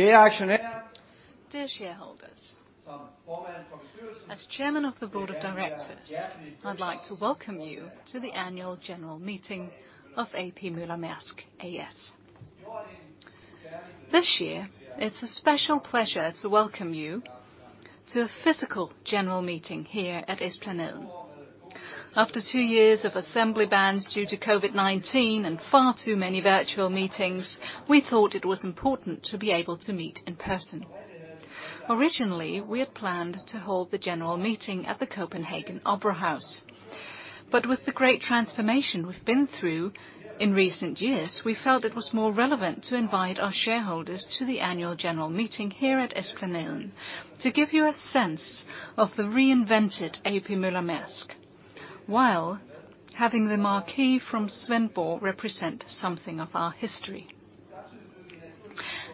Dear shareholders. As Chairman of the Board of Directors, I'd like to welcome you to the annual general meeting of A.P. Møller - Maersk A/S. This year, it's a special pleasure to welcome you to a physical general meeting here at Esplanaden. After two years of assembly bans due to COVID-19 and far too many virtual meetings, we thought it was important to be able to meet in person. Originally, we had planned to hold the general meeting at the Copenhagen Opera House, but with the great transformation we've been through in recent years, we felt it was more relevant to invite our shareholders to the annual general meeting here at Esplanaden to give you a sense of the reinvented A.P. Møller - Maersk A/S, while having the marquee from Svendborg represent something of our history.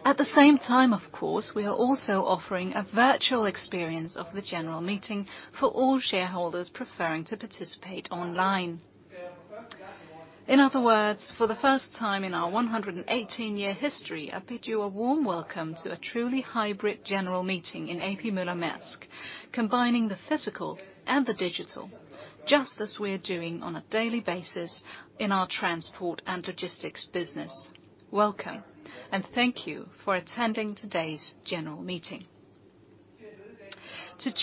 At the same time, of course, we are also offering a virtual experience of the general meeting for all shareholders preferring to participate online. In other words, for the first time in our 118-year history, I bid you a warm welcome to a truly hybrid general meeting in A.P. Møller - Maersk, combining the physical and the digital, just as we're doing on a daily basis in our transport and logistics business. Welcome, and thank you for attending today's general meeting. To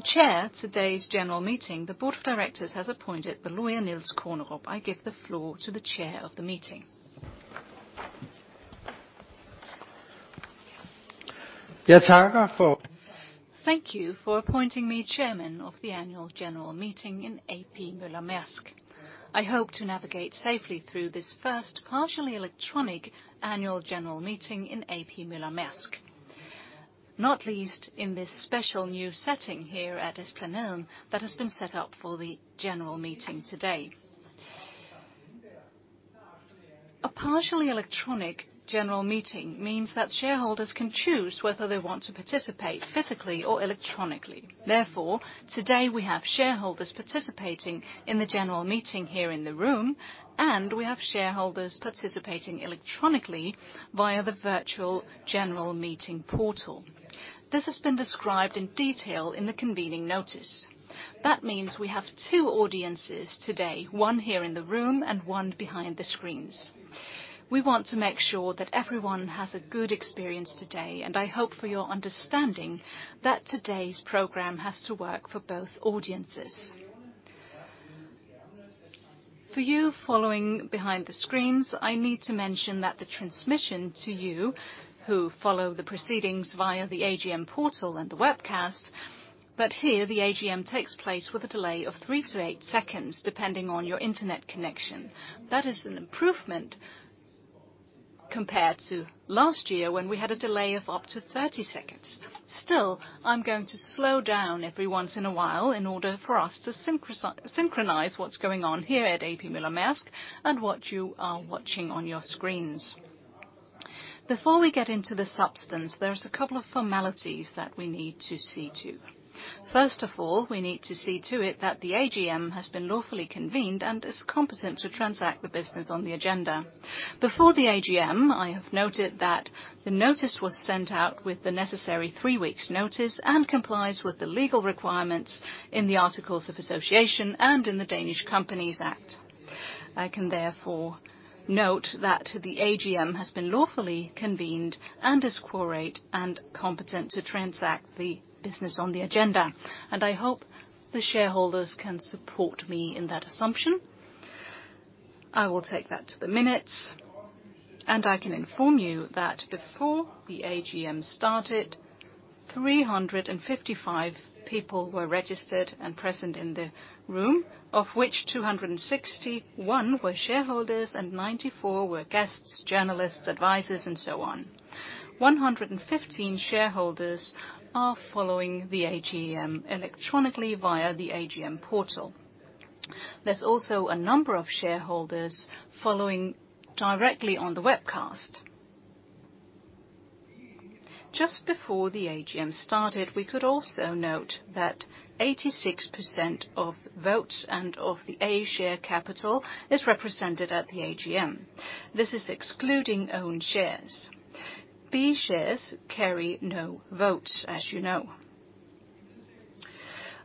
chair today's general meeting, the Board of Directors has appointed the lawyer Niels Kornerup. I give the floor to the Chair of the meeting. Thank you for. Thank you for appointing me Chairman of the annual general meeting in A.P. Møller - Maersk. I hope to navigate safely through this first partially electronic annual general meeting in A.P. Møller - Maersk, not least in this special new setting here at Esplanaden that has been set up for the general meeting today. A partially electronic general meeting means that shareholders can choose whether they want to participate physically or electronically. Therefore, today, we have shareholders participating in the general meeting here in the room, and we have shareholders participating electronically via the virtual general meeting portal. This has been described in detail in the convening notice. That means we have two audiences today, one here in the room and one behind the screens. We want to make sure that everyone has a good experience today, and I hope for your understanding that today's program has to work for both audiences. For you following behind the screens, I need to mention that the transmission to you, who follow the proceedings via the AGM portal and the webcast, that here, the AGM takes place with a delay of 3-8 seconds, depending on your internet connection. That is an improvement compared to last year when we had a delay of up to 30 seconds. Still, I'm going to slow down every once in a while in order for us to synchronize what's going on here at A.P. Møller - Maersk and what you are watching on your screens. Before we get into the substance, there's a couple of formalities that we need to see to. First of all, we need to see to it that the AGM has been lawfully convened and is competent to transact the business on the agenda. Before the AGM, I have noted that the notice was sent out with the necessary three weeks' notice and complies with the legal requirements in the articles of association and in the Danish Companies Act. I can therefore note that the AGM has been lawfully convened and is quorate and competent to transact the business on the agenda, and I hope the shareholders can support me in that assumption. I will take that to the minutes, and I can inform you that before the AGM started, 355 people were registered and present in the room, of which 261 were shareholders and 94 were guests, journalists, advisors, and so on. 115 shareholders are following the AGM electronically via the AGM portal. There's also a number of shareholders following directly on the webcast. Just before the AGM started, we could also note that 86% of votes and of the A share capital is represented at the AGM. This is excluding own shares. B shares carry no votes, as you know.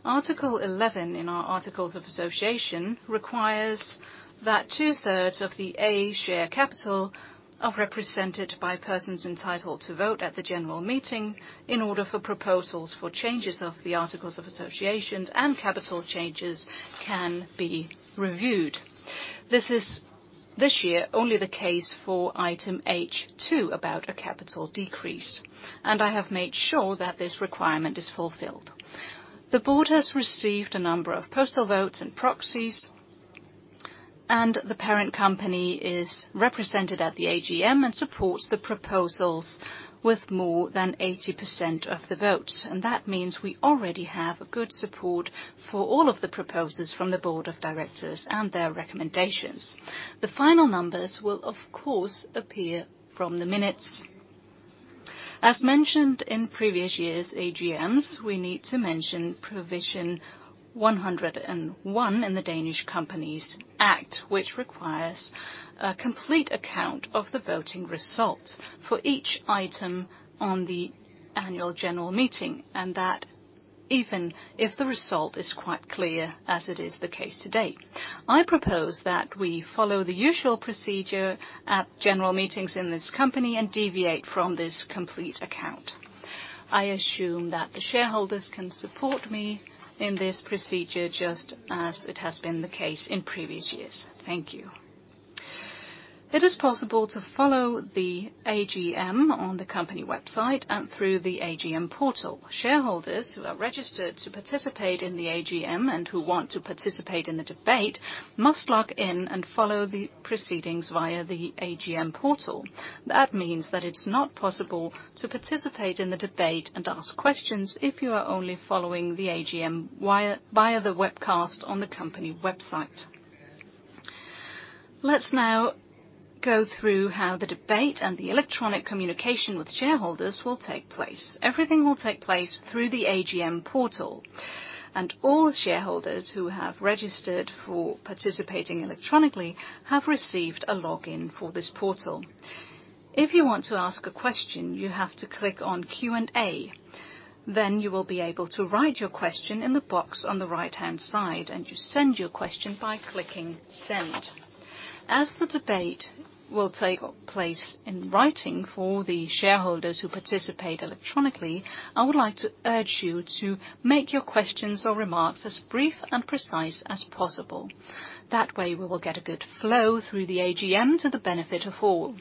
Article 11 in our articles of association requires that two-thirds of the A share capital are represented by persons entitled to vote at the general meeting in order for proposals for changes of the articles of association and capital changes can be reviewed. This year, only the case for item H2 about a capital decrease, and I have made sure that this requirement is fulfilled. The board has received a number of postal votes and proxies, and the parent company is represented at the AGM and supports the proposals with more than 80% of the votes, and that means we already have good support for all of the proposals from the Board of Directors and their recommendations. The final numbers will, of course, appear from the minutes. As mentioned in previous years' AGMs, we need to mention Provision 101 in the Danish Companies Act, which requires a complete account of the voting results for each item on the annual general meeting, even if the result is quite clear as it is the case to date. I propose that we follow the usual procedure at general meetings in this company and deviate from this complete account. I assume that the shareholders can support me in this procedure, just as it has been the case in previous years. Thank you. It is possible to follow the AGM on the company website and through the AGM portal. Shareholders who are registered to participate in the AGM and who want to participate in the debate must log in and follow the proceedings via the AGM portal. That means that it's not possible to participate in the debate and ask questions if you are only following the AGM via the webcast on the company website. Let's now go through how the debate and the electronic communication with shareholders will take place. Everything will take place through the AGM portal, and all shareholders who have registered for participating electronically have received a login for this portal. If you want to ask a question, you have to click on Q&A, then you will be able to write your question in the box on the right-hand side, and you send your question by clicking Send. As the debate will take place in writing for the shareholders who participate electronically, I would like to urge you to make your questions or remarks as brief and precise as possible. That way, we will get a good flow through the AGM to the benefit of all.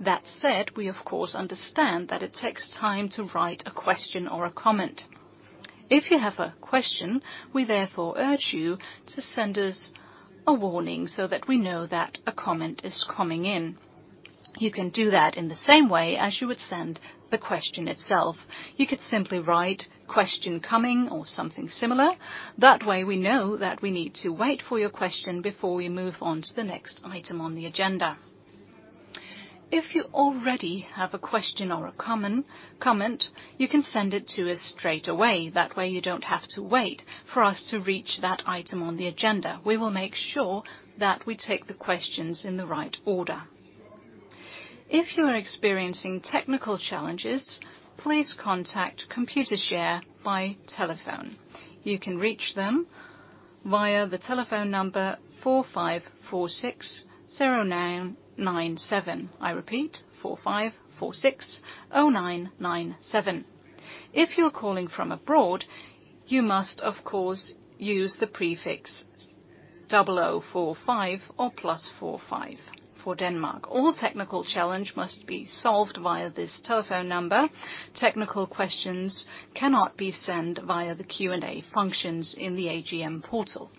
That said, we of course understand that it takes time to write a question or a comment. If you have a question, we therefore urge you to send us a warning so that we know that a comment is coming in. You can do that in the same way as you would send the question itself. You could simply write question coming or something similar. That way we know that we need to wait for your question before we move on to the next item on the agenda. If you already have a question or a comment, you can send it to us straight away. That way, you don't have to wait for us to reach that item on the agenda. We will make sure that we take the questions in the right order. If you are experiencing technical challenges, please contact Computershare by telephone. You can reach them via the telephone number 45 46 09 97. I repeat 45 46 09 97. If you're calling from abroad, you must, of course, use the prefix 00 45 or +45 for Denmark. All technical challenges must be solved via this telephone number. Technical questions cannot be sent via the Q&A functions in the AGM portal.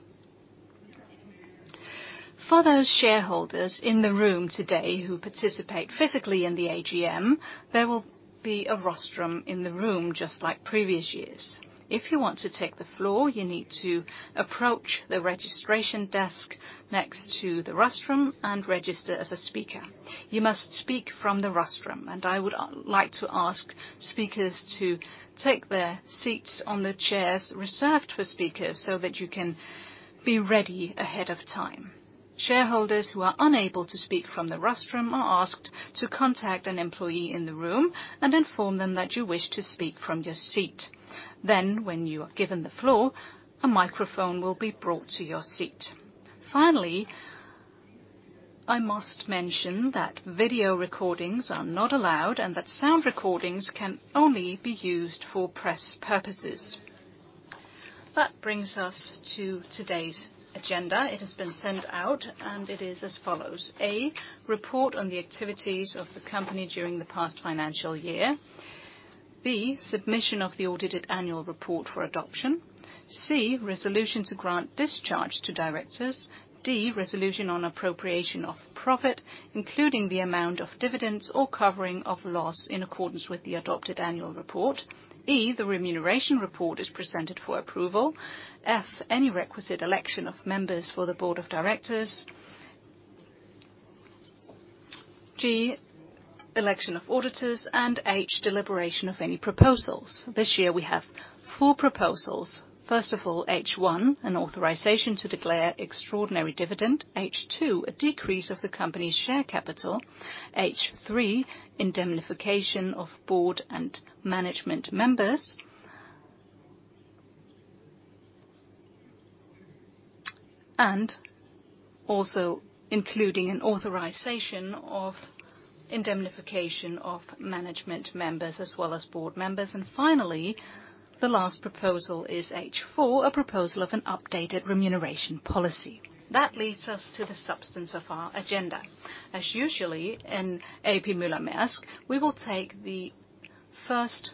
For those shareholders in the room today who participate physically in the AGM, there will be a rostrum in the room just like previous years. If you want to take the floor, you need to approach the registration desk next to the rostrum and register as a speaker. You must speak from the rostrum, and I would like to ask speakers to take their seats on the chairs reserved for speakers so that you can be ready ahead of time. Shareholders who are unable to speak from the rostrum are asked to contact an employee in the room and inform them that you wish to speak from your seat. When you are given the floor, a microphone will be brought to your seat. Finally, I must mention that video recordings are not allowed and that sound recordings can only be used for press purposes. That brings us to today's agenda. It has been sent out and it is as follows. A, report on the activities of the company during the past financial year. B, submission of the audited annual report for adoption. C, resolution to grant discharge to directors. D, resolution on appropriation of profit, including the amount of dividends or covering of loss in accordance with the adopted annual report. E, the remuneration report is presented for approval. F, any requisite election of members for the board of directors. G, election of auditors and H, deliberation of any proposals. This year we have four proposals. First of all, H one, an authorization to declare extraordinary dividend. H two, a decrease of the company's share capital. H 3, indemnification of board and management members. Also including an authorization of indemnification of management members as well as board members. Finally, the last proposal is H 4, a proposal of an updated remuneration policy. That leads us to the substance of our agenda. As usual in A.P. Møller - Maersk, we will take the first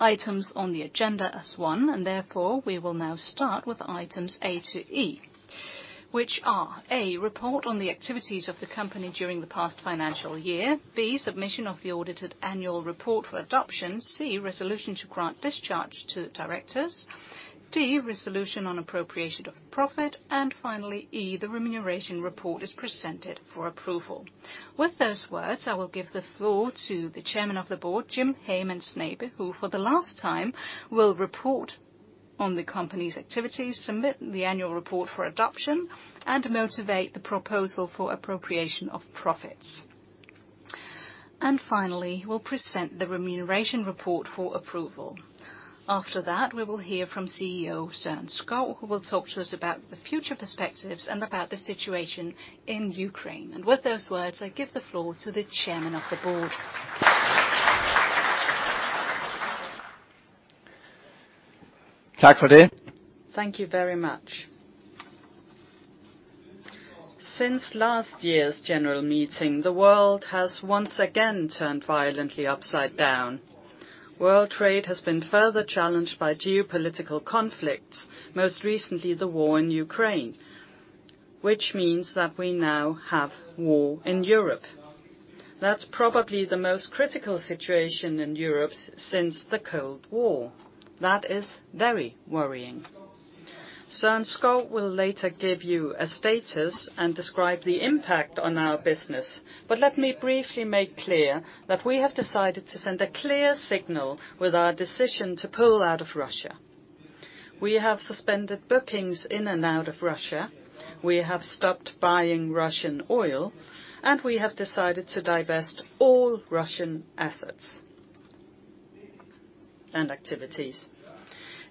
items on the agenda as one, and therefore we will now start with items A to E. Which are A, report on the activities of the company during the past financial year. B, submission of the audited annual report for adoption. C, resolution to grant discharge to directors. D, resolution on appropriation of profit. Finally, E, the remuneration report is presented for approval. With those words, I will give the floor to the Chairman of the Board, Jim Hagemann Snabe, who for the last time will report on the company's activities, submit the annual report for adoption, and motivate the proposal for appropriation of profits. Finally, we'll present the remuneration report for approval. After that, we will hear from CEO Søren Skou, who will talk to us about the future perspectives and about the situation in Ukraine. With those words, I give the floor to the chairman of the board. Thank you very much. Since last year's general meeting, the world has once again turned violently upside down. World trade has been further challenged by geopolitical conflicts, most recently the war in Ukraine, which means that we now have war in Europe. That's probably the most critical situation in Europe since the Cold War. That is very worrying. Søren Skou will later give you a status and describe the impact on our business. Let me briefly make clear that we have decided to send a clear signal with our decision to pull out of Russia. We have suspended bookings in and out of Russia. We have stopped buying Russian oil, and we have decided to divest all Russian assets and activities.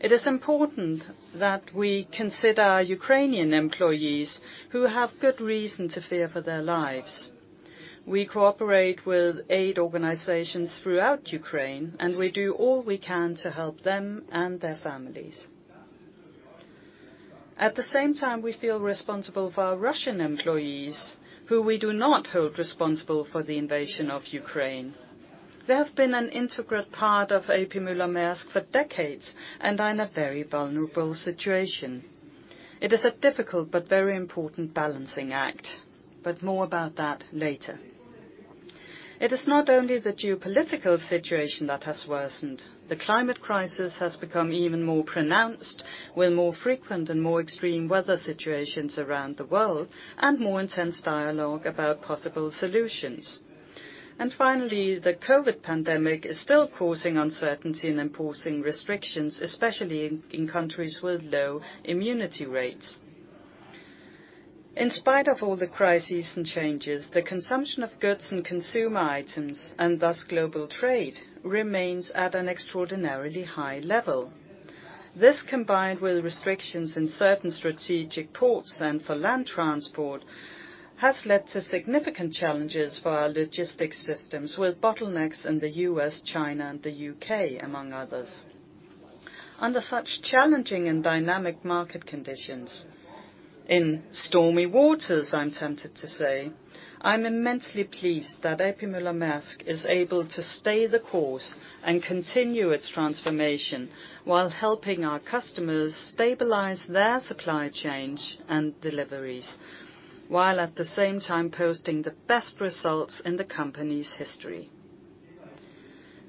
It is important that we consider our Ukrainian employees, who have good reason to fear for their lives. We cooperate with aid organizations throughout Ukraine, and we do all we can to help them and their families. At the same time, we feel responsible for our Russian employees, who we do not hold responsible for the invasion of Ukraine. They have been an integral part of A.P. Møller - Maersk for decades and are in a very vulnerable situation. It is a difficult but very important balancing act, but more about that later. It is not only the geopolitical situation that has worsened. The climate crisis has become even more pronounced, with more frequent and more extreme weather situations around the world and more intense dialogue about possible solutions. Finally, the COVID pandemic is still causing uncertainty and imposing restrictions, especially in countries with low immunity rates. In spite of all the crises and changes, the consumption of goods and consumer items, and thus global trade, remains at an extraordinarily high level. This, combined with restrictions in certain strategic ports and for land transport, has led to significant challenges for our logistics systems, with bottlenecks in the U.S., China, and the U.K., among others. Under such challenging and dynamic market conditions, in stormy waters, I'm tempted to say, I'm immensely pleased that A.P. Møller - Maersk is able to stay the course and continue its transformation while helping our customers stabilize their supply chains and deliveries, while at the same time posting the best results in the company's history.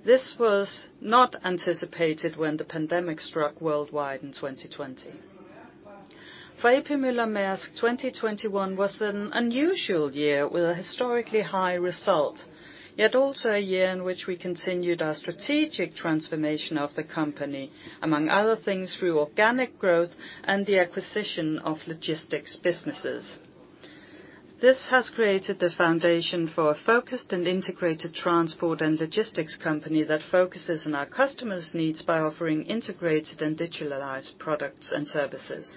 This was not anticipated when the pandemic struck worldwide in 2020. For A.P. Møller - Maersk, 2021 was an unusual year with a historically high result, yet also a year in which we continued our strategic transformation of the company, among other things, through organic growth and the acquisition of logistics businesses. This has created the foundation for a focused and integrated transport and logistics company that focuses on our customers' needs by offering integrated and digitalized products and services.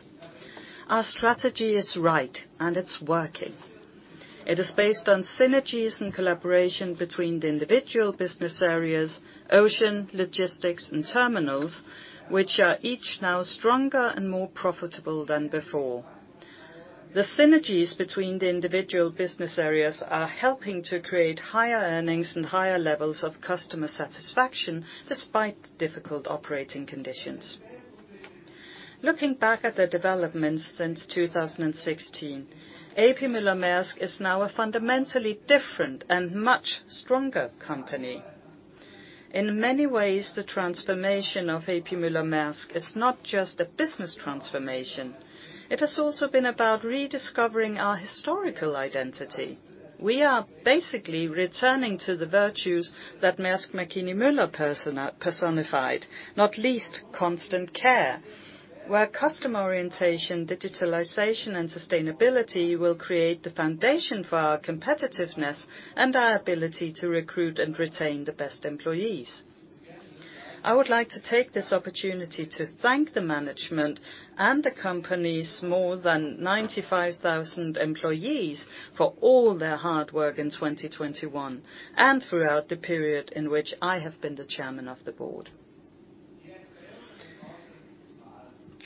Our strategy is right, and it's working. It is based on synergies and collaboration between the individual business areas, ocean, logistics, and terminals, which are each now stronger and more profitable than before. The synergies between the individual business areas are helping to create higher earnings and higher levels of customer satisfaction despite difficult operating conditions. Looking back at the developments since 2016, A.P. Møller - Maersk is now a fundamentally different and much stronger company. In many ways, the transformation of A.P. Møller - Maersk is not just a business transformation. It has also been about rediscovering our historical identity. We are basically returning to the virtues that Maersk Mc-Kinney Møller personified, not least constant care, where customer orientation, digitalization, and sustainability will create the foundation for our competitiveness and our ability to recruit and retain the best employees. I would like to take this opportunity to thank the management and the company's more than 95,000 employees for all their hard work in 2021 and throughout the period in which I have been the chairman of the board.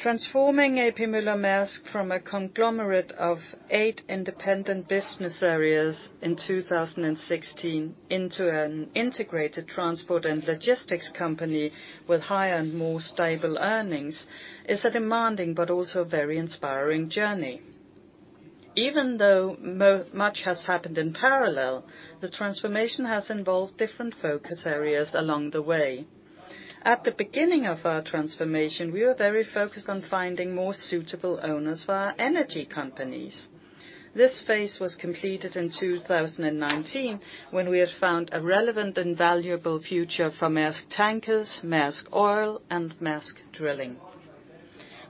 Transforming A.P. Møller - Maersk from a conglomerate of 8 independent business areas in 2016 into an integrated transport and logistics company with higher and more stable earnings is a demanding but also very inspiring journey. Even though much has happened in parallel, the transformation has involved different focus areas along the way. At the beginning of our transformation, we were very focused on finding more suitable owners for our energy companies. This phase was completed in 2019 when we had found a relevant and valuable future for Maersk Tankers, Maersk Oil, and Maersk Drilling.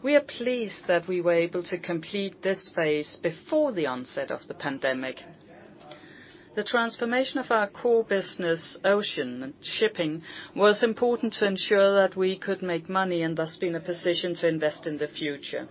We are pleased that we were able to complete this phase before the onset of the pandemic. The transformation of our core business, ocean and shipping, was important to ensure that we could make money, and thus be in a position to invest in the future.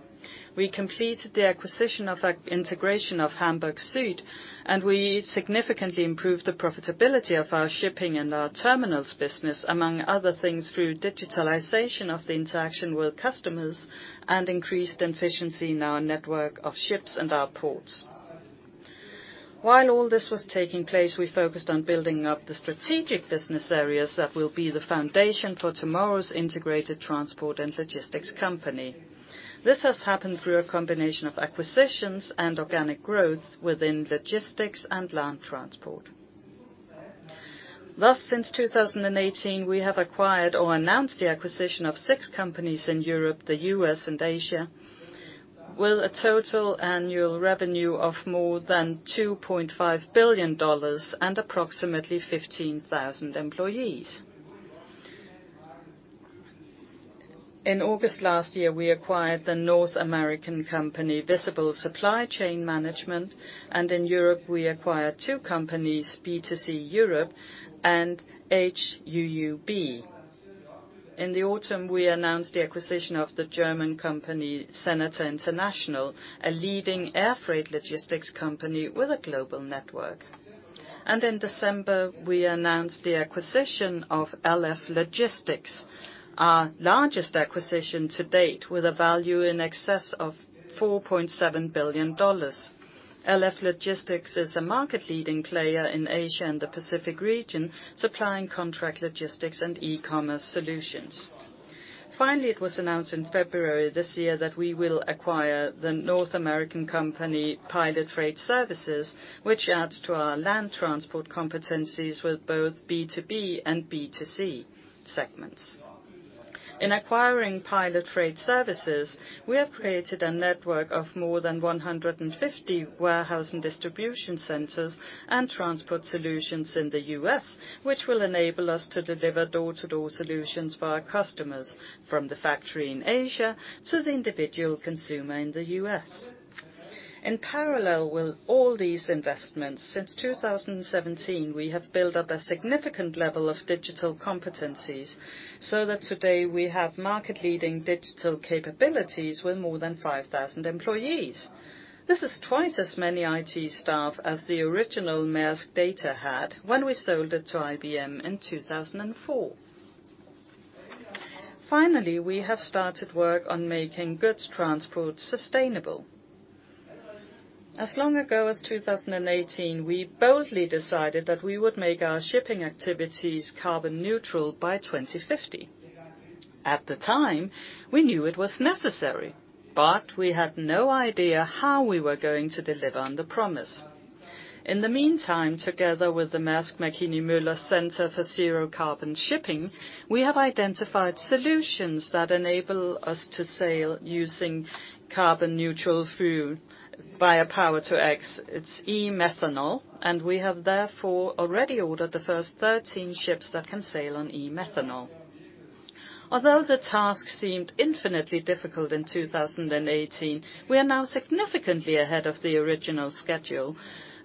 We completed the acquisition of our integration of Hamburg Süd, and we significantly improved the profitability of our shipping and our terminals business, among other things, through digitalization of the interaction with customers and increased efficiency in our network of ships and our ports. While all this was taking place, we focused on building up the strategic business areas that will be the foundation for tomorrow's integrated transport and logistics company. This has happened through a combination of acquisitions and organic growth within logistics and land transport. Thus, since 2018, we have acquired or announced the acquisition of 6 companies in Europe, the U.S., and Asia, with a total annual revenue of more than $2.5 billion and approximately 15,000 employees. In August last year, we acquired the North American company Visible Supply Chain Management, and in Europe we acquired two companies, B2C Europe and HUUB. In the autumn, we announced the acquisition of the German company Senator International, a leading air freight logistics company with a global network. In December, we announced the acquisition of LF Logistics, our largest acquisition to date, with a value in excess of $4.7 billion. LF Logistics is a market leading player in Asia and the Pacific region, supplying contract logistics and e-commerce solutions. Finally, it was announced in February this year that we will acquire the North American company Pilot Freight Services, which adds to our land transport competencies with both B2B and B2C segments. In acquiring Pilot Freight Services, we have created a network of more than 150 warehouse and distribution centers and transport solutions in the U.S., which will enable us to deliver door-to-door solutions for our customers from the factory in Asia to the individual consumer in the U.S. In parallel with all these investments, since 2017, we have built up a significant level of digital competencies so that today we have market-leading digital capabilities with more than 5,000 employees. This is twice as many IT staff as the original Maersk Data had when we sold it to IBM in 2004. Finally, we have started work on making goods transport sustainable. As long ago as 2018, we boldly decided that we would make our shipping activities carbon neutral by 2050. At the time, we knew it was necessary, but we had no idea how we were going to deliver on the promise. In the meantime, together with the Maersk Mc-Kinney Møller Center for Zero Carbon Shipping, we have identified solutions that enable us to sail using carbon neutral fuel via Power-to-X, it's e-methanol, and we have therefore already ordered the first 13 ships that can sail on e-methanol. Although the task seemed infinitely difficult in 2018, we are now significantly ahead of the original schedule,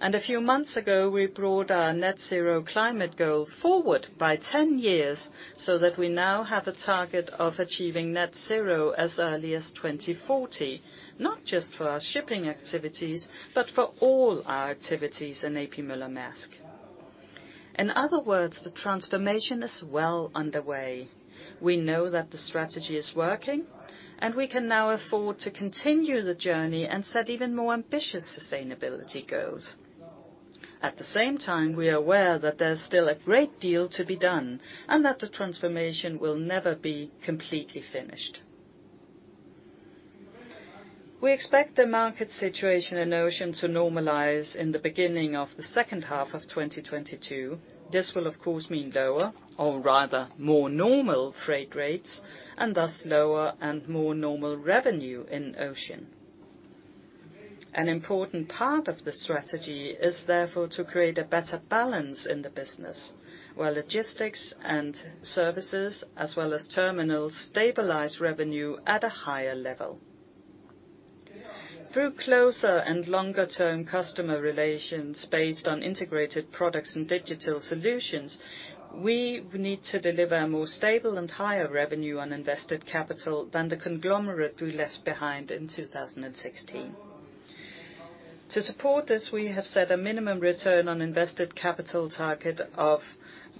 and a few months ago we brought our net zero climate goal forward by 10 years so that we now have a target of achieving net zero as early as 2040, not just for our shipping activities, but for all our activities in A.P. Møller - Maersk. In other words, the transformation is well underway. We know that the strategy is working, and we can now afford to continue the journey and set even more ambitious sustainability goals. At the same time, we are aware that there is still a great deal to be done and that the transformation will never be completely finished. We expect the market situation in ocean to normalize in the beginning of the second half of 2022. This will of course mean lower or rather more normal freight rates and thus lower and more normal revenue in Ocean. An important part of the strategy is therefore to create a better balance in the business, where Logistics and Services as well as Terminals stabilize revenue at a higher level. Through closer and longer-term customer relations based on integrated products and digital solutions, we need to deliver more stable and higher revenue on invested capital than the conglomerate we left behind in 2016. To support this, we have set a minimum return on invested capital target of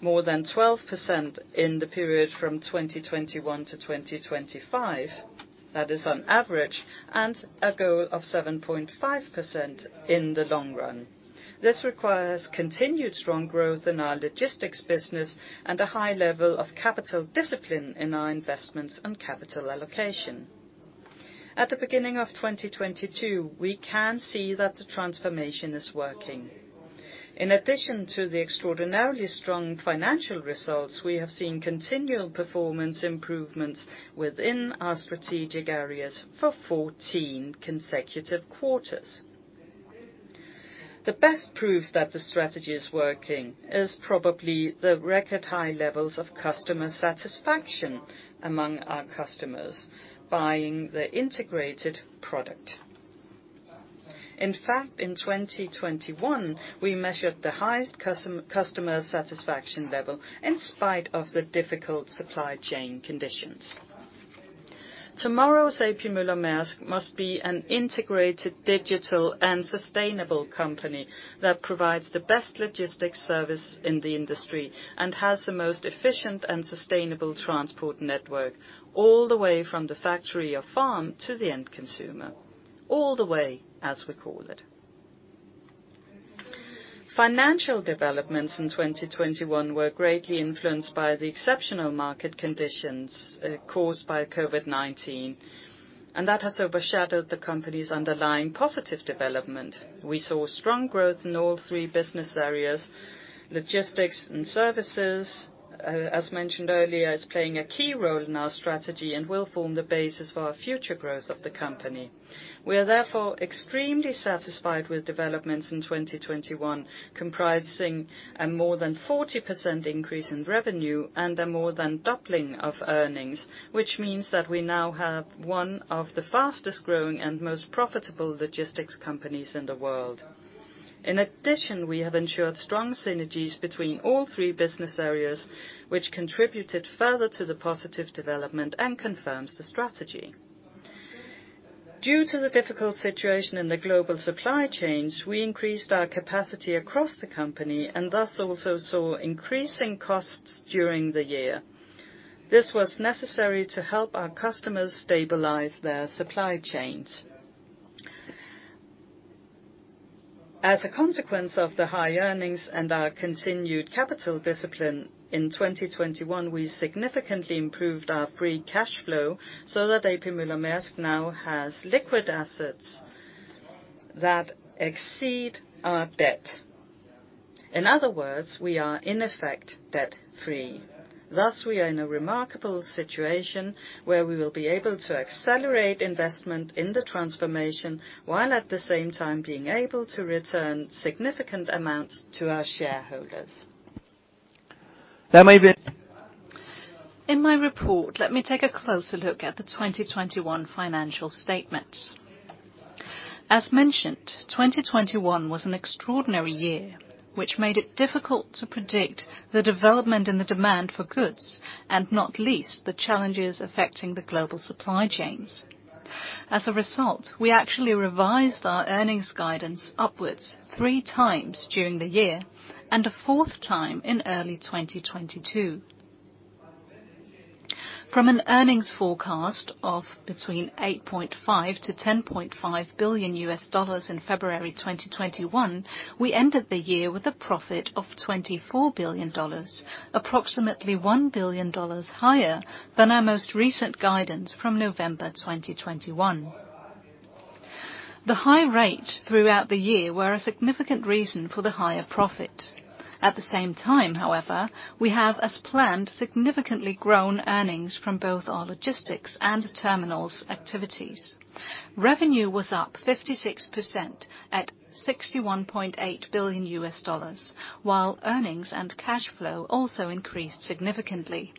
more than 12% in the period from 2021 to 2025, that is on average, and a goal of 7.5% in the long run. This requires continued strong growth in our logistics business and a high level of capital discipline in our investments and capital allocation. At the beginning of 2022, we can see that the transformation is working. In addition to the extraordinarily strong financial results, we have seen continual performance improvements within our strategic areas for 14 consecutive quarters. The best proof that the strategy is working is probably the record high levels of customer satisfaction among our customers buying the integrated product. In fact, in 2021, we measured the highest customer satisfaction level in spite of the difficult supply chain conditions. Tomorrow's A.P. Møller - Maersk must be an integrated, digital, and sustainable company that provides the best logistics service in the industry and has the most efficient and sustainable transport network, all the way from the factory or farm to the end consumer. All the way, as we call it. Financial developments in 2021 were greatly influenced by the exceptional market conditions caused by COVID-19, and that has overshadowed the company's underlying positive development. We saw strong growth in all three business areas. Logistics & Services, as mentioned earlier, is playing a key role in our strategy and will form the basis for our future growth of the company. We are therefore extremely satisfied with developments in 2021, comprising a more than 40% increase in revenue and a more than doubling of earnings, which means that we now have one of the fastest growing and most profitable logistics companies in the world. In addition, we have ensured strong synergies between all three business areas, which contributed further to the positive development and confirms the strategy. Due to the difficult situation in the global supply chains, we increased our capacity across the company and thus also saw increasing costs during the year. This was necessary to help our customers stabilize their supply chains. As a consequence of the high earnings and our continued capital discipline, in 2021, we significantly improved our free cash flow so that A.P. Møller - Maersk now has liquid assets that exceed our debt. In other words, we are in effect debt-free. Thus, we are in a remarkable situation where we will be able to accelerate investment in the transformation, while at the same time being able to return significant amounts to our shareholders. That may be- In my report, let me take a closer look at the 2021 financial statements. As mentioned, 2021 was an extraordinary year, which made it difficult to predict the development in the demand for goods, and not least the challenges affecting the global supply chains. As a result, we actually revised our earnings guidance upwards three times during the year, and a fourth time in early 2022. From an earnings forecast of between $8.5 billion-$10.5 billion in February 2021, we ended the year with a profit of $24 billion, approximately $1 billion higher than our most recent guidance from November 2021. The high rate throughout the year were a significant reason for the higher profit. At the same time, however, we have, as planned, significantly grown earnings from both our logistics and terminals activities. Revenue was up 56% at $61.8 billion, while earnings and cash flow also increased significantly.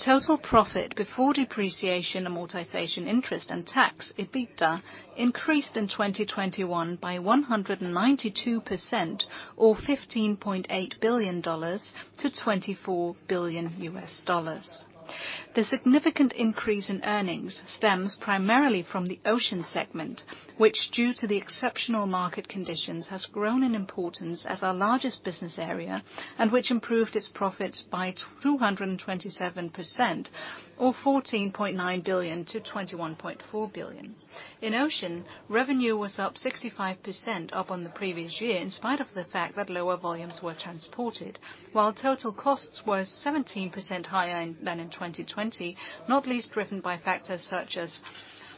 Total profit before depreciation, amortization, interest, and tax, EBITDA, increased in 2021 by 192% or $15.8 billion to $24 billion. The significant increase in earnings stems primarily from the Ocean segment, which, due to the exceptional market conditions, has grown in importance as our largest business area and which improved its profits by 227% or $14.9 billion to $21.4 billion. In Ocean, revenue was up 65% on the previous year, in spite of the fact that lower volumes were transported. While total costs were 17% higher than in 2020, not least driven by factors such as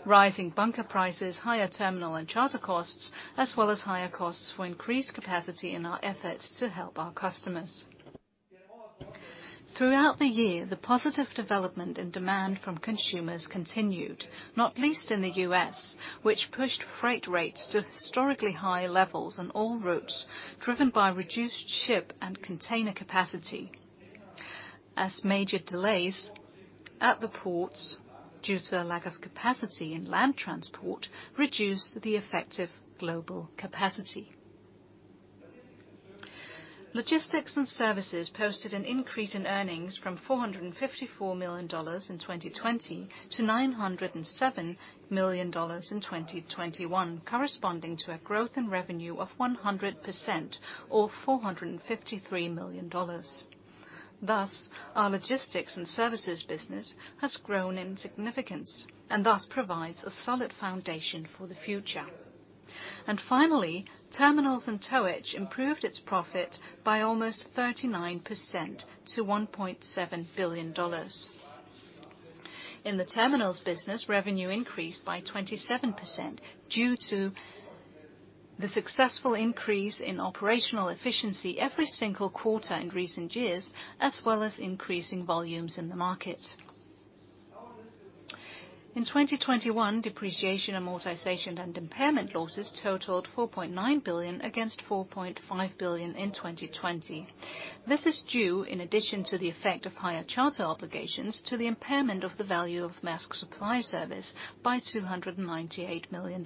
rising bunker prices, higher terminal and charter costs, as well as higher costs for increased capacity in our efforts to help our customers. Throughout the year, the positive development and demand from consumers continued, not least in the U.S., which pushed freight rates to historically high levels on all routes, driven by reduced ship and container capacity, as major delays at the ports due to a lack of capacity in land transport reduced the effective global capacity. Logistics & Services posted an increase in earnings from $454 million in 2020 to $907 million in 2021, corresponding to a growth in revenue of 100% or $453 million. Thus, our Logistics and Services business has grown in significance and thus provides a solid foundation for the future. Finally, Terminals and Towage improved its profit by almost 39% to $1.7 billion. In the terminals business, revenue increased by 27% due to the successful increase in operational efficiency every single quarter in recent years, as well as increasing volumes in the market. In 2021, depreciation, amortization, and impairment losses totaled $4.9 billion against $4.5 billion in 2020. This is due, in addition to the effect of higher charter obligations, to the impairment of the value of Maersk Supply Service by $298 million.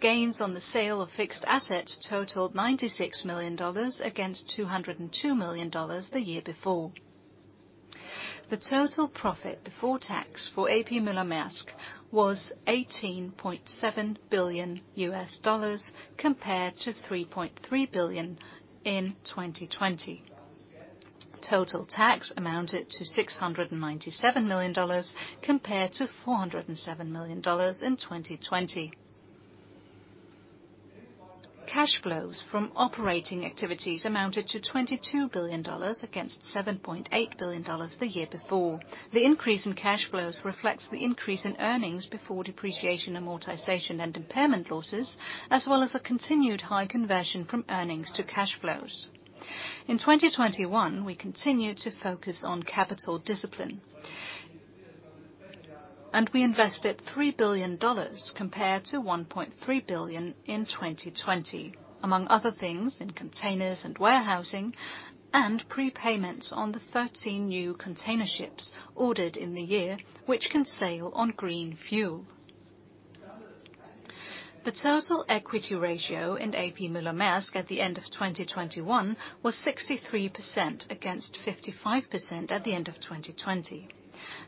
Gains on the sale of fixed assets totaled $96 million against $202 million the year before. The total profit before tax for A.P. A.P. Møller - Maersk was $18.7 billion compared to $3.3 billion in 2020. Total tax amounted to $697 million compared to $407 million in 2020. Cash flows from operating activities amounted to $22 billion against $7.8 billion the year before. The increase in cash flows reflects the increase in earnings before depreciation, amortization, and impairment losses, as well as a continued high conversion from earnings to cash flows. In 2021, we continued to focus on capital discipline. We invested $3 billion compared to $1.3 billion in 2020, among other things, in containers and warehousing and prepayments on the 13 new container ships ordered in the year, which can sail on green fuel. The total equity ratio in A.P. Møller-Maersk at the end of 2021 was 63% against 55% at the end of 2020.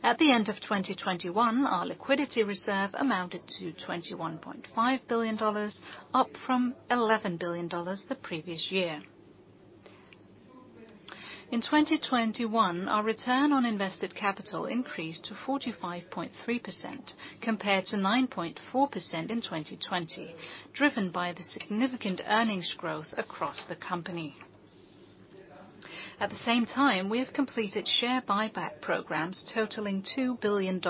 At the end of 2021, our liquidity reserve amounted to $21.5 billion, up from $11 billion the previous year. In 2021, our return on invested capital increased to 45.3% compared to 9.4% in 2020, driven by the significant earnings growth across the company. At the same time, we have completed share buyback programs totaling $2 billion,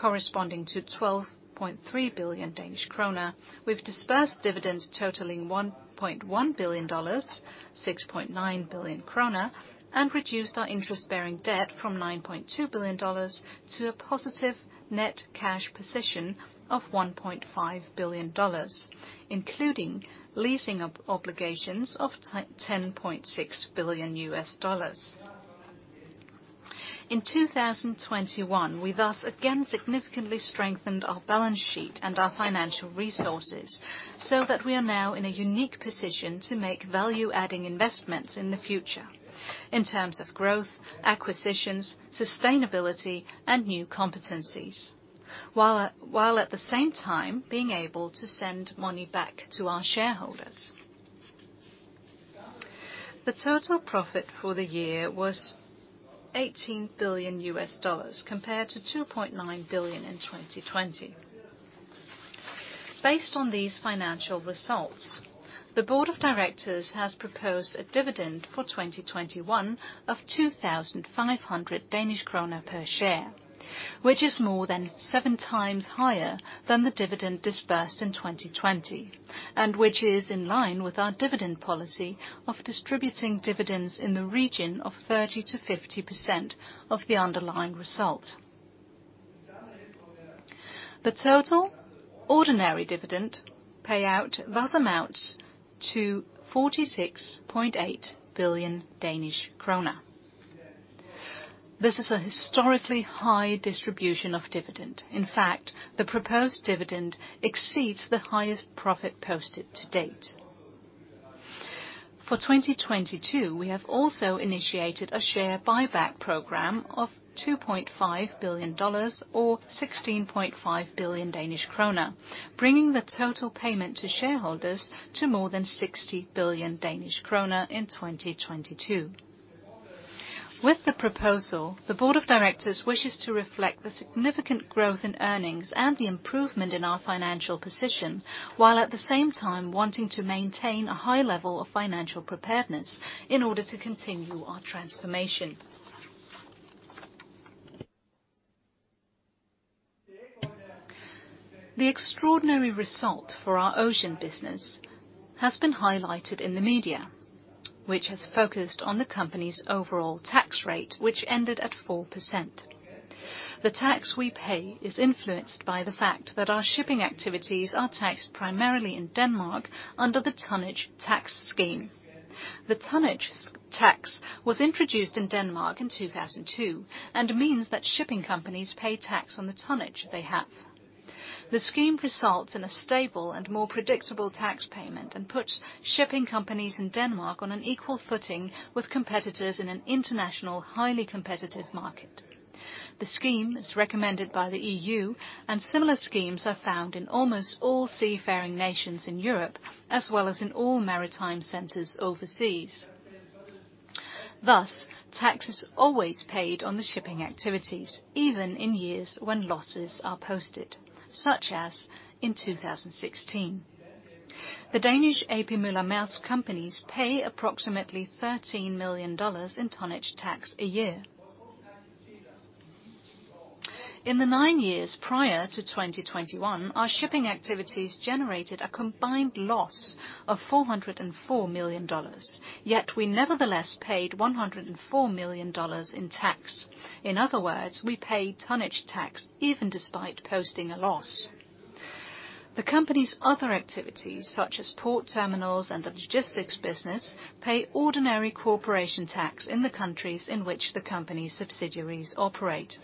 corresponding to 12.3 billion Danish krone. We've dispersed dividends totaling $1.1 billion, 6.9 billion krone, and reduced our interest-bearing debt from $9.2 billion to a positive net cash position of $1.5 billion, including leasing obligations of $10.6 billion. In 2021, we thus again significantly strengthened our balance sheet and our financial resources so that we are now in a unique position to make value-adding investments in the future in terms of growth, acquisitions, sustainability, and new competencies, while at the same time being able to send money back to our shareholders. The total profit for the year was $18 billion compared to $2.9 billion in 2020. Based on these financial results, the board of directors has proposed a dividend for 2021 of 2,500 Danish kroner per share, which is more than seven times higher than the dividend disbursed in 2020, and which is in line with our dividend policy of distributing dividends in the region of 30%-50% of the underlying result. The total ordinary dividend payout thus amounts to 46.8 billion Danish krone. This is a historically high distribution of dividend. In fact, the proposed dividend exceeds the highest profit posted to date. For 2022, we have also initiated a share buyback program of $2.5 billion or 16.5 billion Danish krone, bringing the total payment to shareholders to more than 60 billion Danish krone in 2022. With the proposal, the board of directors wishes to reflect the significant growth in earnings and the improvement in our financial position, while at the same time wanting to maintain a high level of financial preparedness in order to continue our transformation. The extraordinary result for our ocean business has been highlighted in the media, which has focused on the company's overall tax rate, which ended at 4%. The tax we pay is influenced by the fact that our shipping activities are taxed primarily in Denmark under the tonnage tax scheme. The tonnage tax was introduced in Denmark in 2002, and means that shipping companies pay tax on the tonnage they have. The scheme results in a stable and more predictable tax payment and puts shipping companies in Denmark on an equal footing with competitors in an international, highly competitive market. The scheme is recommended by the EU, and similar schemes are found in almost all seafaring nations in Europe, as well as in all maritime centers overseas. Thus, tax is always paid on the shipping activities, even in years when losses are posted, such as in 2016. The Danish A.P. Møller - Maersk companies pay approximately $13 million in tonnage tax a year. In the nine years prior to 2021, our shipping activities generated a combined loss of $404 million, yet we nevertheless paid $104 million in tax. In other words, we pay tonnage tax even despite posting a loss. The company's other activities, such as port terminals and the logistics business, pay ordinary corporation tax in the countries in which the company's subsidiaries operate.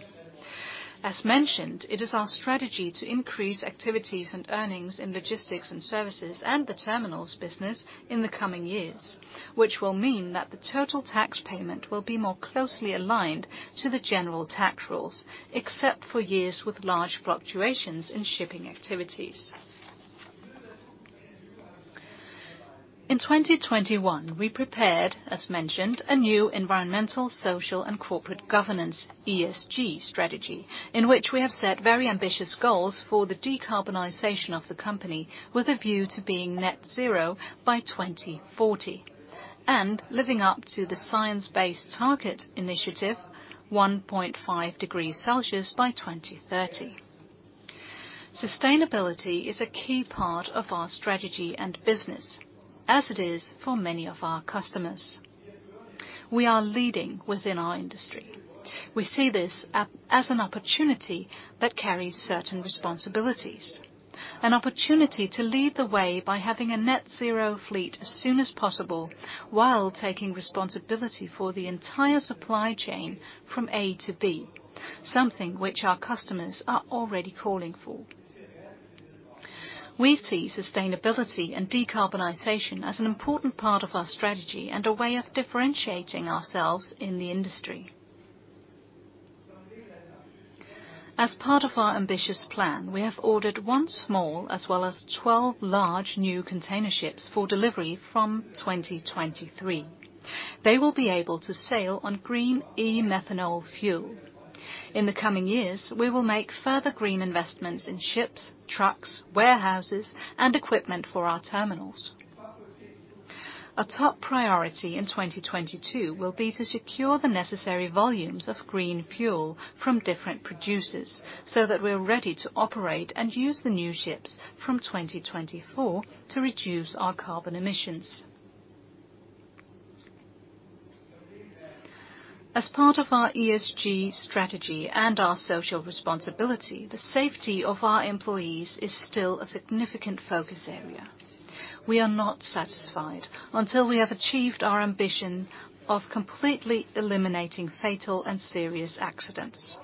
As mentioned, it is our strategy to increase activities and earnings in logistics and services and the terminals business in the coming years, which will mean that the total tax payment will be more closely aligned to the general tax rules, except for years with large fluctuations in shipping activities. In 2021, we prepared, as mentioned, a new environmental, social, and corporate governance, ESG strategy in which we have set very ambitious goals for the decarbonization of the company with a view to being net zero by 2040, and living up to the Science Based Targets initiative 1.5 degrees Celsius by 2030. Sustainability is a key part of our strategy and business, as it is for many of our customers. We are leading within our industry. We see this as an opportunity that carries certain responsibilities. An opportunity to lead the way by having a net zero fleet as soon as possible while taking responsibility for the entire supply chain from A to B, something which our customers are already calling for. We see sustainability and decarbonization as an important part of our strategy and a way of differentiating ourselves in the industry. As part of our ambitious plan, we have ordered 1 small as well as 12 large new container ships for delivery from 2023. They will be able to sail on green e-methanol fuel. In the coming years, we will make further green investments in ships, trucks, warehouses, and equipment for our terminals. A top priority in 2022 will be to secure the necessary volumes of green fuel from different producers so that we're ready to operate and use the new ships from 2024 to reduce our carbon emissions. As part of our ESG strategy and our social responsibility, the safety of our employees is still a significant focus area. We are not satisfied until we have achieved our ambition of completely eliminating fatal and serious accidents.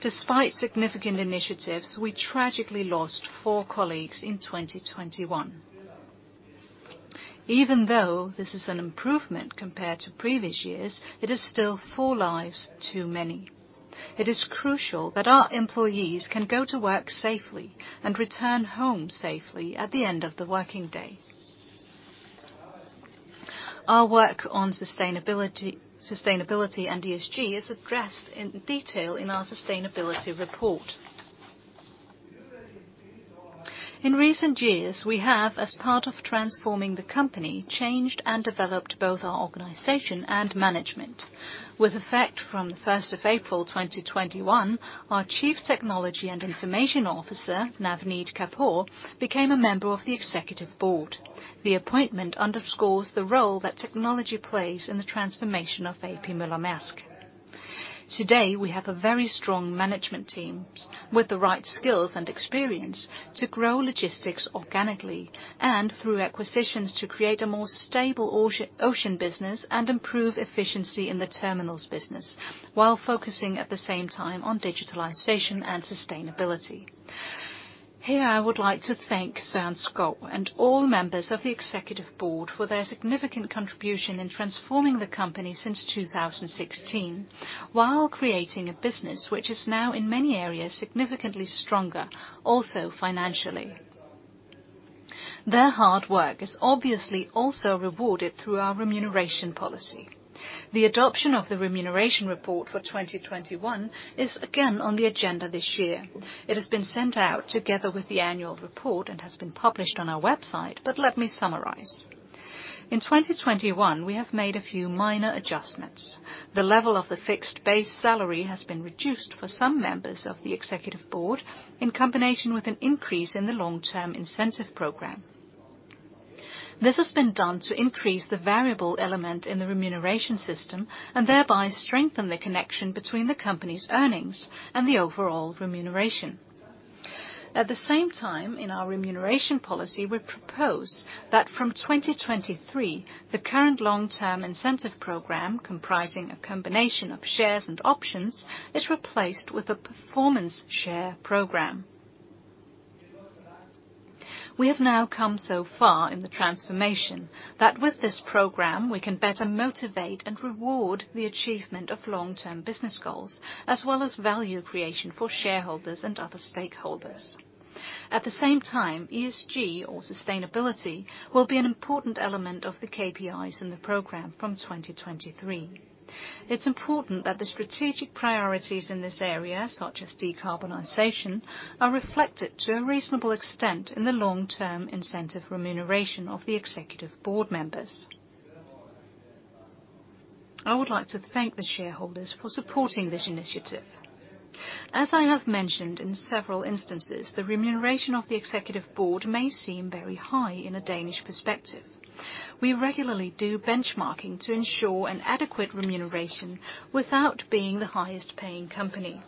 Despite significant initiatives, we tragically lost four colleagues in 2021. Even though this is an improvement compared to previous years, it is still four lives too many. It is crucial that our employees can go to work safely and return home safely at the end of the working day. Our work on sustainability and ESG is addressed in detail in our sustainability report. In recent years, we have, as part of transforming the company, changed and developed both our organization and management. With effect from April 1, 2021, our Chief Technology and Information Officer, Navneet Kapoor, became a member of the Executive Board. The appointment underscores the role that technology plays in the transformation of A.P. Møller - Maersk. Today, we have a very strong management team with the right skills and experience to grow logistics organically and through acquisitions to create a more stable ocean business and improve efficiency in the terminals business while focusing at the same time on digitalization and sustainability. Here, I would like to thank Søren Skou and all members of the Executive Board for their significant contribution in transforming the company since 2016, while creating a business which is now in many areas significantly stronger, also financially. Their hard work is obviously also rewarded through our remuneration policy. The adoption of the Remuneration Report for 2021 is again on the agenda this year. It has been sent out together with the annual report and has been published on our website, but let me summarize. In 2021, we have made a few minor adjustments. The level of the fixed base salary has been reduced for some members of the Executive Board in combination with an increase in the long-term incentive program. This has been done to increase the variable element in the remuneration system and thereby strengthen the connection between the company's earnings and the overall remuneration. At the same time, in our Remuneration Policy, we propose that from 2023, the current long-term incentive program, comprising a combination of shares and options, is replaced with a performance share program. We have now come so far in the transformation that with this program, we can better motivate and reward the achievement of long-term business goals, as well as value creation for shareholders and other stakeholders. At the same time, ESG or sustainability will be an important element of the KPIs in the program from 2023. It's important that the strategic priorities in this area, such as decarbonization, are reflected to a reasonable extent in the long-term incentive remuneration of the Executive Board members. I would like to thank the shareholders for supporting this initiative. As I have mentioned in several instances, the remuneration of the Executive Board may seem very high in a Danish perspective. We regularly do benchmarking to ensure an adequate remuneration without being the highest paying company.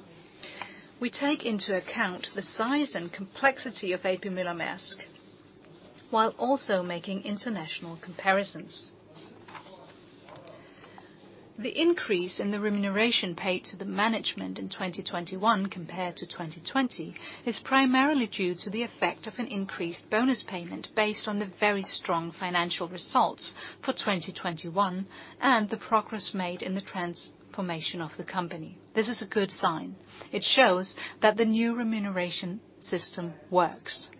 We take into account the size and complexity of A.P. Møller - Maersk, while also making international comparisons. The increase in the remuneration paid to the management in 2021 compared to 2020 is primarily due to the effect of an increased bonus payment based on the very strong financial results for 2021, and the progress made in the transformation of the company. This is a good sign. It shows that the new remuneration system works.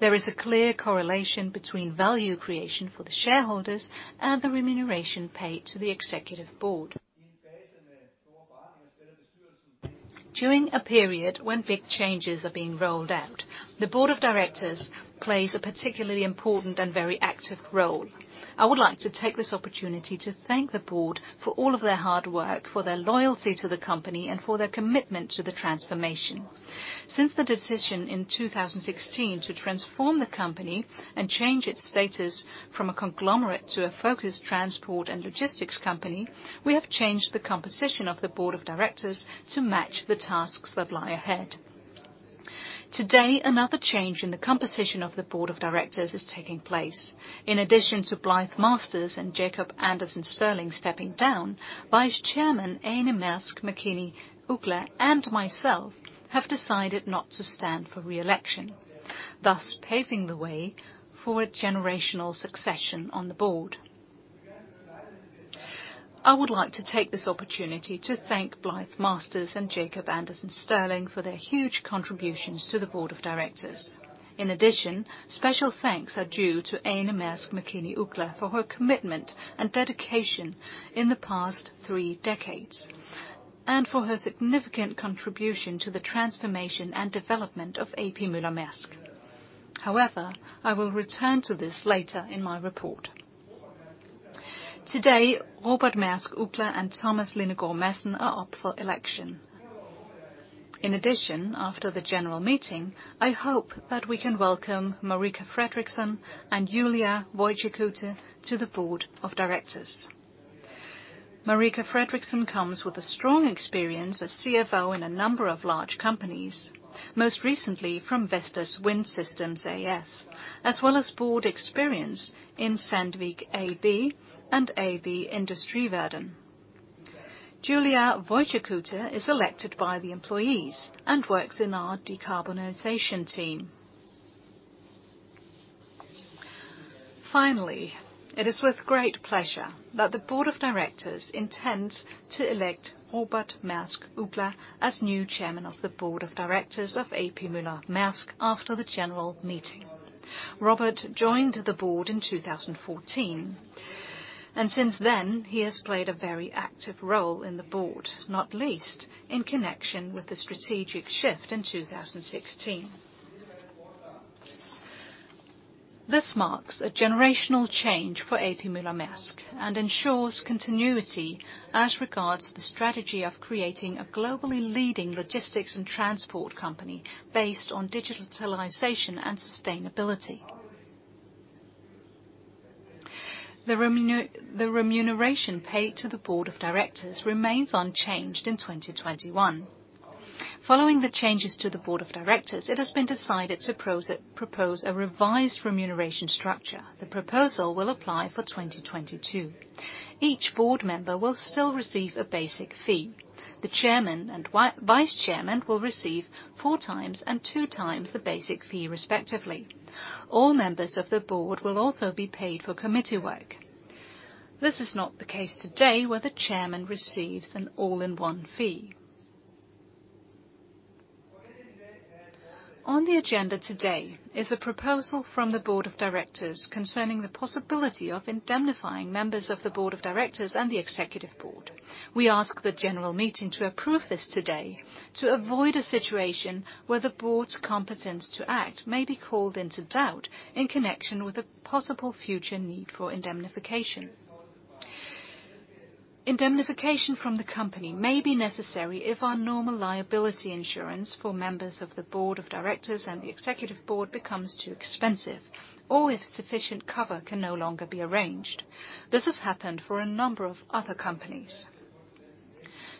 There is a clear correlation between value creation for the shareholders and the remuneration paid to the Executive Board. During a period when big changes are being rolled out, the Board of Directors plays a particularly important and very active role. I would like to take this opportunity to thank the Board for all of their hard work, for their loyalty to the company, and for their commitment to the transformation. Since the decision in 2016 to transform the company and change its status from a conglomerate to a focused transport and logistics company, we have changed the composition of the board of directors to match the tasks that lie ahead. Today, another change in the composition of the board of directors is taking place. In addition to Blythe Masters and Jacob Andersen Sterling stepping down, Vice Chairman Ane Maersk Mc-Kinney Uggla and myself have decided not to stand for re-election, thus paving the way for a generational succession on the board. I would like to take this opportunity to thank Blythe Masters and Jacob Andersen Sterling for their huge contributions to the board of directors. In addition, special thanks are due to Ane Maersk Mc-Kinney Uggla for her commitment and dedication in the past three decades, and for her significant contribution to the transformation and development of A.P. Møller - Maersk. However, I will return to this later in my report. Today, Robert Maersk Uggla and Thomas Lindegaard Madsen are up for election. In addition, after the general meeting, I hope that we can welcome Marika Fredriksson and Julija Voitiekutė to the board of directors. Marika Fredriksson comes with a strong experience as CFO in a number of large companies, most recently from Vestas Wind Systems, as well as board experience in Sandvik AB and AB Industrivärden. Julija Voitiekutė is elected by the employees and works in our decarbonization team. Finally, it is with great pleasure that the board of directors intends to elect Robert Maersk Uggla as new Chairman of the Board of Directors of A.P. Møller - Maersk after the general meeting. Robert joined the Board in 2014, and since then he has played a very active role in the Board, not least in connection with the strategic shift in 2016. This marks a generational change for A.P. Møller - Maersk and ensures continuity as regards the strategy of creating a globally leading logistics and transport company based on digitalization and sustainability. The remuneration paid to the Board of Directors remains unchanged in 2021. Following the changes to the Board of Directors, it has been decided to propose a revised remuneration structure. The proposal will apply for 2022. Each Board member will still receive a basic fee. The Chairman and Vice Chairman will receive four times and two times the basic fee, respectively. All members of the Board will also be paid for committee work. This is not the case today, where the Chairman receives an all-in-one fee. On the agenda today is a proposal from the Board of Directors concerning the possibility of indemnifying members of the Board of Directors and the Executive Board. We ask the General Meeting to approve this today to avoid a situation where the Board's competence to act may be called into doubt in connection with the possible future need for indemnification. Indemnification from the company may be necessary if our normal liability insurance for members of the Board of Directors and the Executive Board becomes too expensive, or if sufficient cover can no longer be arranged. This has happened for a number of other companies.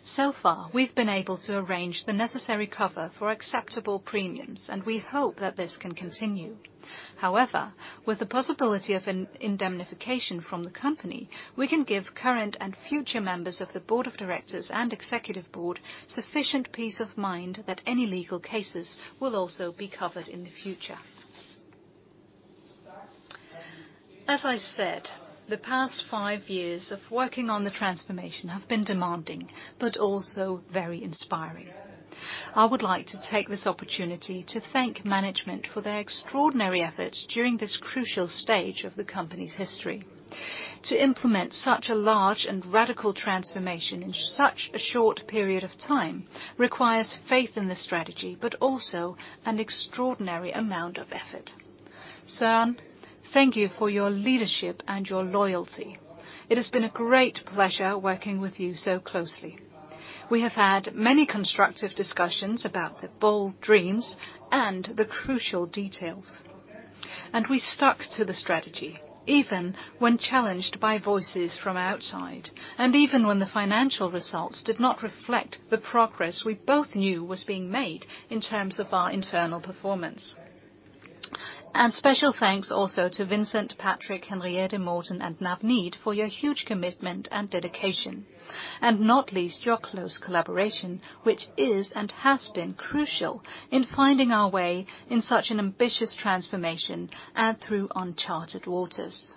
So far, we've been able to arrange the necessary cover for acceptable premiums, and we hope that this can continue. However, with the possibility of an indemnification from the company, we can give current and future members of the board of directors and executive board sufficient peace of mind that any legal cases will also be covered in the future. As I said, the past five years of working on the transformation have been demanding, but also very inspiring. I would like to take this opportunity to thank management for their extraordinary efforts during this crucial stage of the company's history. To implement such a large and radical transformation in such a short period of time requires faith in the strategy, but also an extraordinary amount of effort. Søren, thank you for your leadership and your loyalty. It has been a great pleasure working with you so closely. We have had many constructive discussions about the bold dreams and the crucial details. We stuck to the strategy, even when challenged by voices from outside, and even when the financial results did not reflect the progress we both knew was being made in terms of our internal performance. Special thanks also to Vincent, Patrick, Henriette, Morten, and Navneet for your huge commitment and dedication, and not least your close collaboration, which is and has been crucial in finding our way in such an ambitious transformation and through uncharted waters.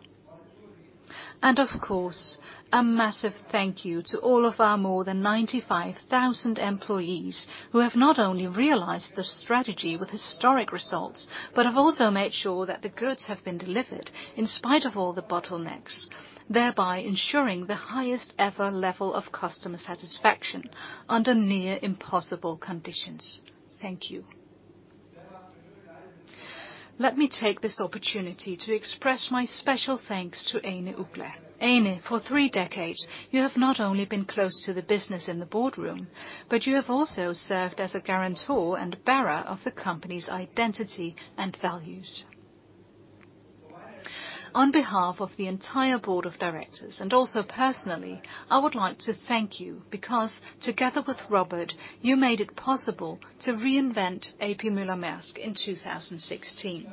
Of course, a massive thank you to all of our more than 95,000 employees, who have not only realized the strategy with historic results, but have also made sure that the goods have been delivered in spite of all the bottlenecks, thereby ensuring the highest ever level of customer satisfaction under near impossible conditions. Thank you. Let me take this opportunity to express my special thanks to Ane Uggla. Ane., for three decades, you have not only been close to the business in the boardroom, but you have also served as a guarantor and bearer of the company's identity and values. On behalf of the entire board of directors, and also personally, I would like to thank you, because together with Robert, you made it possible to reinvent A.P. Møller - Maersk in 2016.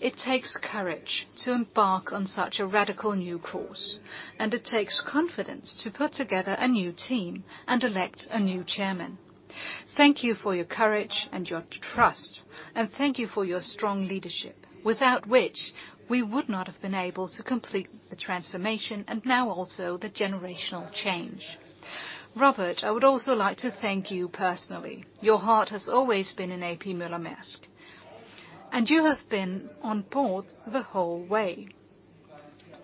It takes courage to embark on such a radical new course, and it takes confidence to put together a new team and elect a new chairman. Thank you for your courage and your trust, and thank you for your strong leadership, without which we would not have been able to complete the transformation, and now also the generational change. Robert, I would also like to thank you personally. Your heart has always been in A.P. Møller - Maersk, and you have been on board the whole way,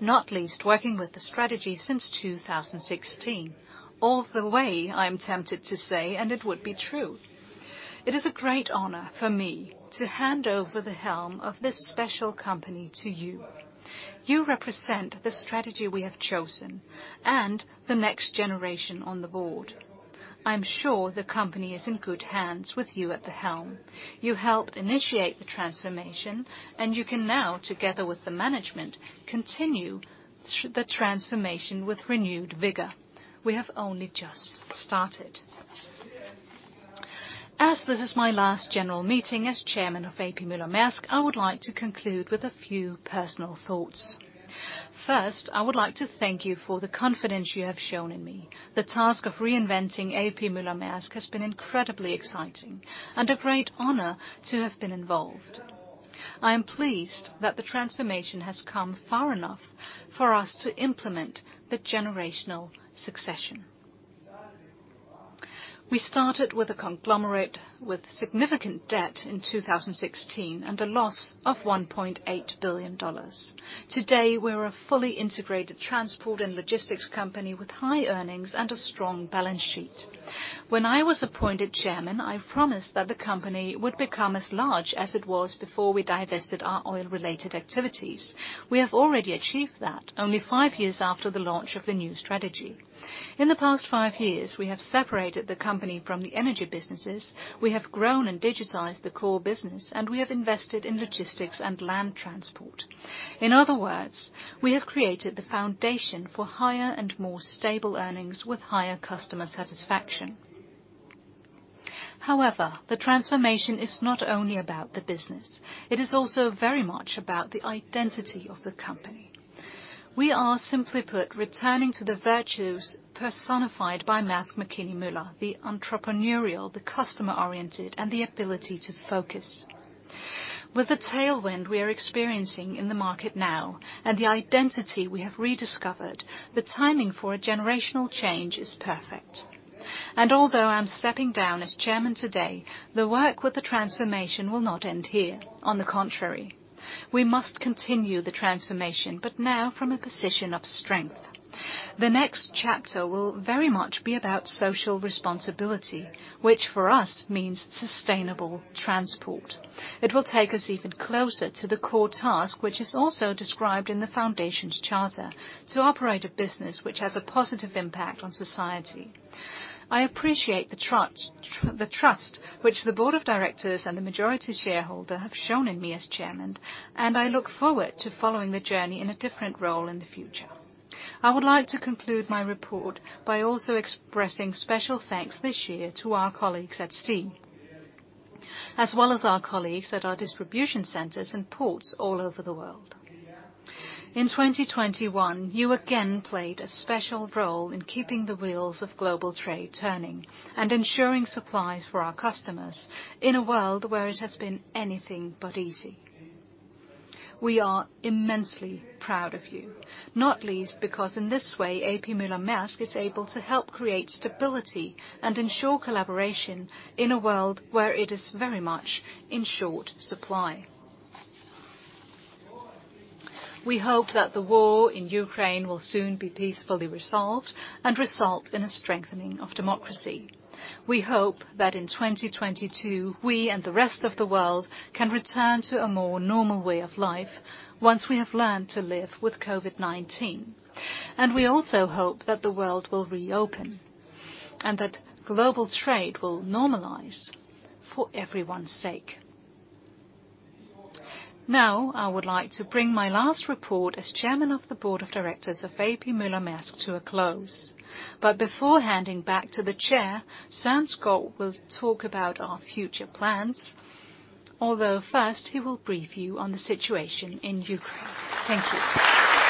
not least working with the strategy since 2016. All the way, I'm tempted to say, and it would be true. It is a great honor for me to hand over the helm of this special company to you. You represent the strategy we have chosen and the next generation on the board. I'm sure the company is in good hands with you at the helm. You helped initiate the transformation, and you can now, together with the management, continue the transformation with renewed vigor. We have only just started. As this is my last general meeting as chairman of A.P. Møller - Maersk, I would like to conclude with a few personal thoughts. First, I would like to thank you for the confidence you have shown in me. The task of reinventing A.P. Møller - Maersk. Møller - Maersk has been incredibly exciting and a great honor to have been involved. I am pleased that the transformation has come far enough for us to implement the generational succession. We started with a conglomerate with significant debt in 2016, and a loss of $1.8 billion. Today, we're a fully integrated transport and logistics company with high earnings and a strong balance sheet. When I was appointed chairman, I promised that the company would become as large as it was before we divested our oil-related activities. We have already achieved that, only five years after the launch of the new strategy. In the past five years, we have separated the company from the energy businesses, we have grown and digitized the core business, and we have invested in logistics and land transport. In other words, we have created the foundation for higher and more stable earnings with higher customer satisfaction. However, the transformation is not only about the business. It is also very much about the identity of the company. We are, simply put, returning to the virtues personified by Maersk Mc-Kinney Møller, the entrepreneurial, the customer-oriented, and the ability to focus. With the tailwind we are experiencing in the market now, and the identity we have rediscovered, the timing for a generational change is perfect. Although I'm stepping down as chairman today, the work with the transformation will not end here. On the contrary, we must continue the transformation, but now from a position of strength. The next chapter will very much be about social responsibility, which for us means sustainable transport. It will take us even closer to the core task, which is also described in the foundation's charter, to operate a business which has a positive impact on society. I appreciate the trust which the board of directors and the majority shareholder have shown in me as chairman, and I look forward to following the journey in a different role in the future. I would like to conclude my report by also expressing special thanks this year to our colleagues at sea, as well as our colleagues at our distribution centers and ports all over the world. In 2021, you again played a special role in keeping the wheels of global trade turning and ensuring supplies for our customers in a world where it has been anything but easy. We are immensely proud of you. Not least because in this way, A.P. Møller - Maersk is able to help create stability and ensure collaboration in a world where it is very much in short supply. We hope that the war in Ukraine will soon be peacefully resolved and result in a strengthening of democracy. We hope that in 2022, we and the rest of the world can return to a more normal way of life once we have learned to live with COVID-19. We also hope that the world will reopen, and that global trade will normalize for everyone's sake. Now, I would like to bring my last report as Chairman of the Board of Directors of A.P. Møller - Maersk to a close. Before handing back to the chair, Søren Skou will talk about our future plans. Although first, he will brief you on the situation in Ukraine. Thank you.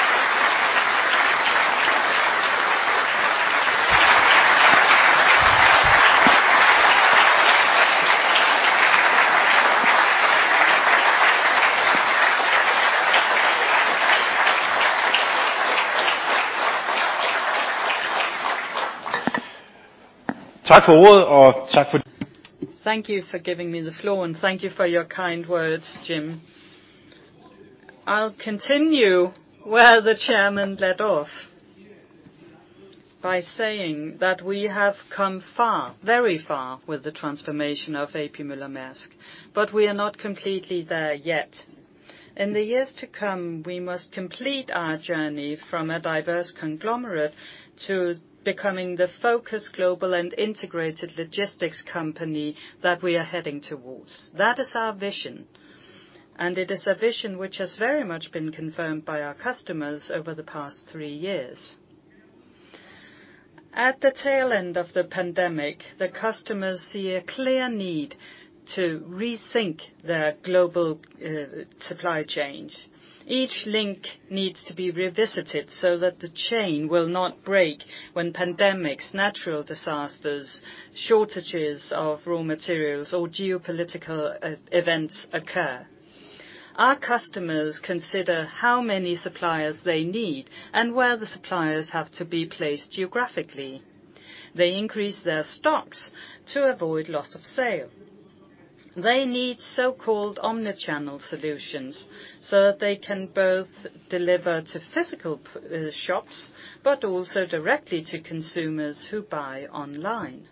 Thank you for giving me the floor, and thank you for your kind words, Jim. I'll continue where the chairman left off by saying that we have come far, very far with the transformation of A.P. Møller - Maersk, but we are not completely there yet. In the years to come, we must complete our journey from a diverse conglomerate to becoming the focused global and integrated logistics company that we are heading towards. That is our vision, and it is a vision which has very much been confirmed by our customers over the past three years. At the tail end of the pandemic, the customers see a clear need to rethink their global supply chains. Each link needs to be revisited so that the chain will not break when pandemics, natural disasters, shortages of raw materials or geopolitical events occur. Our customers consider how many suppliers they need and where the suppliers have to be placed geographically. They increase their stocks to avoid loss of sale. They need so-called omnichannel solutions, so that they can both deliver to physical shops but also directly to consumers who buy online.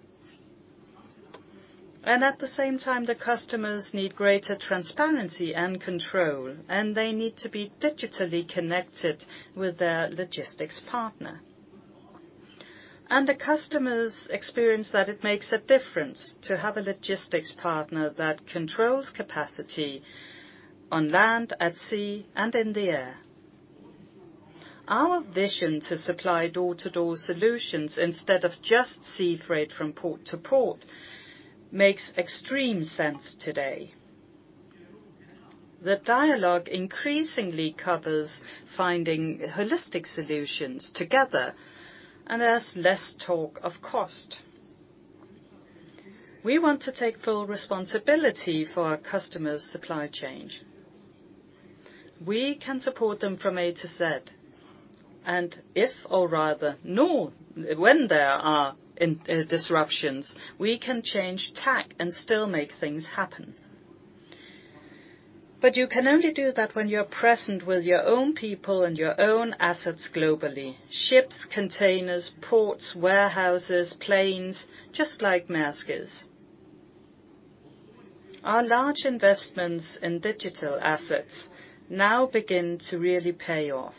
At the same time, the customers need greater transparency and control, and they need to be digitally connected with their logistics partner. The customers experience that it makes a difference to have a logistics partner that controls capacity on land, at sea and in the air. Our vision to supply door-to-door solutions instead of just sea freight from port to port makes extreme sense today. The dialogue increasingly covers finding holistic solutions together, and there's less talk of cost. We want to take full responsibility for our customers' supply chains. We can support them from A to Z. If, or rather, now when there are disruptions, we can change tack and still make things happen. You can only do that when you're present with your own people and your own assets globally. Ships, containers, ports, warehouses, planes, just like Maersk is. Our large investments in digital assets now begin to really pay off.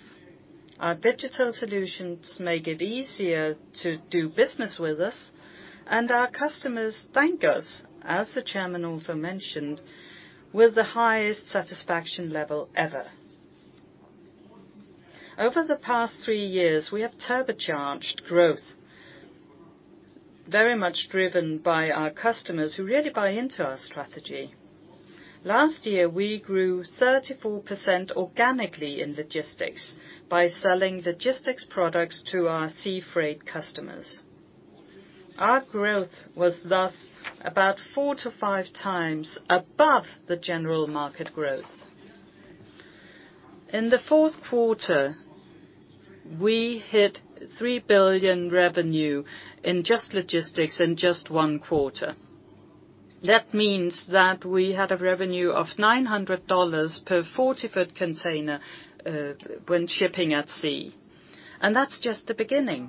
Our digital solutions make it easier to do business with us, and our customers thank us, as the chairman also mentioned, with the highest satisfaction level ever. Over the past 3 years, we have turbocharged growth very much driven by our customers who really buy into our strategy. Last year, we grew 34% organically in logistics by selling logistics products to our sea freight customers. Our growth was thus about 4-5 times above the general market growth. In the fourth quarter, we hit $3 billion revenue in just logistics in just one quarter. That means that we had a revenue of $900 per 40-foot container when shipping at sea, and that's just the beginning.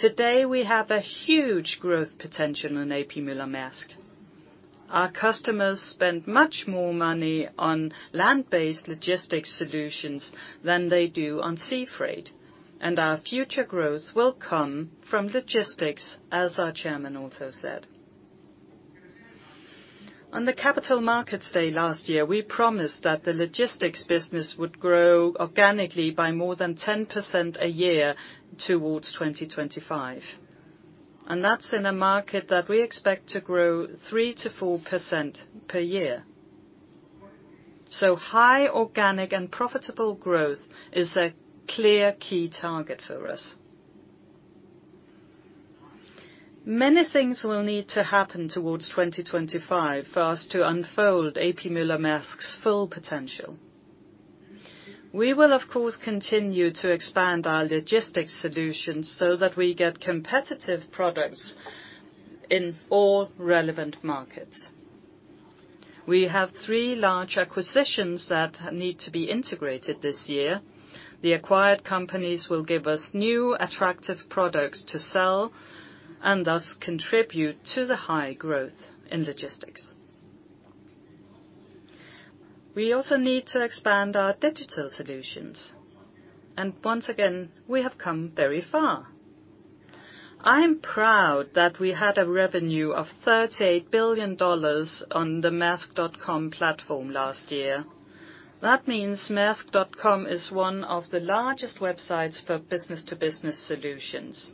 Today, we have a huge growth potential in A.P. Møller - Maersk's. Our customers spend much more money on land-based logistics solutions than they do on sea freight. Our future growth will come from logistics, as our chairman also said. On the Capital Markets Day last year, we promised that the logistics business would grow organically by more than 10% a year towards 2025, and that's in a market that we expect to grow 3%-4% per year. High organic and profitable growth is a clear key target for us. Many things will need to happen towards 2025 for us to unfold A.P. Møller-Maersk's full potential. We will of course continue to expand our logistics solutions so that we get competitive products in all relevant markets. We have three large acquisitions that need to be integrated this year. The acquired companies will give us new attractive products to sell and thus contribute to the high growth in logistics. We also need to expand our digital solutions, and once again, we have come very far. I am proud that we had revenue of $38 billion on the maersk.com platform last year. That means maersk.com is one of the largest websites for business-to-business solutions.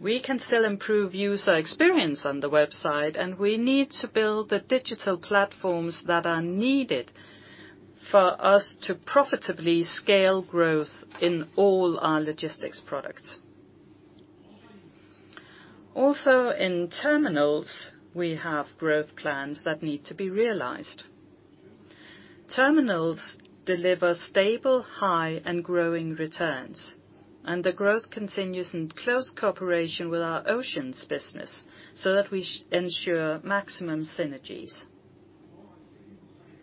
We can still improve user experience on the website, and we need to build the digital platforms that are needed for us to profitably scale growth in all our logistics products. Also in terminals, we have growth plans that need to be realized. Terminals deliver stable, high, and growing returns, and the growth continues in close cooperation with our Ocean business so that we ensure maximum synergies.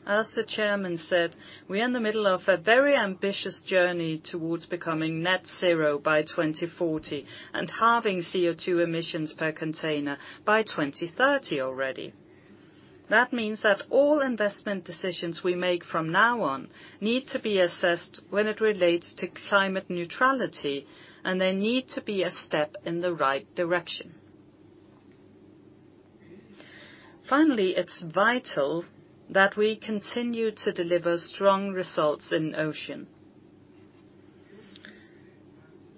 As the chairman said, we are in the middle of a very ambitious journey towards becoming net zero by 2040 and halving CO₂ emissions per container by 2030 already. That means that all investment decisions we make from now on need to be assessed when it relates to climate neutrality, and they need to be a step in the right direction. Finally, it's vital that we continue to deliver strong results in ocean.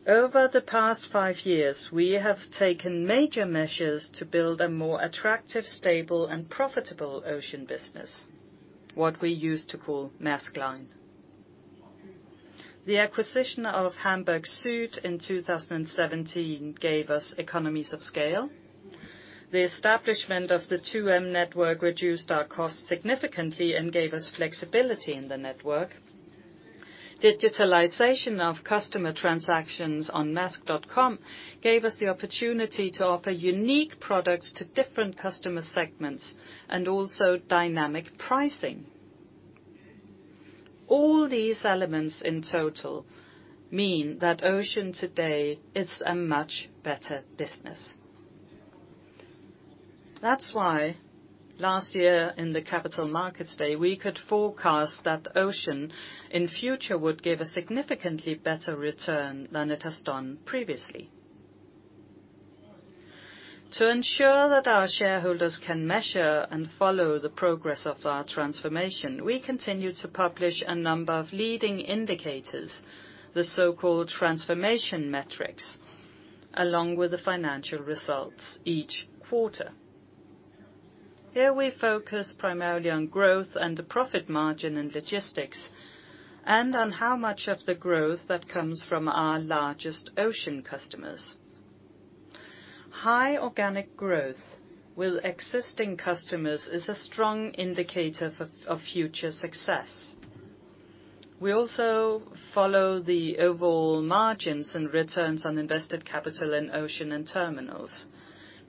Over the past 5 years, we have taken major measures to build a more attractive, stable, and profitable Ocean business, what we used to call Maersk Line. The acquisition of Hamburg Süd in 2017 gave us economies of scale. The establishment of the 2M network reduced our costs significantly and gave us flexibility in the network. Digitalization of customer transactions on maersk.com gave us the opportunity to offer unique products to different customer segments and also dynamic pricing. All these elements in total mean that Ocean today is a much better business. That's why last year in the Capital Markets Day, we could forecast that Ocean in future would give a significantly better return than it has done previously. To ensure that our shareholders can measure and follow the progress of our transformation, we continue to publish a number of leading indicators, the so-called transformation metrics, along with the financial results each quarter. Here we focus primarily on growth and the profit margin in Logistics and on how much of the growth that comes from our largest Ocean customers. High organic growth with existing customers is a strong indicator of future success. We also follow the overall margins and returns on invested capital in ocean and terminals,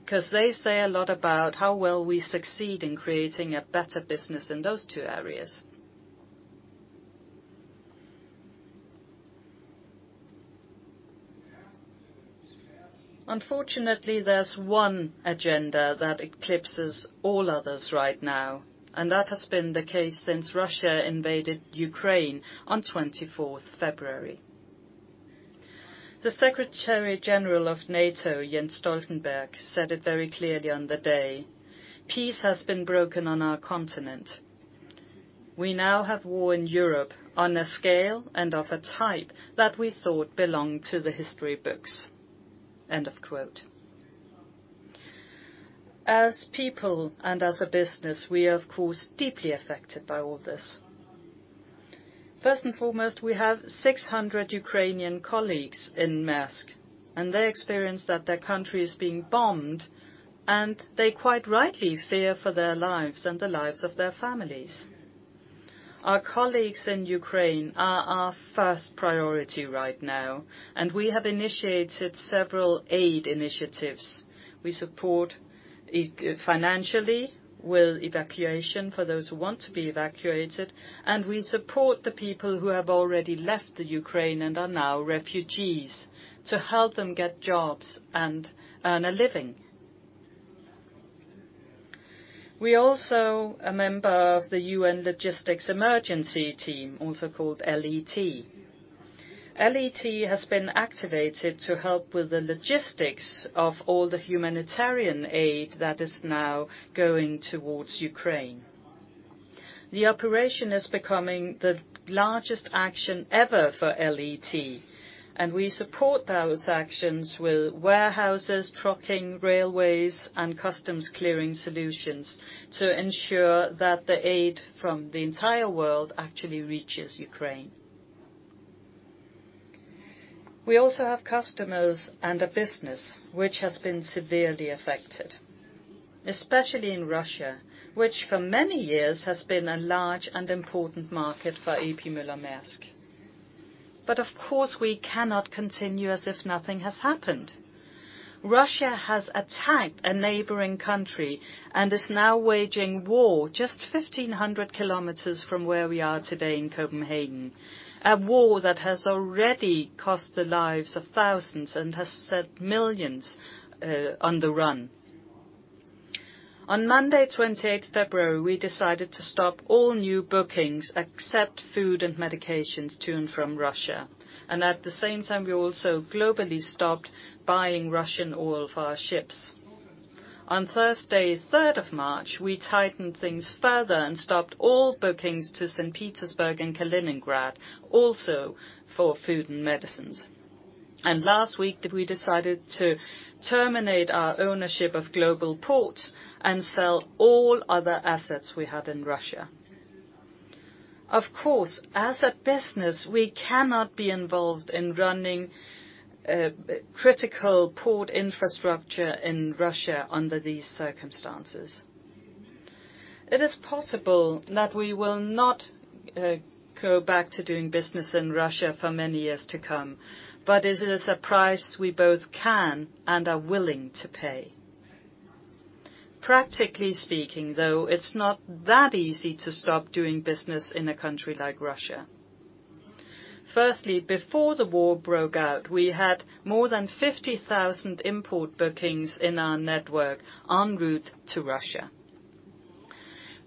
'cause they say a lot about how well we succeed in creating a better business in those two areas. Unfortunately, there's one agenda that eclipses all others right now, and that has been the case since Russia invaded Ukraine on 24th February. The Secretary General of NATO, Jens Stoltenberg, said it very clearly on the day, "Peace has been broken on our continent. We now have war in Europe on a scale and of a type that we thought belonged to the history books." End of quote. As people and as a business, we are of course, deeply affected by all this. First and foremost, we have 600 Ukrainian colleagues in Maersk, and they experience that their country is being bombed, and they quite rightly fear for their lives and the lives of their families. Our colleagues in Ukraine are our first priority right now, and we have initiated several aid initiatives. We support financially with evacuation for those who want to be evacuated, and we support the people who have already left the Ukraine and are now refugees to help them get jobs and earn a living. We're also a member of the UN Logistics Emergency Team, also called LET. LET has been activated to help with the logistics of all the humanitarian aid that is now going towards Ukraine. The operation is becoming the largest action ever for LET, and we support those actions with warehouses, trucking, railways, and customs clearing solutions to ensure that the aid from the entire world actually reaches Ukraine. We also have customers and a business which has been severely affected, especially in Russia, which for many years has been a large and important market for A.P. Møller - Maersk. Of course, we cannot continue as if nothing has happened. Russia has attacked a neighboring country and is now waging war just 1,500 kilometers from where we are today in Copenhagen. A war that has already cost the lives of thousands and has set millions on the run. On Monday, 28th February, we decided to stop all new bookings except food and medications to and from Russia, and at the same time, we also globally stopped buying Russian oil for our ships. On Thursday, third of March, we tightened things further and stopped all bookings to Saint Petersburg and Kaliningrad, also for food and medicines. Last week, we decided to terminate our ownership of Global Ports and sell all other assets we had in Russia. Of course, as a business, we cannot be involved in running critical port infrastructure in Russia under these circumstances. It is possible that we will not go back to doing business in Russia for many years to come, but it is a price we both can and are willing to pay. Practically speaking, though, it's not that easy to stop doing business in a country like Russia. Firstly, before the war broke out, we had more than 50,000 import bookings in our network en route to Russia.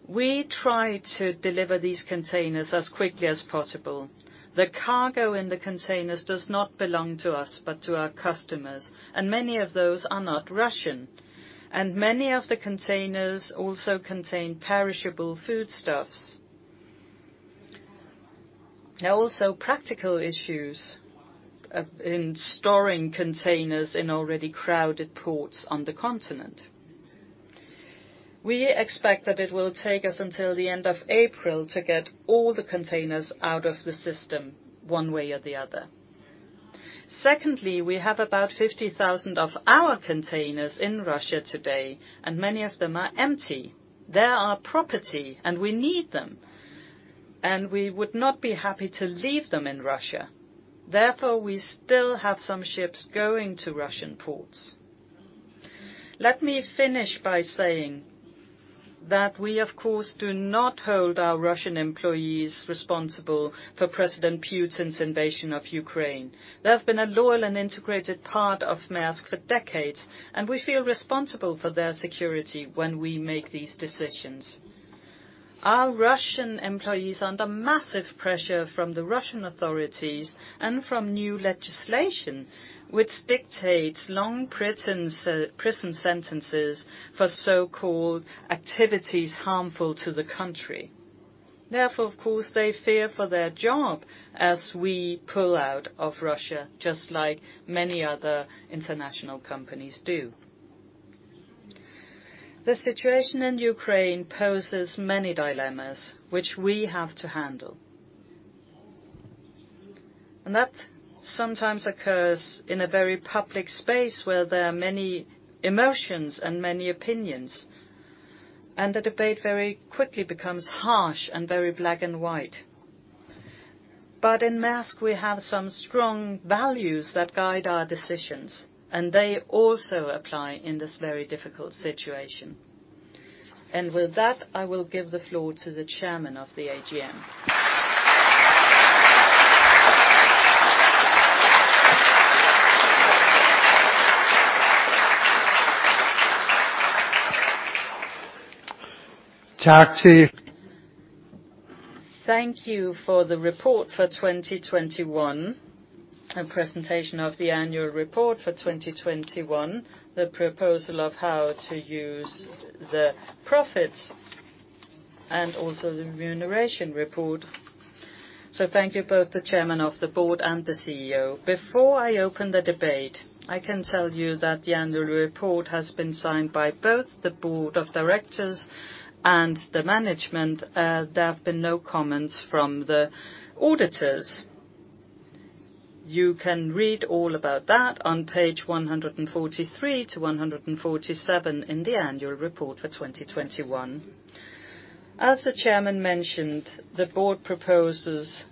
We tried to deliver these containers as quickly as possible. The cargo in the containers does not belong to us, but to our customers, and many of those are not Russian. Many of the containers also contain perishable foodstuffs. There are also practical issues in storing containers in already crowded ports on the continent. We expect that it will take us until the end of April to get all the containers out of the system, one way or the other. Secondly, we have about 50,000 of our containers in Russia today, and many of them are empty. They're our property, and we need them, and we would not be happy to leave them in Russia. Therefore, we still have some ships going to Russian ports. Let me finish by saying that we, of course, do not hold our Russian employees responsible for President Putin's invasion of Ukraine. They have been a loyal and integrated part of Maersk for decades, and we feel responsible for their security when we make these decisions. Our Russian employees are under massive pressure from the Russian authorities and from new legislation which dictates long prison sentences for so-called activities harmful to the country. Therefore, of course, they fear for their job as we pull out of Russia, just like many other international companies do. The situation in Ukraine poses many dilemmas which we have to handle. That sometimes occurs in a very public space where there are many emotions and many opinions, and the debate very quickly becomes harsh and very black and white. In Maersk, we have some strong values that guide our decisions, and they also apply in this very difficult situation. With that, I will give the floor to the chairman of the AGM. Thank you for the report for 2021 and presentation of the annual report for 2021, the proposal of how to use the profits, and also the remuneration report. Thank you both, the Chairman of the Board and the CEO. Before I open the debate, I can tell you that the annual report has been signed by both the Board of Directors and the management. There have been no comments from the auditors. You can read all about that on page 143 to 147 in the annual report for 2021. As the Chairman mentioned, the Board proposes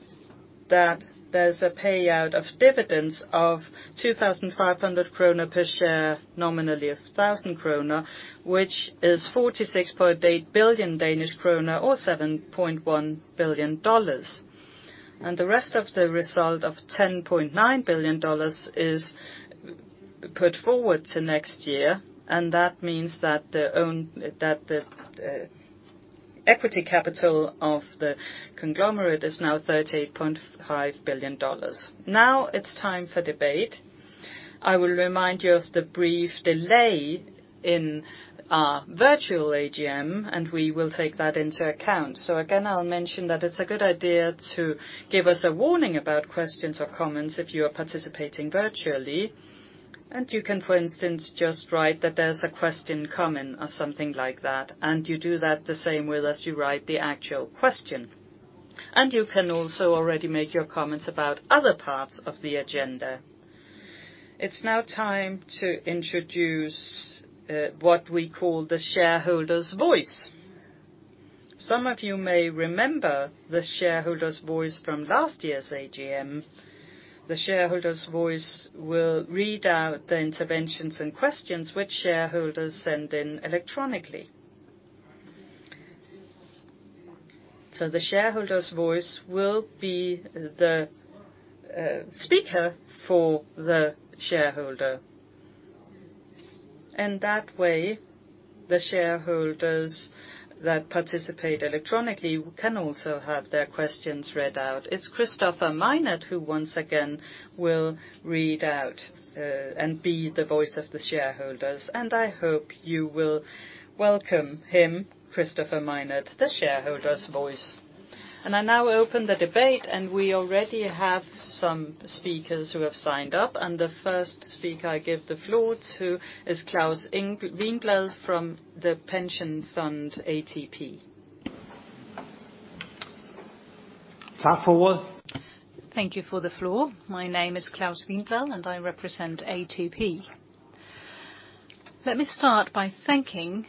that there's a payout of dividends of 2,500 krone per share, nominally 1,000 krone, which is 46.8 billion Danish krone or $7.1 billion. The rest of the result of $10.9 billion is put forward to next year. That means that the equity capital of the conglomerate is now $38.5 billion. Now it's time for debate. I will remind you of the brief delay in our virtual AGM, and we will take that into account. Again, I'll mention that it's a good idea to give us a warning about questions or comments if you are participating virtually. You can, for instance, just write that there's a question coming or something like that, and you do that the same way as you write the actual question. You can also already make your comments about other parts of the agenda. It's now time to introduce what we call the shareholder's voice. Some of you may remember the shareholder's voice from last year's AGM. The shareholder's voice will read out the interventions and questions which shareholders send in electronically. The shareholder's voice will be the speaker for the shareholder. That way, the shareholders that participate electronically can also have their questions read out. It's Kristoffer Meinert who, once again, will read out and be the voice of the shareholders. I hope you will welcome him, Kristoffer Meinert, the shareholder's voice. I now open the debate, and we already have some speakers who have signed up. The first speaker I give the floor to is Claus Wiinblad from the pension fund ATP. Thank you for the floor. My name is Claus Wiinblad, and I represent ATP. Let me start by thanking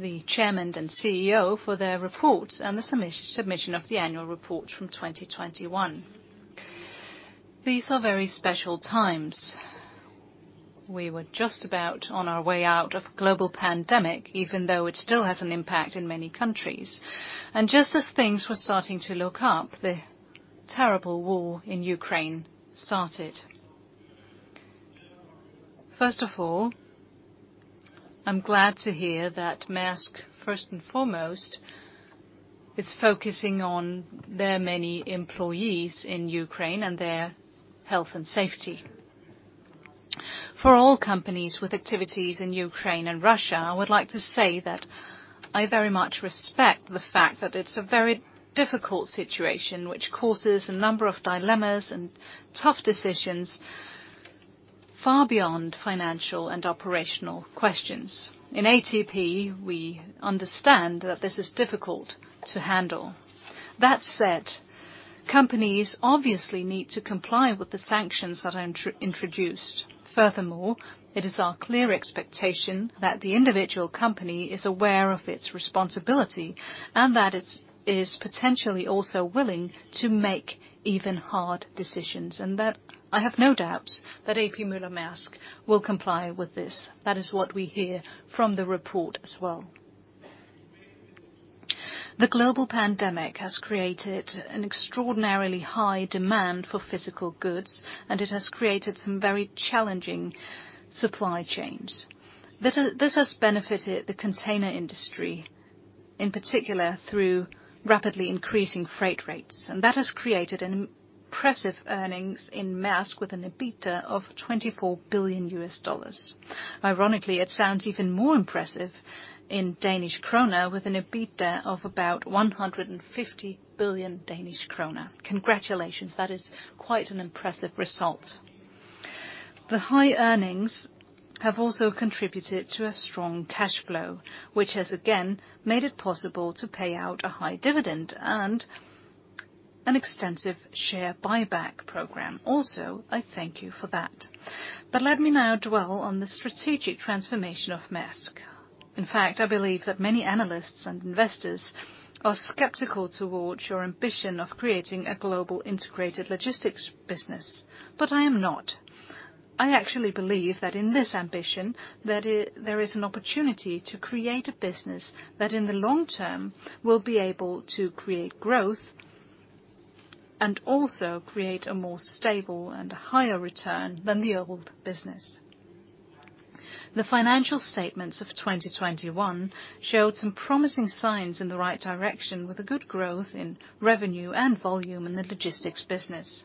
the chairman and CEO for their report and the submission of the annual report from 2021. These are very special times. We were just about on our way out of global pandemic, even though it still has an impact in many countries. Just as things were starting to look up, the terrible war in Ukraine started. First of all, I'm glad to hear that Maersk, first and foremost, is focusing on their many employees in Ukraine and their health and safety. For all companies with activities in Ukraine and Russia, I would like to say that I very much respect the fact that it's a very difficult situation which causes a number of dilemmas and tough decisions far beyond financial and operational questions. In ATP, we understand that this is difficult to handle. That said, companies obviously need to comply with the sanctions that are introduced. Furthermore, it is our clear expectation that the individual company is aware of its responsibility and that it is potentially also willing to make even hard decisions. I have no doubts that A.P. Møller - Maersk will comply with this. That is what we hear from the report as well. The global pandemic has created an extraordinarily high demand for physical goods, and it has created some very challenging supply chains. This has benefited the container industry, in particular, through rapidly increasing freight rates, and that has created an impressive earnings in Maersk with an EBITDA of $24 billion. Ironically, it sounds even more impressive in Danish krone with an EBITDA of about 150 billion Danish krone. Congratulations, that is quite an impressive result. The high earnings have also contributed to a strong cash flow, which has, again, made it possible to pay out a high dividend and an extensive share buyback program. Also, I thank you for that. Let me now dwell on the strategic transformation of Maersk. In fact, I believe that many analysts and investors are skeptical towards your ambition of creating a global integrated logistics business. I am not. I actually believe that in this ambition, there is an opportunity to create a business that, in the long term, will be able to create growth and also create a more stable and higher return than the old business. The financial statements of 2021 showed some promising signs in the right direction with a good growth in revenue and volume in the logistics business.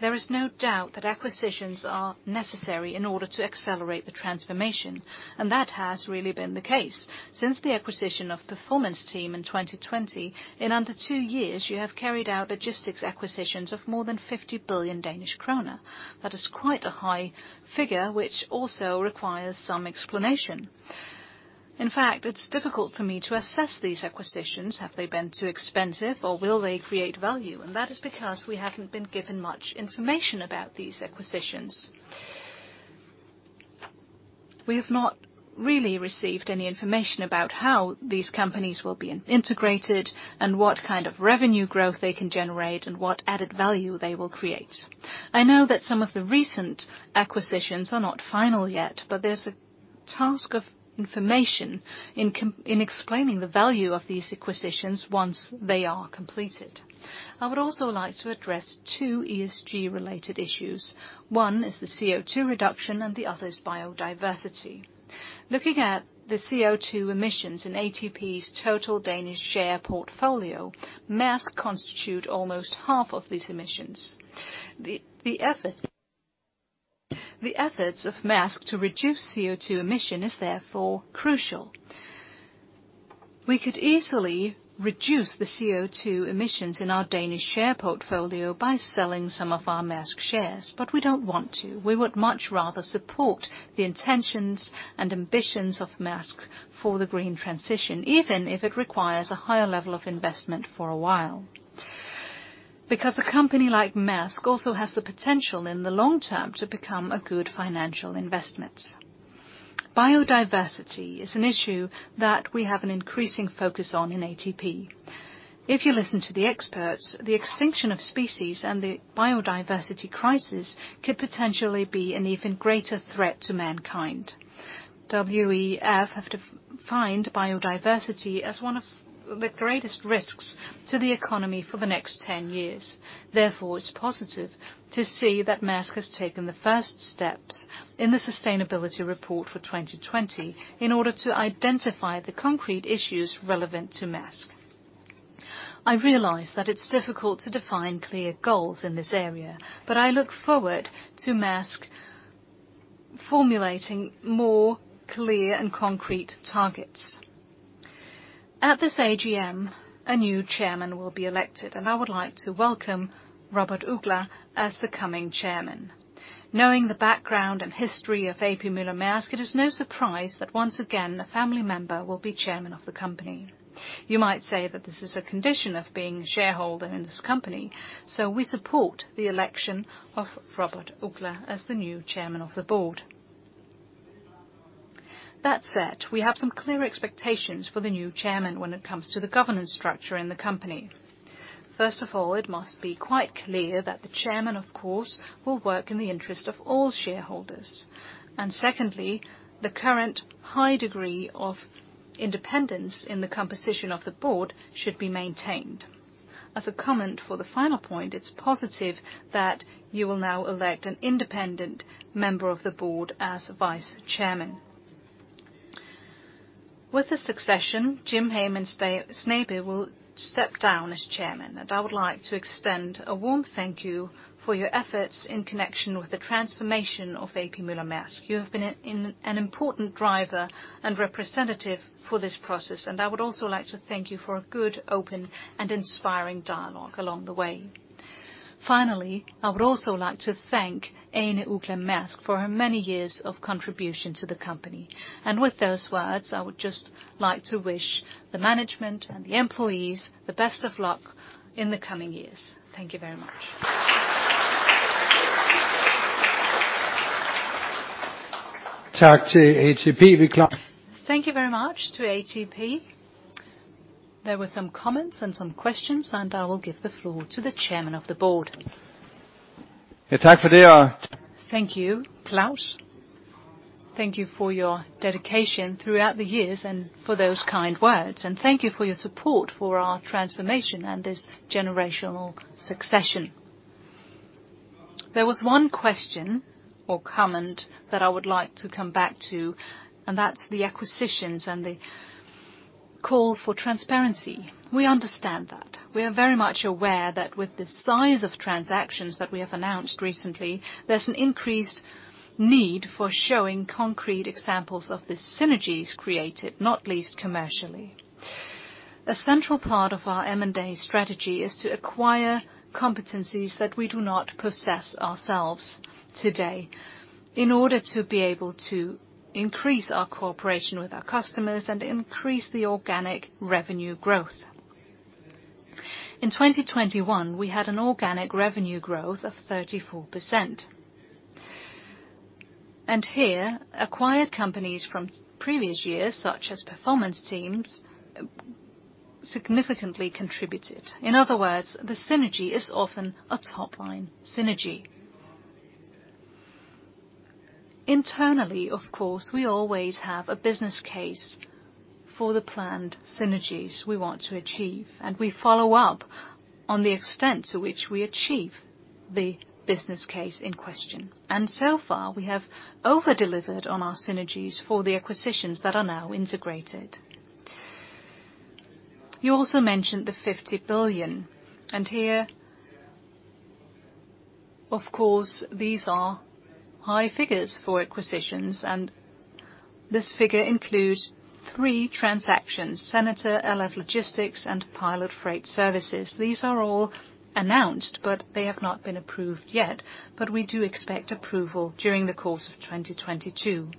There is no doubt that acquisitions are necessary in order to accelerate the transformation, and that has really been the case. Since the acquisition of Performance Team in 2020, in under two years, you have carried out logistics acquisitions of more than 50 billion Danish kroner. That is quite a high figure which also requires some explanation. In fact, it's difficult for me to assess these acquisitions. Have they been too expensive, or will they create value? That is because we haven't been given much information about these acquisitions. We have not really received any information about how these companies will be integrated and what kind of revenue growth they can generate and what added value they will create. I know that some of the recent acquisitions are not final yet, but there's a lack of information in explaining the value of these acquisitions once they are completed. I would also like to address two ESG-related issues. One is the CO2 reduction, and the other is biodiversity. Looking at the CO2 emissions in ATP's total Danish share portfolio, Maersk constitute almost half of these emissions. The efforts of Maersk to reduce CO2 emission is therefore crucial. We could easily reduce the CO2 emissions in our Danish share portfolio by selling some of our Maersk shares, but we don't want to. We would much rather support the intentions and ambitions of Maersk for the green transition, even if it requires a higher level of investment for a while. A company like Maersk also has the potential in the long term to become a good financial investment. Biodiversity is an issue that we have an increasing focus on in ATP. If you listen to the experts, the extinction of species and the biodiversity crisis could potentially be an even greater threat to mankind. WEF have defined biodiversity as one of the greatest risks to the economy for the next 10 years. Therefore, it's positive to say that Maersk has taken the first steps in the sustainability report for 2020, in order to identify the concrete issues relevant to Maersk. I realize that it's difficult to define clear goals in this area, but I look forward to Maersk formulating more clear and concrete targets. At this AGM, a new chairman will be elected, and I would like to welcome Robert Uggla as the coming chairman. Knowing the background and history of A.P. Møller - Maersk, it is no surprise that, once again, a family member will be chairman of the company. You might say that this is a condition of being a shareholder in this company, so we support the election of Robert Uggla as the new chairman of the board. That said, we have some clear expectations for the new chairman when it comes to the governance structure in the company. First of all, it must be quite clear that the chairman, of course, will work in the interest of all shareholders. Secondly, the current high degree of independence in the composition of the board should be maintained. As a comment for the final point, it's positive that you will now elect an independent member of the board as vice chairman. With the succession, Jim Hagemann Snabe will step down as chairman, and I would like to extend a warm thank you for your efforts in connection with the transformation of A.P. Møller - Maersk. You have been an important driver and representative for this process, and I would also like to thank you for a good, open, and inspiring dialogue along the way. Finally, I would also like to thank Ane Maersk Mc-Kinney Uggla for her many years of contribution to the company. With those words, I would just like to wish the management and the employees the best of luck in the coming years. Thank you very much. Thank you very much to ATP. There were some comments and some questions, and I will give the floor to the Chairman of the Board. Thank you, Claus. Thank you for your dedication throughout the years and for those kind words. Thank you for your support for our transformation and this generational succession. There was one question or comment that I would like to come back to, and that's the acquisitions and the call for transparency. We understand that. We are very much aware that with the size of transactions that we have announced recently, there's an increased need for showing concrete examples of the synergies created, not least commercially. A central part of our M&A strategy is to acquire competencies that we do not possess ourselves today, in order to be able to increase our cooperation with our customers and increase the organic revenue growth. In 2021, we had an organic revenue growth of 34%. Here, acquired companies from previous years, such as Performance Team, significantly contributed. In other words, the synergy is often a top-line synergy. Internally, of course, we always have a business case for the planned synergies we want to achieve, and we follow up on the extent to which we achieve the business case in question. So far, we have over-delivered on our synergies for the acquisitions that are now integrated. You also mentioned the $50 billion, and here, of course, these are high figures for acquisitions, and this figure includes three transactions, Senator International, LF Logistics, and Pilot Freight Services. These are all announced, but they have not been approved yet, but we do expect approval during the course of 2022.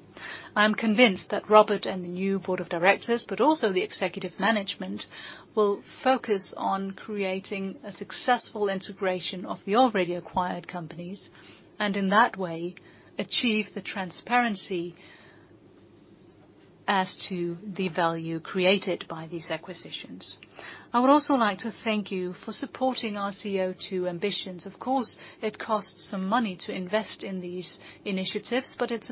I am convinced that Robert and the new board of directors, but also the executive management, will focus on creating a successful integration of the already acquired companies, and in that way, achieve the transparency as to the value created by these acquisitions. I would also like to thank you for supporting our CO2 ambitions. Of course, it costs some money to invest in these initiatives, but it's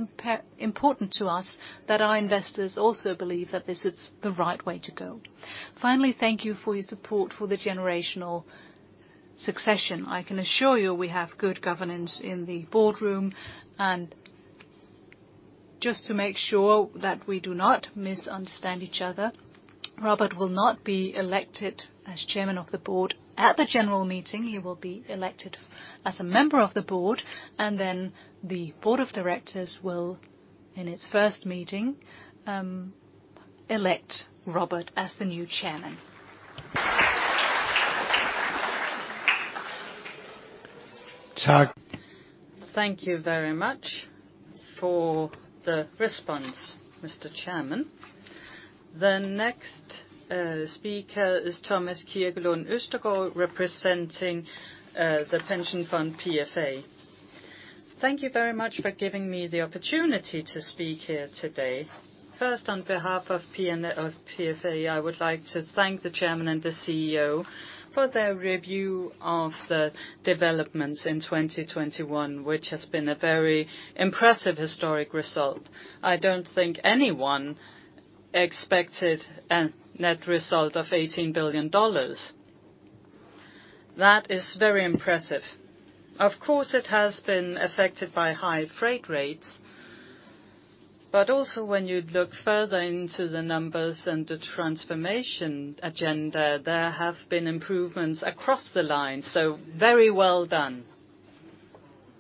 important to us that our investors also believe that this is the right way to go. Finally, thank you for your support for the generational succession. I can assure you, we have good governance in the boardroom. Just to make sure that we do not misunderstand each other, Robert will not be elected as chairman of the board at the general meeting. He will be elected as a member of the Board, and then the Board of Directors will, in its first meeting, elect Robert as the new Chairman. Thank you very much for the response, Mr. Chairman. The next speaker is Thomas Kirkelund Østergaard representing the pension fund PFA. Thank you very much for giving me the opportunity to speak here today. First, on behalf of PFA, I would like to thank the chairman and the CEO for their review of the developments in 2021, which has been a very impressive historic result. I don't think anyone expected a net result of $18 billion. That is very impressive. Of course, it has been affected by high freight rates, but also when you look further into the numbers and the transformation agenda, there have been improvements across the line. Very well done.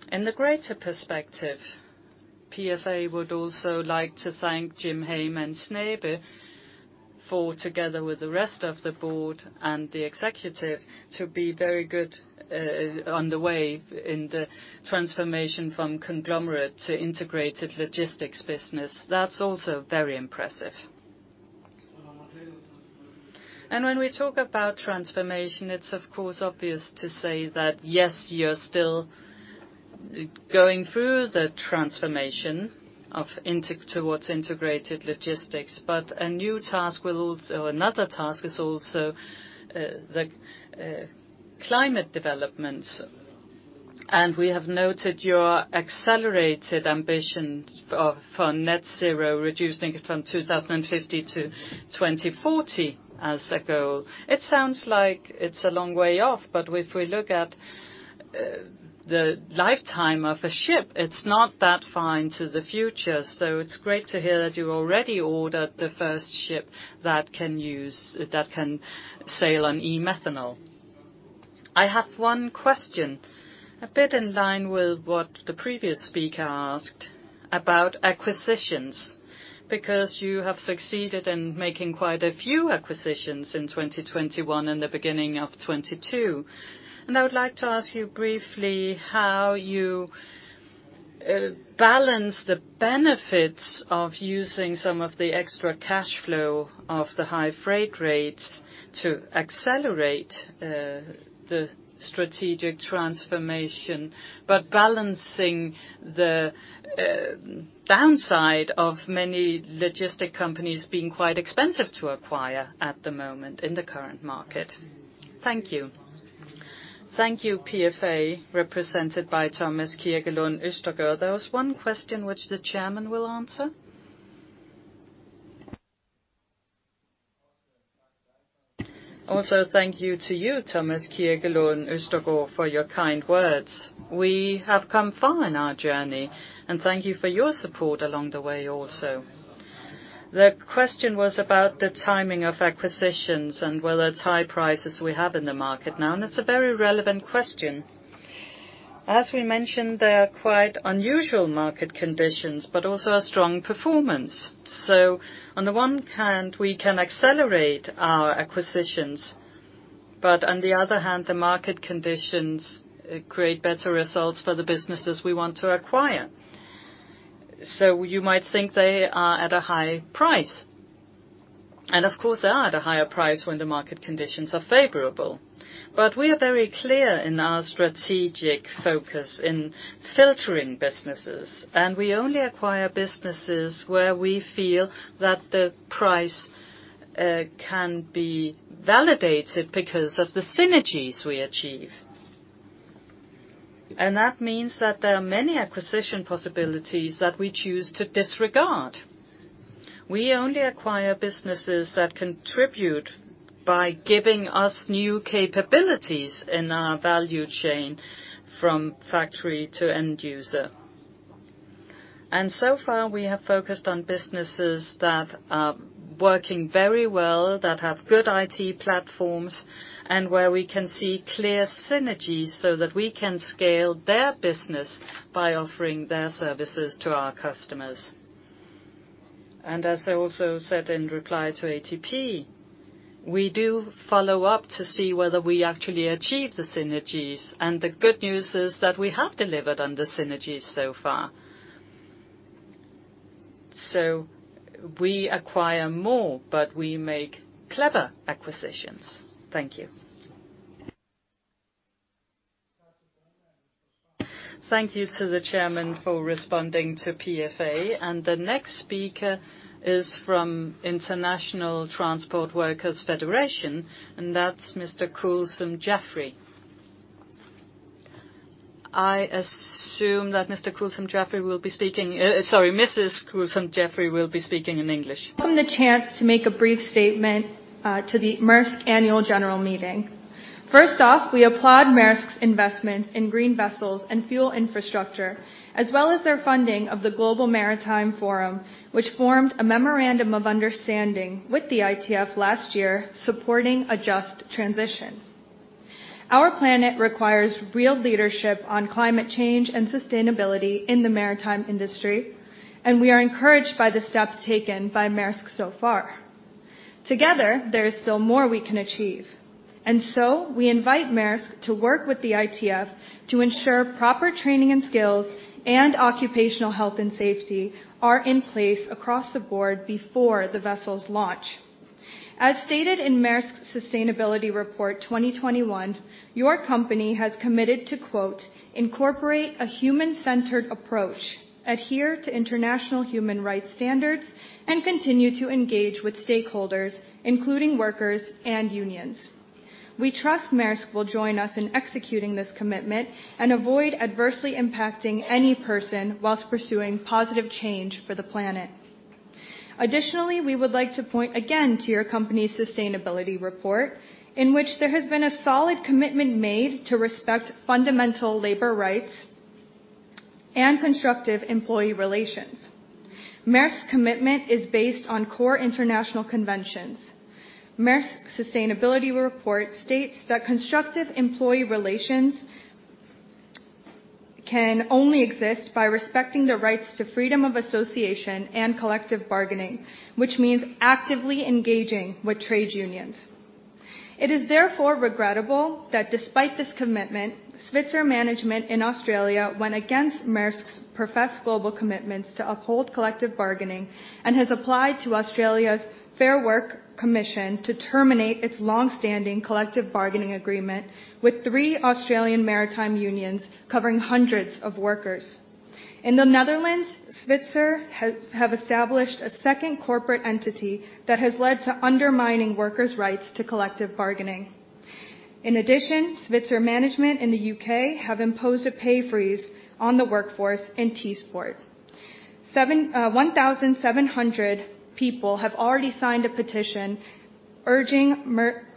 In the greater perspective, PFA would also like to thank Jim Hagemann Snabe for together with the rest of the board and the executive to be very good on the way in the transformation from conglomerate to integrated logistics business. That's also very impressive. When we talk about transformation, it's of course obvious to say that, yes, you're still going through the transformation towards integrated logistics, but another task is also the climate development. We have noted your accelerated ambitions for net zero, reducing it from 2050 to 2040 as a goal. It sounds like it's a long way off, but if we look at the lifetime of a ship, it's not that far into the future. It's great to hear that you already ordered the first ship that can sail on e-methanol. I have one question, a bit in line with what the previous speaker asked about acquisitions, because you have succeeded in making quite a few acquisitions in 2021 and the beginning of 2022. I would like to ask you briefly how you balance the benefits of using some of the extra cash flow of the high freight rates to accelerate the strategic transformation, but balancing the downside of many logistic companies being quite expensive to acquire at the moment in the current market. Thank you. Thank you, PFA, represented by Thomas Kirkelund Østergaard. There was one question which the chairman will answer. Also, thank you to you, Thomas Kirkelund Østergaard, for your kind words. We have come far in our journey, and thank you for your support along the way also. The question was about the timing of acquisitions and whether it's high prices we have in the market now, and it's a very relevant question. As we mentioned, there are quite unusual market conditions, but also a strong performance. On the one hand, we can accelerate our acquisitions, but on the other hand, the market conditions create better results for the businesses we want to acquire. You might think they are at a high price, and of course, they are at a higher price when the market conditions are favorable. We are very clear in our strategic focus in filtering businesses, and we only acquire businesses where we feel that the price can be validated because of the synergies we achieve. That means that there are many acquisition possibilities that we choose to disregard. We only acquire businesses that contribute by giving us new capabilities in our value chain from factory to end user. So far, we have focused on businesses that are working very well, that have good IT platforms, and where we can see clear synergies so that we can scale their business by offering their services to our customers. As I also said in reply to ATP, we do follow up to see whether we actually achieve the synergies. The good news is that we have delivered on the synergies so far. We acquire more, but we make clever acquisitions. Thank you. Thank you to the chairman for responding to PFA. The next speaker is from International Transport Workers' Federation, and that's Mr. Kulsoom Jafri. I assume that Mr. Mrs. Kulsoom Jafri will be speaking in English. From the chance to make a brief statement to the Maersk Annual General Meeting. First off, we applaud Maersk's investments in green vessels and fuel infrastructure, as well as their funding of the Global Maritime Forum, which formed a memorandum of understanding with the ITF last year, supporting a just transition. Our planet requires real leadership on climate change and sustainability in the maritime industry, and we are encouraged by the steps taken by Maersk so far. Together, there is still more we can achieve. We invite Maersk to work with the ITF to ensure proper training and skills and occupational health and safety are in place across the board before the vessels launch. As stated in Maersk's sustainability report 2021, your company has committed to, quote, "Incorporate a human-centered approach, adhere to international human rights standards, and continue to engage with stakeholders, including workers and unions." We trust Maersk will join us in executing this commitment and avoid adversely impacting any person while pursuing positive change for the planet. Additionally, we would like to point again to your company's sustainability report, in which there has been a solid commitment made to respect fundamental labor rights and constructive employee relations. Maersk's commitment is based on core international conventions. Maersk's sustainability report states that constructive employee relations can only exist by respecting the rights to freedom of association and collective bargaining, which means actively engaging with trade unions. It is therefore regrettable that despite this commitment, Svitzer management in Australia went against Maersk's professed global commitments to uphold collective bargaining and has applied to Australia's Fair Work Commission to terminate its long-standing collective bargaining agreement with three Australian maritime unions covering hundreds of workers. In the Netherlands, Svitzer has established a second corporate entity that has led to undermining workers' rights to collective bargaining. In addition, Svitzer management in the U.K. have imposed a pay freeze on the workforce in Teesport. 1,700 people have already signed a petition urging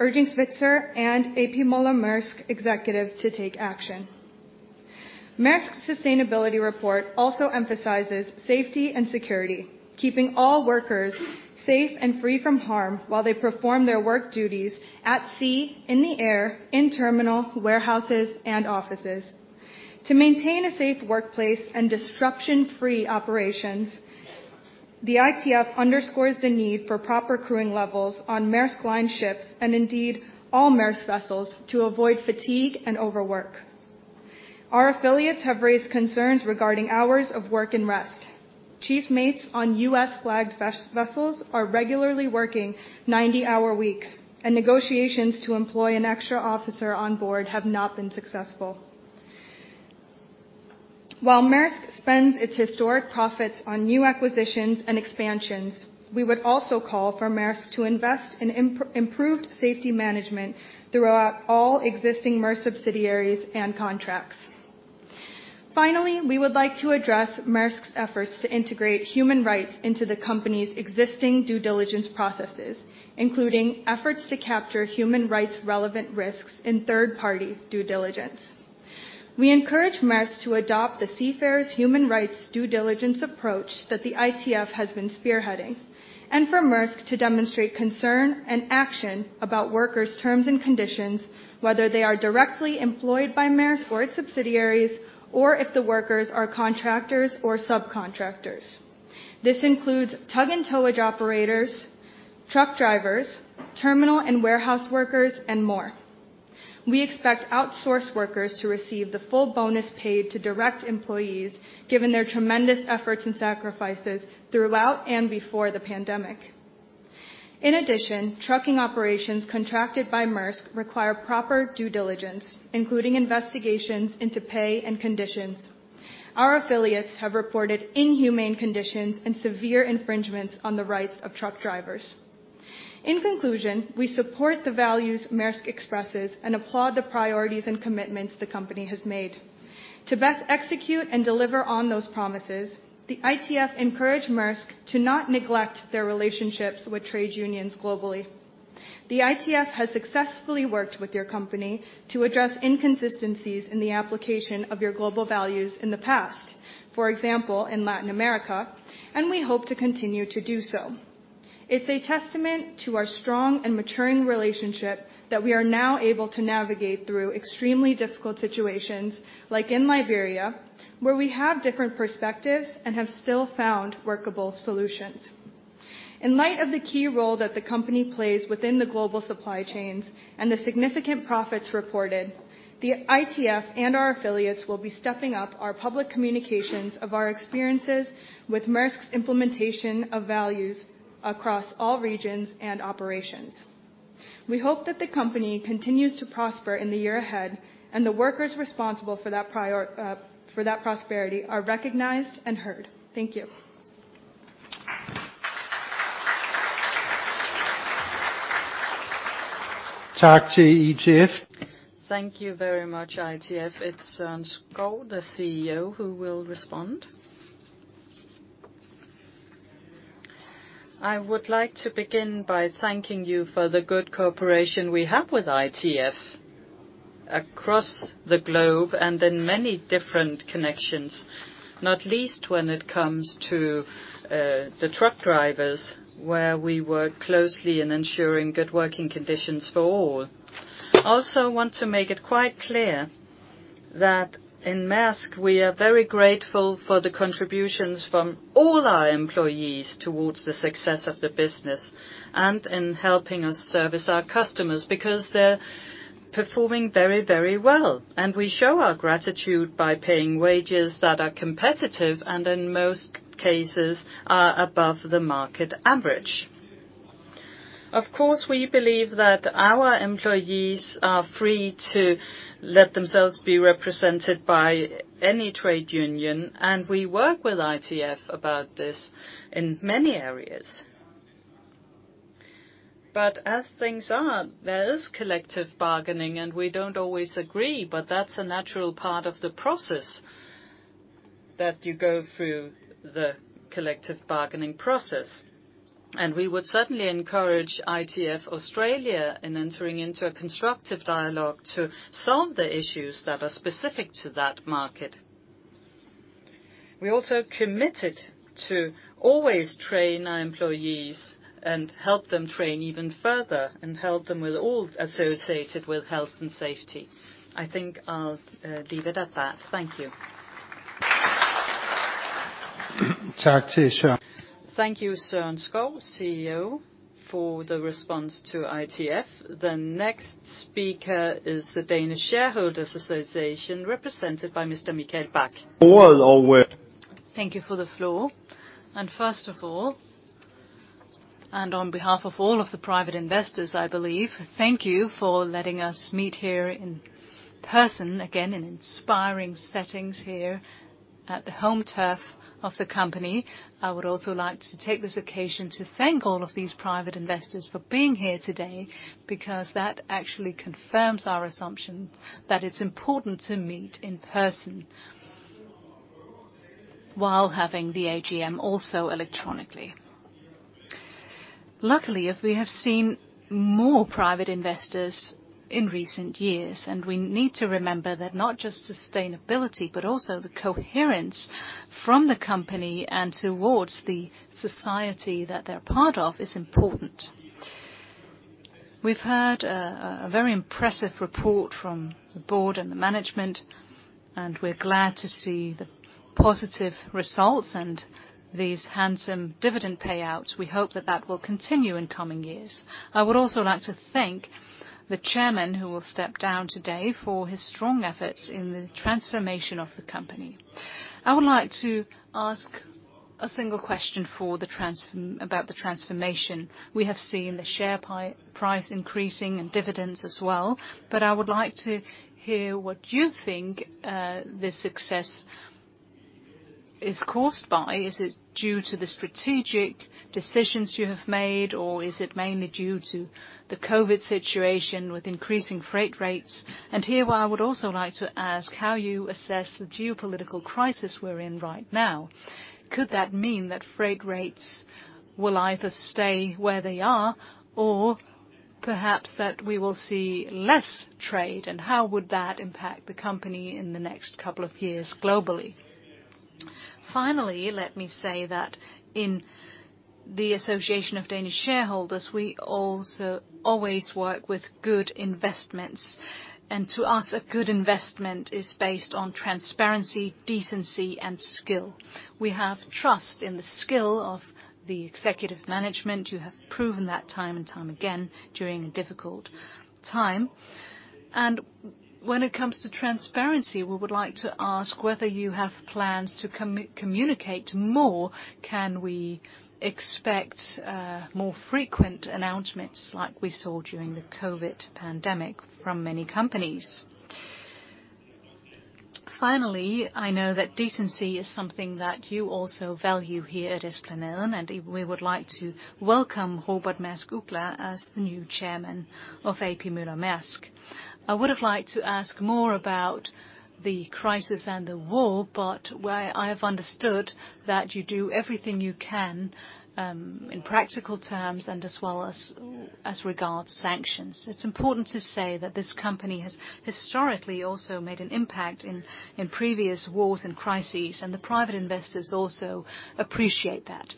Svitzer and A.P. Møller - Maersk executives to take action. Maersk's sustainability report also emphasizes safety and security, keeping all workers safe and free from harm while they perform their work duties at sea, in the air, in terminals, warehouses, and offices. To maintain a safe workplace and disruption-free operations, the ITF underscores the need for proper crewing levels on Maersk Line ships, and indeed all Maersk vessels to avoid fatigue and overwork. Our affiliates have raised concerns regarding hours of work and rest. Chief mates on U.S.-flagged vessels are regularly working 90-hour weeks, and negotiations to employ an extra officer on board have not been successful. While Maersk spends its historic profits on new acquisitions and expansions, we would also call for Maersk to invest in improved safety management throughout all existing Maersk subsidiaries and contracts. Finally, we would like to address Maersk's efforts to integrate human rights into the company's existing due diligence processes, including efforts to capture human rights relevant risks in third-party due diligence. We encourage Maersk to adopt the Seafarers' Human Rights Due Diligence approach that the ITF has been spearheading, and for Maersk to demonstrate concern and action about workers' terms and conditions, whether they are directly employed by Maersk or its subsidiaries, or if the workers are contractors or subcontractors. This includes tug and towage operators, truck drivers, terminal and warehouse workers, and more. We expect outsourced workers to receive the full bonus paid to direct employees given their tremendous efforts and sacrifices throughout and before the pandemic. In addition, trucking operations contracted by Maersk require proper due diligence, including investigations into pay and conditions. Our affiliates have reported inhumane conditions and severe infringements on the rights of truck drivers. In conclusion, we support the values Maersk expresses and applaud the priorities and commitments the company has made. To best execute and deliver on those promises, the ITF encourages Maersk to not neglect their relationships with trade unions globally. The ITF has successfully worked with your company to address inconsistencies in the application of your global values in the past, for example, in Latin America, and we hope to continue to do so. It's a testament to our strong and maturing relationship that we are now able to navigate through extremely difficult situations like in Liberia, where we have different perspectives and have still found workable solutions. In light of the key role that the company plays within the global supply chains and the significant profits reported, the ITF and our affiliates will be stepping up our public communications of our experiences with Maersk's implementation of values across all regions and operations. We hope that the company continues to prosper in the year ahead and the workers responsible for that prosperity are recognized and heard. Thank you. Thanks to ITF. Thank you very much, ITF. It's Søren Skou, the CEO, who will respond. I would like to begin by thanking you for the good cooperation we have with ITF across the globe and in many different connections, not least when it comes to the truck drivers, where we work closely in ensuring good working conditions for all. I also want to make it quite clear That in Maersk, we are very grateful for the contributions from all our employees towards the success of the business and in helping us service our customers, because they're performing very, very well. We show our gratitude by paying wages that are competitive, and in most cases are above the market average. Of course, we believe that our employees are free to let themselves be represented by any trade union, and we work with ITF about this in many areas. As things are, there is collective bargaining, and we don't always agree, but that's a natural part of the process that you go through the collective bargaining process. We would certainly encourage ITF Australia in entering into a constructive dialogue to solve the issues that are specific to that market. We're also committed to always train our employees and help them train even further and help them with all associated with health and safety. I think I'll leave it at that. Thank you. Thank you, Søren Skou, CEO, for the response to ITF. The next speaker is the Danish Shareholders' Association, represented by Mr. Mikael Bak. Thank you for the floor. First of all, and on behalf of all of the private investors, I believe, thank you for letting us meet here in person, again, in inspiring settings here at the home turf of the company. I would also like to take this occasion to thank all of these private investors for being here today, because that actually confirms our assumption that it's important to meet in person while having the AGM also electronically. Luckily, we have seen more private investors in recent years, and we need to remember that not just sustainability, but also the coherence from the company and towards the society that they're part of is important. We've heard a very impressive report from the board and the management, and we're glad to see the positive results and these handsome dividend payouts. We hope that that will continue in coming years. I would also like to thank the chairman who will step down today for his strong efforts in the transformation of the company. I would like to ask a single question about the transformation. We have seen the share price increasing and dividends as well, but I would like to hear what you think, the success is caused by. Is it due to the strategic decisions you have made, or is it mainly due to the COVID situation with increasing freight rates? Here, I would also like to ask how you assess the geopolitical crisis we're in right now. Could that mean that freight rates will either stay where they are or perhaps that we will see less trade, and how would that impact the company in the next couple of years globally? Finally, let me say that in the Danish Shareholders' Association, we also always work with good investments. To us, a good investment is based on transparency, decency, and skill. We have trust in the skill of the executive management. You have proven that time and time again during a difficult time. When it comes to transparency, we would like to ask whether you have plans to communicate more. Can we expect more frequent announcements like we saw during the COVID pandemic from many companies? Finally, I know that decency is something that you also value here at Esplanaden, and we would like to welcome Robert Maersk Uggla as the new chairman of A.P. Møller - Maersk. I would have liked to ask more about the crisis and the war, but where I have understood that you do everything you can, in practical terms and as well as regards sanctions. It's important to say that this company has historically also made an impact in previous wars and crises, and the private investors also appreciate that.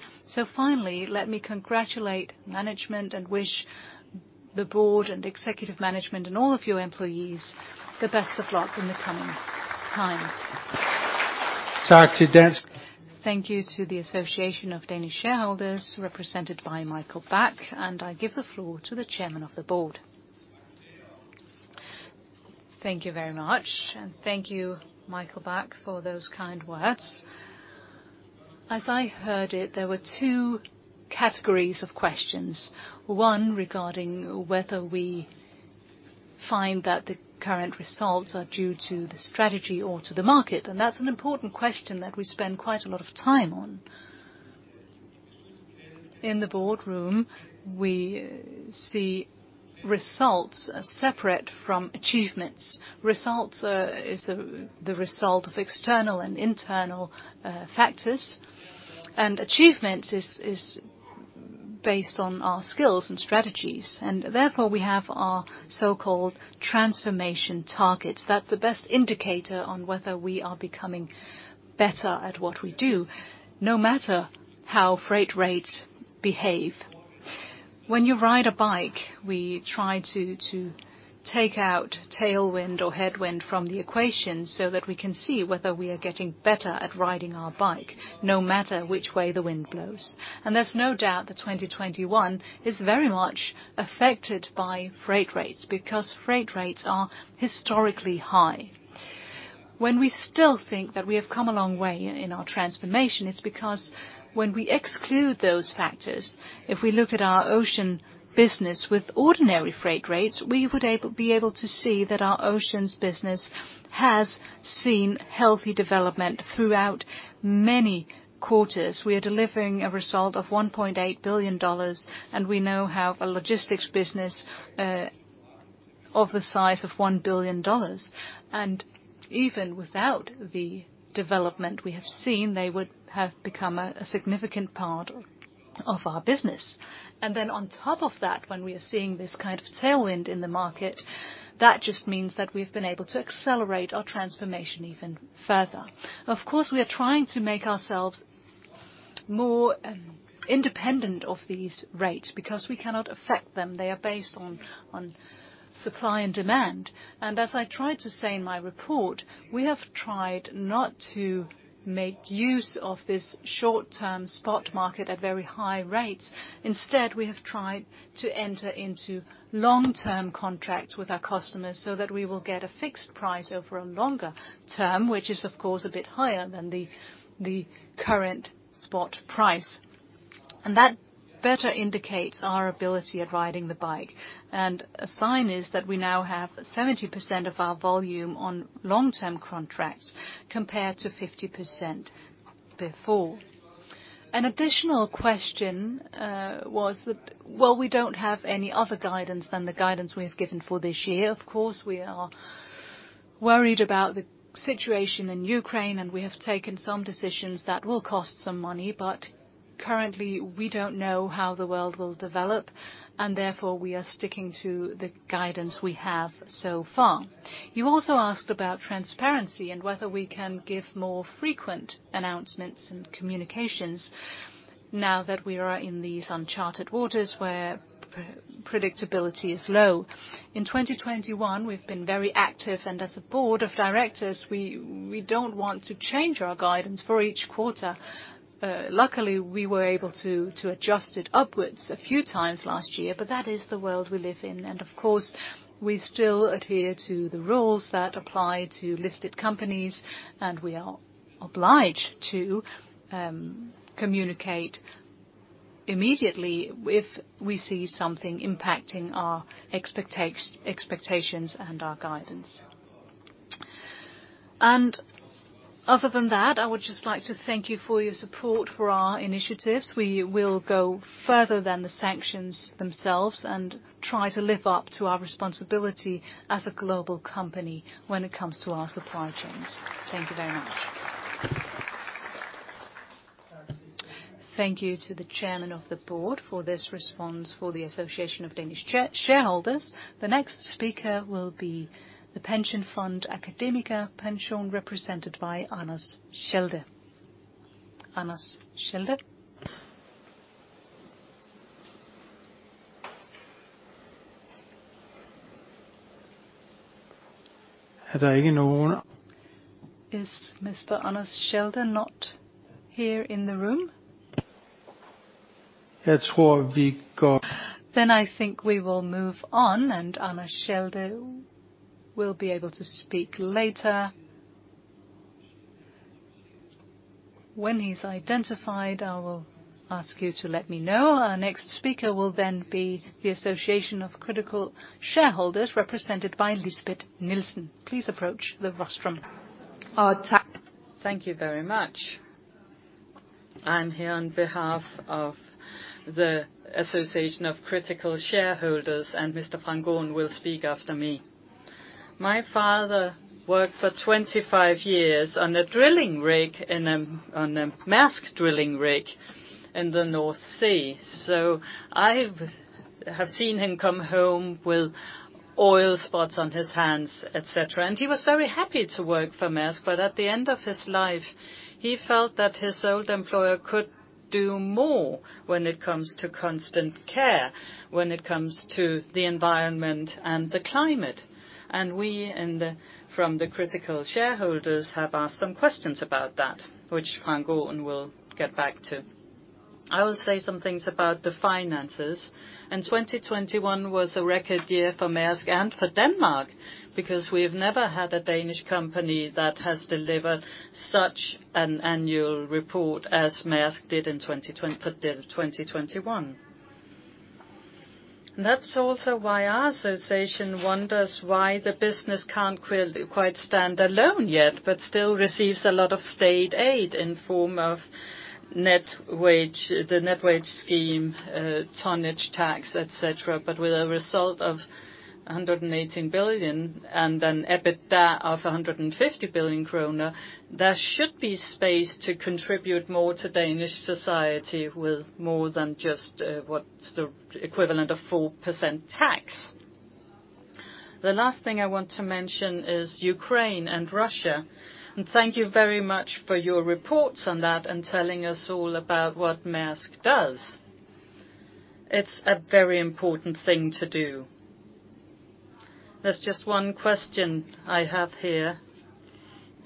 Finally, let me congratulate management and wish the board and executive management and all of your employees the best of luck in the coming time. Thank you to the Danish Shareholders Association, represented by Mikael Bak, and I give the floor to the Chairman of the Board. Thank you very much. Thank you, Mikael Bak, for those kind words. As I heard it, there were two categories of questions, one regarding whether we find that the current results are due to the strategy or to the market, and that's an important question that we spend quite a lot of time on. In the boardroom, we see results as separate from achievements. Results is the result of external and internal factors. Achievements is based on our skills and strategies. Therefore, we have our so-called transformation targets. That's the best indicator on whether we are becoming better at what we do, no matter how freight rates behave. When you ride a bike, we try to take out tailwind or headwind from the equation so that we can see whether we are getting better at riding our bike, no matter which way the wind blows. There's no doubt that 2021 is very much affected by freight rates, because freight rates are historically high. When we still think that we have come a long way in our transformation, it's because when we exclude those factors, if we look at our Ocean business with ordinary freight rates, we would be able to see that our Ocean business has seen healthy development throughout many quarters. We are delivering a result of $1.8 billion, and we now have a logistics business of the size of $1 billion. Even without the development we have seen, they would have become a significant part of our business. Then on top of that, when we are seeing this kind of tailwind in the market, that just means that we've been able to accelerate our transformation even further. Of course, we are trying to make ourselves more independent of these rates, because we cannot affect them. They are based on supply and demand. As I tried to say in my report, we have tried not to make use of this short-term spot market at very high rates. Instead, we have tried to enter into long-term contracts with our customers so that we will get a fixed price over a longer term, which is of course a bit higher than the current spot price. And that better indicates our ability at riding the bike. And a sign is that we now have 70% of our volume on long-term contracts compared to 50% before. An additional question was that. Well, we don't have any other guidance than the guidance we have given for this year. Of course, we are worried about the situation in Ukraine, and we have taken some decisions that will cost some money, but currently, we don't know how the world will develop and therefore we are sticking to the guidance we have so far. You also asked about transparency and whether we can give more frequent announcements and communications now that we are in these uncharted waters where predictability is low. In 2021, we've been very active, and as a Board of Directors, we don't want to change our guidance for each quarter. Luckily, we were able to adjust it upwards a few times last year, but that is the world we live in. Of course, we still adhere to the rules that apply to listed companies, and we are obliged to communicate immediately if we see something impacting our expectations and our guidance. Other than that, I would just like to thank you for your support for our initiatives. We will go further than the sanctions themselves and try to live up to our responsibility as a global company when it comes to our supply chains. Thank you very much. Thank you to the chairman of the board for this response for the Danish Shareholders' Association. The next speaker will be the pension fund AkademikerPension, represented by Anders Schelde. Anders Schelde? Is Mr. Anders Schelde not here in the room? I think we will move on, and Anders Schelde will be able to speak later. When he's identified, I will ask you to let me know. Our next speaker will then be the Association of Critical Shareholders, represented by Lisbeth Bech-Nielsen. Please approach the rostrum. Thank you very much. I'm here on behalf of the Association of Critical Shareholders, and Mr. Frank Aaen will speak after me. My father worked for 25 years on a Maersk Drilling rig in the North Sea. I've seen him come home with oil spots on his hands, et cetera. He was very happy to work for Maersk, but at the end of his life, he felt that his old employer could do more when it comes to constant care, when it comes to the environment and the climate. We from the critical shareholders have asked some questions about that, which Frank Aaen will get back to. I will say some things about the finances. 2021 was a record year for Maersk and for Denmark, because we have never had a Danish company that has delivered such an annual report as Maersk did in 2020, for the 2021. That's also why our association wonders why the business can't quite stand alone yet, but still receives a lot of state aid in form of net wage, the net wage scheme, tonnage tax, et cetera. But with a result of 118 billion and an EBITDA of 150 billion kroner, there should be space to contribute more to Danish society with more than just what's the equivalent of 4% tax. The last thing I want to mention is Ukraine and Russia. Thank you very much for your reports on that and telling us all about what Maersk does. It's a very important thing to do. There's just one question I have here.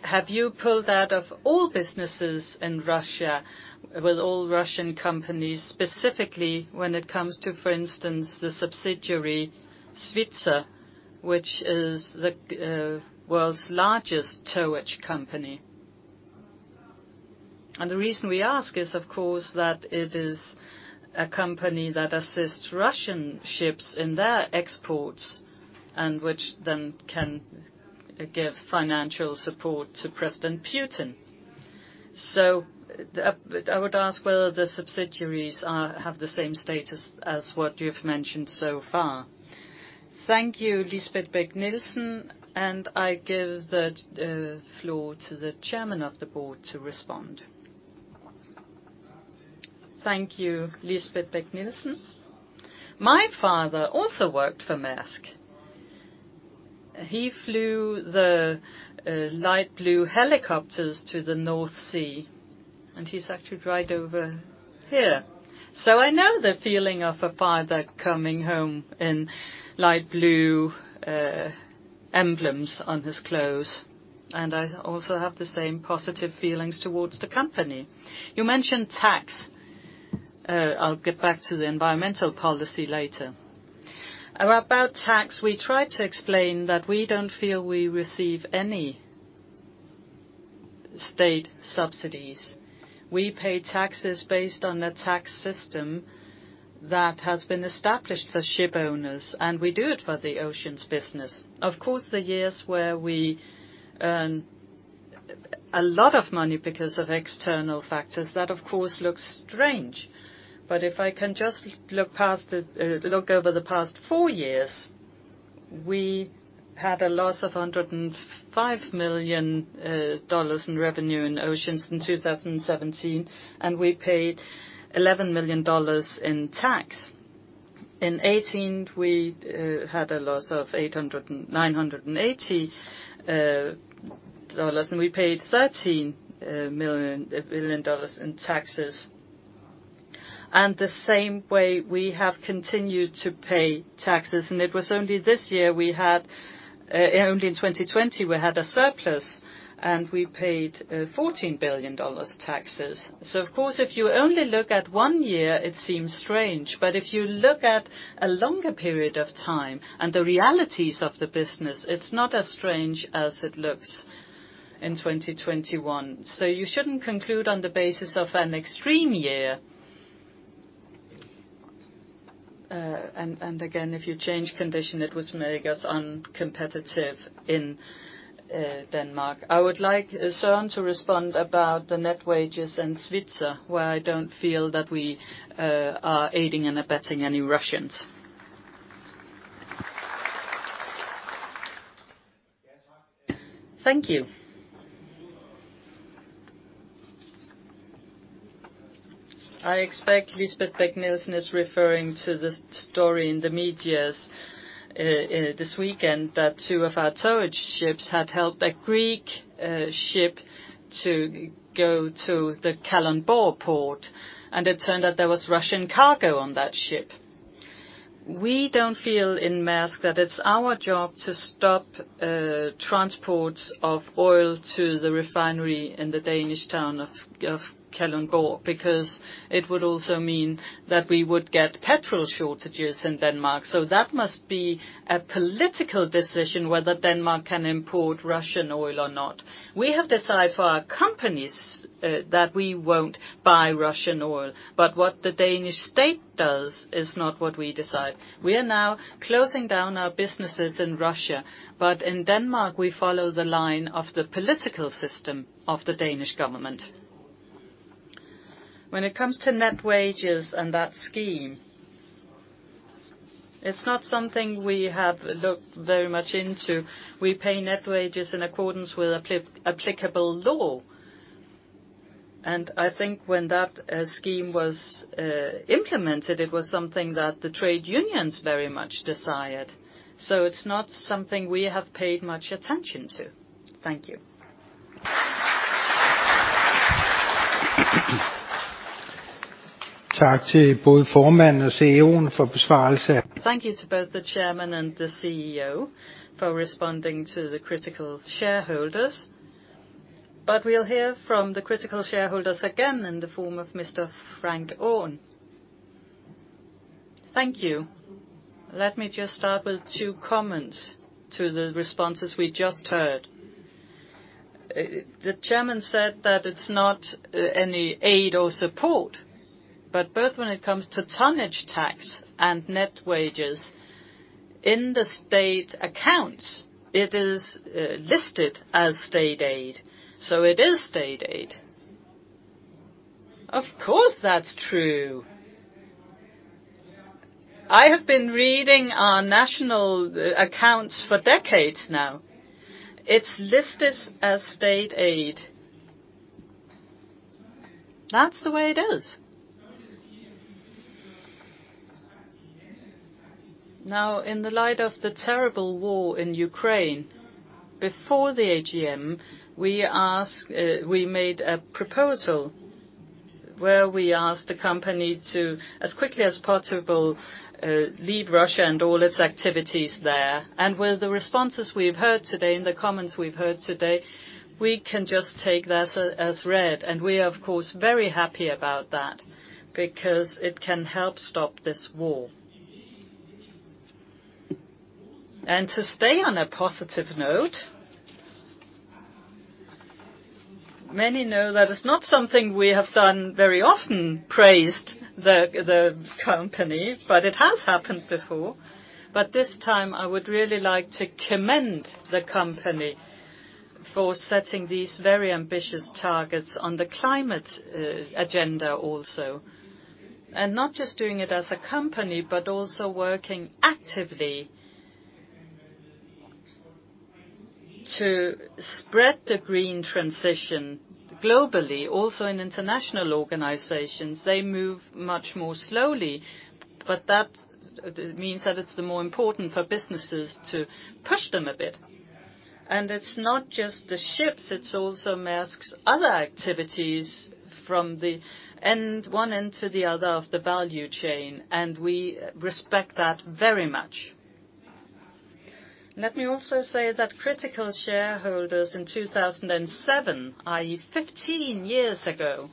Have you pulled out of all businesses in Russia with all Russian companies, specifically when it comes to, for instance, the subsidiary, Svitzer, which is the world's largest towage company? The reason we ask is, of course, that it is a company that assists Russian ships in their exports, and which then can give financial support to President Putin. I would ask whether the subsidiaries have the same status as what you've mentioned so far. Thank you, Lisbeth Bech-Nielsen, and I give the floor to the Chairman of the Board to respond. Thank you, Lisbeth Bech-Nielsen. My father also worked for Maersk. He flew the light blue helicopters to the North Sea, and he's actually right over here. I know the feeling of a father coming home in light blue emblems on his clothes, and I also have the same positive feelings towards the company. You mentioned tax. I'll get back to the environmental policy later. About tax, we try to explain that we don't feel we receive any state subsidies. We pay taxes based on the tax system that has been established for shipowners, and we do it for the oceans business. Of course, the years where we earn a lot of money because of external factors, that of course looks strange. But if I can just look over the past four years, we had a loss of $105 million in revenue in oceans in 2017, and we paid $11 million in tax. In 2018, we had a loss of $980 million, and we paid $13 billion in taxes. The same way, we have continued to pay taxes. It was only this year, in 2020, we had a surplus, and we paid $14 billion in taxes. Of course, if you only look at one year, it seems strange, but if you look at a longer period of time and the realities of the business, it's not as strange as it looks in 2021. You shouldn't conclude on the basis of an extreme year. Again, if you change condition, it would make us uncompetitive in Denmark. I would like Søren to respond about the net wages in Svitzer, where I don't feel that we are aiding and abetting any Russians. Thank you. I expect Lisbeth Bech-Nielsen is referring to the story in the media this weekend that two of our towage ships had helped a Greek ship to go to the Kalundborg port, and it turned out there was Russian cargo on that ship. We don't feel in Maersk that it's our job to stop transports of oil to the refinery in the Danish town of Kalundborg, because it would also mean that we would get petrol shortages in Denmark. That must be a political decision whether Denmark can import Russian oil or not. We have decided for our companies that we won't buy Russian oil, but what the Danish state does is not what we decide. We are now closing down our businesses in Russia. In Denmark, we follow the line of the political system of the Danish government. When it comes to net wages and that scheme, it's not something we have looked very much into. We pay net wages in accordance with applicable law. I think when that scheme was implemented, it was something that the trade unions very much desired. It's not something we have paid much attention to. Thank you. Thank you to both the chairman and the CEO for responding to the Critical Shareholders. We'll hear from the Critical Shareholders again in the form of Mr. Frank Aaen. Thank you. Let me just start with two comments to the responses we just heard. The chairman said that it's not any aid or support, but both when it comes to tonnage tax and net wages, in the state accounts, it is listed as state aid, so it is state aid. Of course, that's true. I have been reading our national accounts for decades now. It's listed as state aid. That's the way it is. Now, in the light of the terrible war in Ukraine, before the AGM, we made a proposal where we asked the company to, as quickly as possible, leave Russia and all its activities there. With the responses we've heard today and the comments we've heard today, we can just take that as read. We are, of course, very happy about that because it can help stop this war. To stay on a positive note, many know that it's not something we have done very often, praised the company, but it has happened before. This time, I would really like to commend the company for setting these very ambitious targets on the climate agenda also. Not just doing it as a company, but also working actively to spread the green transition globally. Also in international organizations, they move much more slowly, but that means that it's the more important for businesses to push them a bit. It's not just the ships, it's also Maersk's other activities from one end to the other of the value chain, and we respect that very much. Let me also say that Critical Shareholders in 2007, i.e., 15 years ago,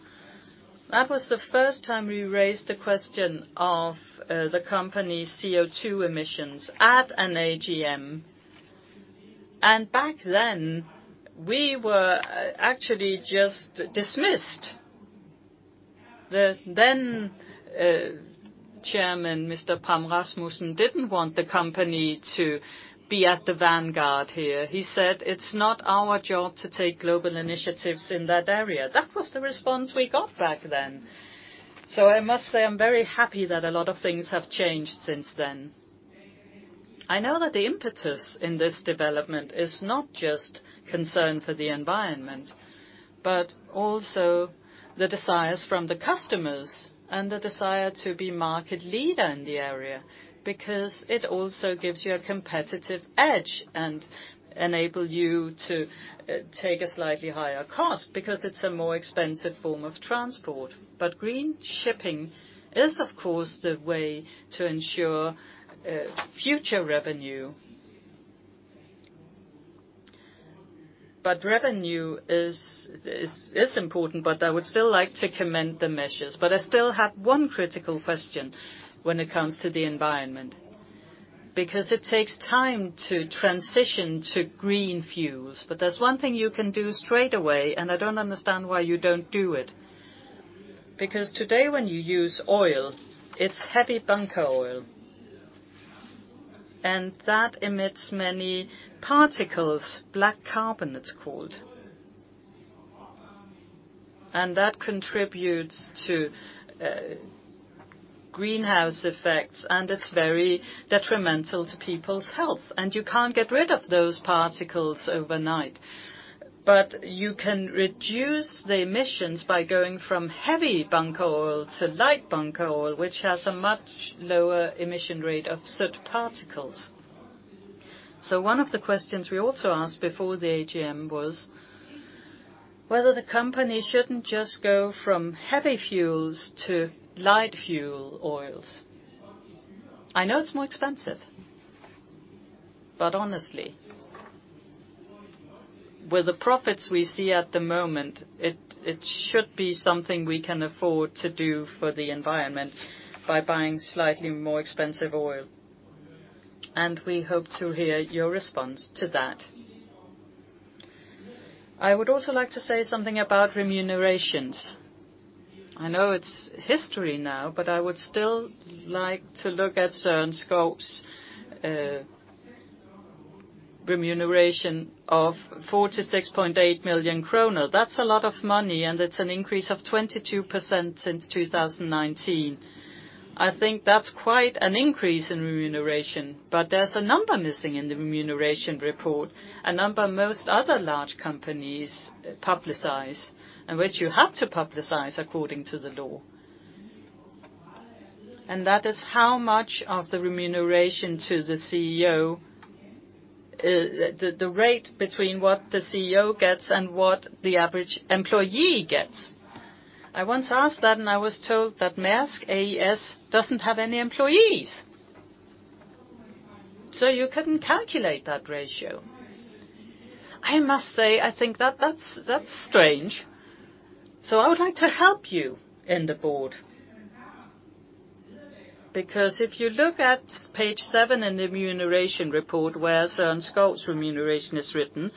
that was the first time we raised the question of the company's CO2 emissions at an AGM. Back then, we were actually just dismissed. The then chairman, Mr. Pram Rasmussen, didn't want the company to be at the vanguard here. He said, "It's not our job to take global initiatives in that area." That was the response we got back then. I must say, I'm very happy that a lot of things have changed since then. I know that the impetus in this development is not just concern for the environment, but also the desires from the customers and the desire to be market leader in the area, because it also gives you a competitive edge and enable you to take a slightly higher cost because it's a more expensive form of transport. Green shipping is, of course, the way to ensure future revenue. Revenue is important, but I would still like to commend the measures. I still have one critical question when it comes to the environment, because it takes time to transition to green fuels. There's one thing you can do straight away, and I don't understand why you don't do it. Because today, when you use oil, it's heavy bunker oil, and that emits many particles, black carbon, it's called. That contributes to greenhouse effects, and it's very detrimental to people's health. You can't get rid of those particles overnight. You can reduce the emissions by going from heavy bunker oil to light bunker oil, which has a much lower emission rate of soot particles. One of the questions we also asked before the AGM was whether the company shouldn't just go from heavy fuels to light fuel oils. I know it's more expensive, but honestly, with the profits we see at the moment, it should be something we can afford to do for the environment by buying slightly more expensive oil. We hope to hear your response to that. I would also like to say something about remunerations. I know it's history now, but I would still like to look at Søren Skou's remuneration of 46.8 million kroner. That's a lot of money, and it's an increase of 22% since 2019. I think that's quite an increase in remuneration. There's a number missing in the remuneration report, a number most other large companies publicize, and which you have to publicize according to the law. That is how much of the remuneration to the CEO, the rate between what the CEO gets and what the average employee gets. I once asked that, and I was told that Maersk A/S doesn't have any employees. You couldn't calculate that ratio. I must say, I think that's strange. I would like to help you and the board. Because if you look at page 7 in the remuneration report where Søren Skou's remuneration is written,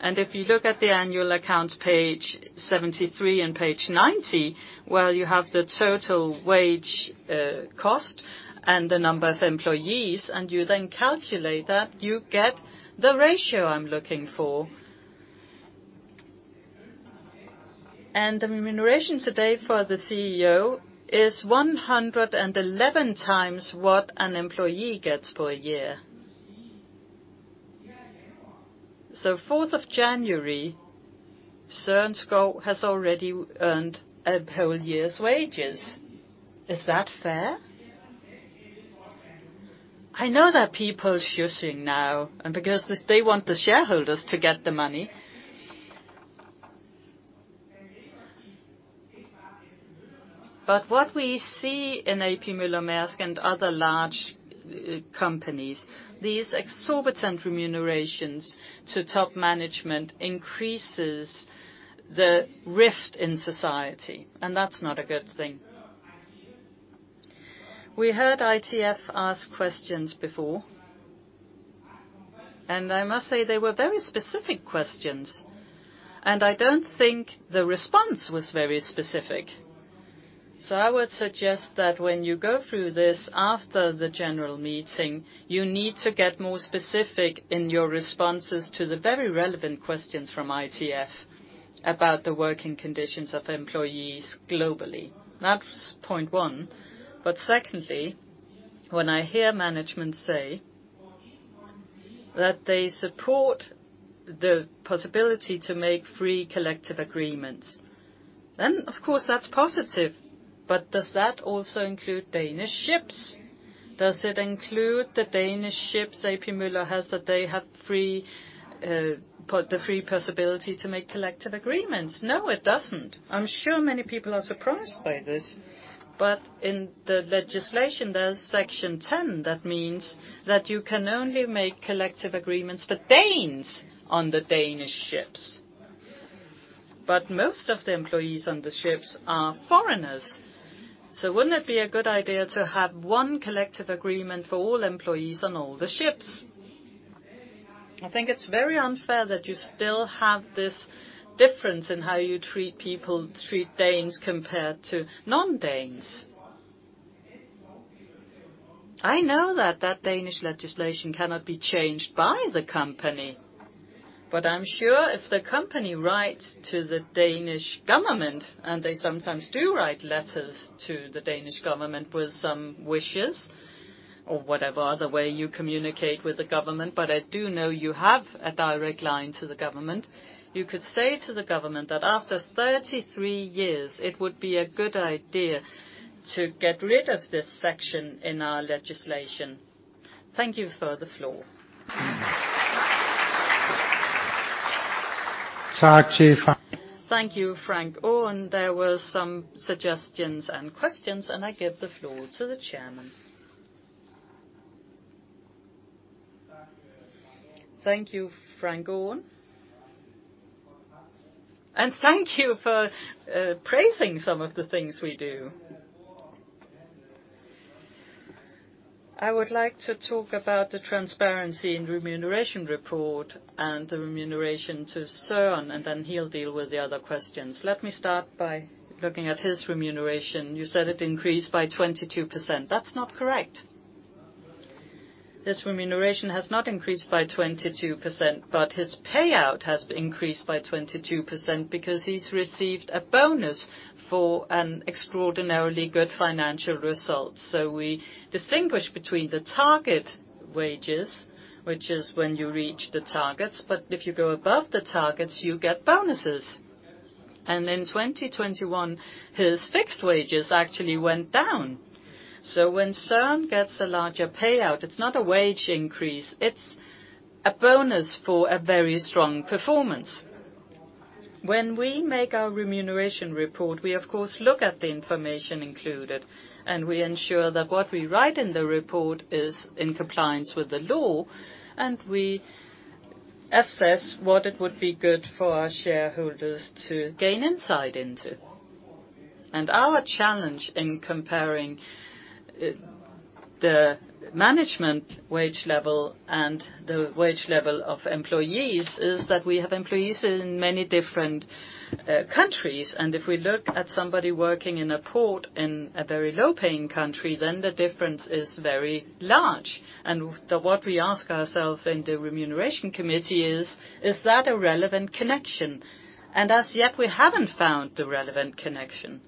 and if you look at the annual account page 73 and page 90, where you have the total wage cost and the number of employees, and you then calculate that, you get the ratio I'm looking for. The remuneration today for the CEO is 111 times what an employee gets for a year. January 4, Søren Skou has already earned a whole year's wages. Is that fair? I know that people shushing now and because this, they want the shareholders to get the money. What we see in A.P. Møller - Maersk and other large companies, these exorbitant remunerations to top management increases the rift in society, and that's not a good thing. We heard ITF ask questions before, and I must say they were very specific questions, and I don't think the response was very specific. I would suggest that when you go through this after the general meeting, you need to get more specific in your responses to the very relevant questions from ITF about the working conditions of employees globally. That's point one. Secondly, when I hear management say that they support the possibility to make free collective agreements, then of course that's positive. Does that also include Danish ships? Does it include the Danish ships A.P. Møller has, that they have free, the free possibility to make collective agreements? No, it doesn't. I'm sure many people are surprised by this, but in the legislation, there's Section Ten that means that you can only make collective agreements for Danes on the Danish ships. Most of the employees on the ships are foreigners. Wouldn't it be a good idea to have one collective agreement for all employees on all the ships? I think it's very unfair that you still have this difference in how you treat people, treat Danes compared to non-Danes. I know that Danish legislation cannot be changed by the company, but I'm sure if the company writes to the Danish government, and they sometimes do write letters to the Danish government with some wishes or whatever other way you communicate with the government, but I do know you have a direct line to the government. You could say to the government that after 33 years, it would be a good idea to get rid of this section in our legislation. Thank you for the floor. Thank you, Frank. Thank you, Frank. There were some suggestions and questions, and I give the floor to the chairman. Thank you, Frank Aaen. Thank you for praising some of the things we do. I would like to talk about the transparency and remuneration report and the remuneration to Søren, and then he'll deal with the other questions. Let me start by looking at his remuneration. You said it increased by 22%. That's not correct. His remuneration has not increased by 22%, but his payout has increased by 22% because he's received a bonus for an extraordinarily good financial result. We distinguish between the target wages, which is when you reach the targets, but if you go above the targets, you get bonuses. In 2021, his fixed wages actually went down. When Søren gets a larger payout, it's not a wage increase, it's a bonus for a very strong performance. When we make our remuneration report, we of course look at the information included, and we ensure that what we write in the report is in compliance with the law, and we assess what it would be good for our shareholders to gain insight into. Our challenge in comparing the management wage level and the wage level of employees is that we have employees in many different countries. If we look at somebody working in a port in a very low-paying country, then the difference is very large. What we ask ourselves in the Remuneration Committee is that a relevant connection? As yet, we haven't found the relevant connection.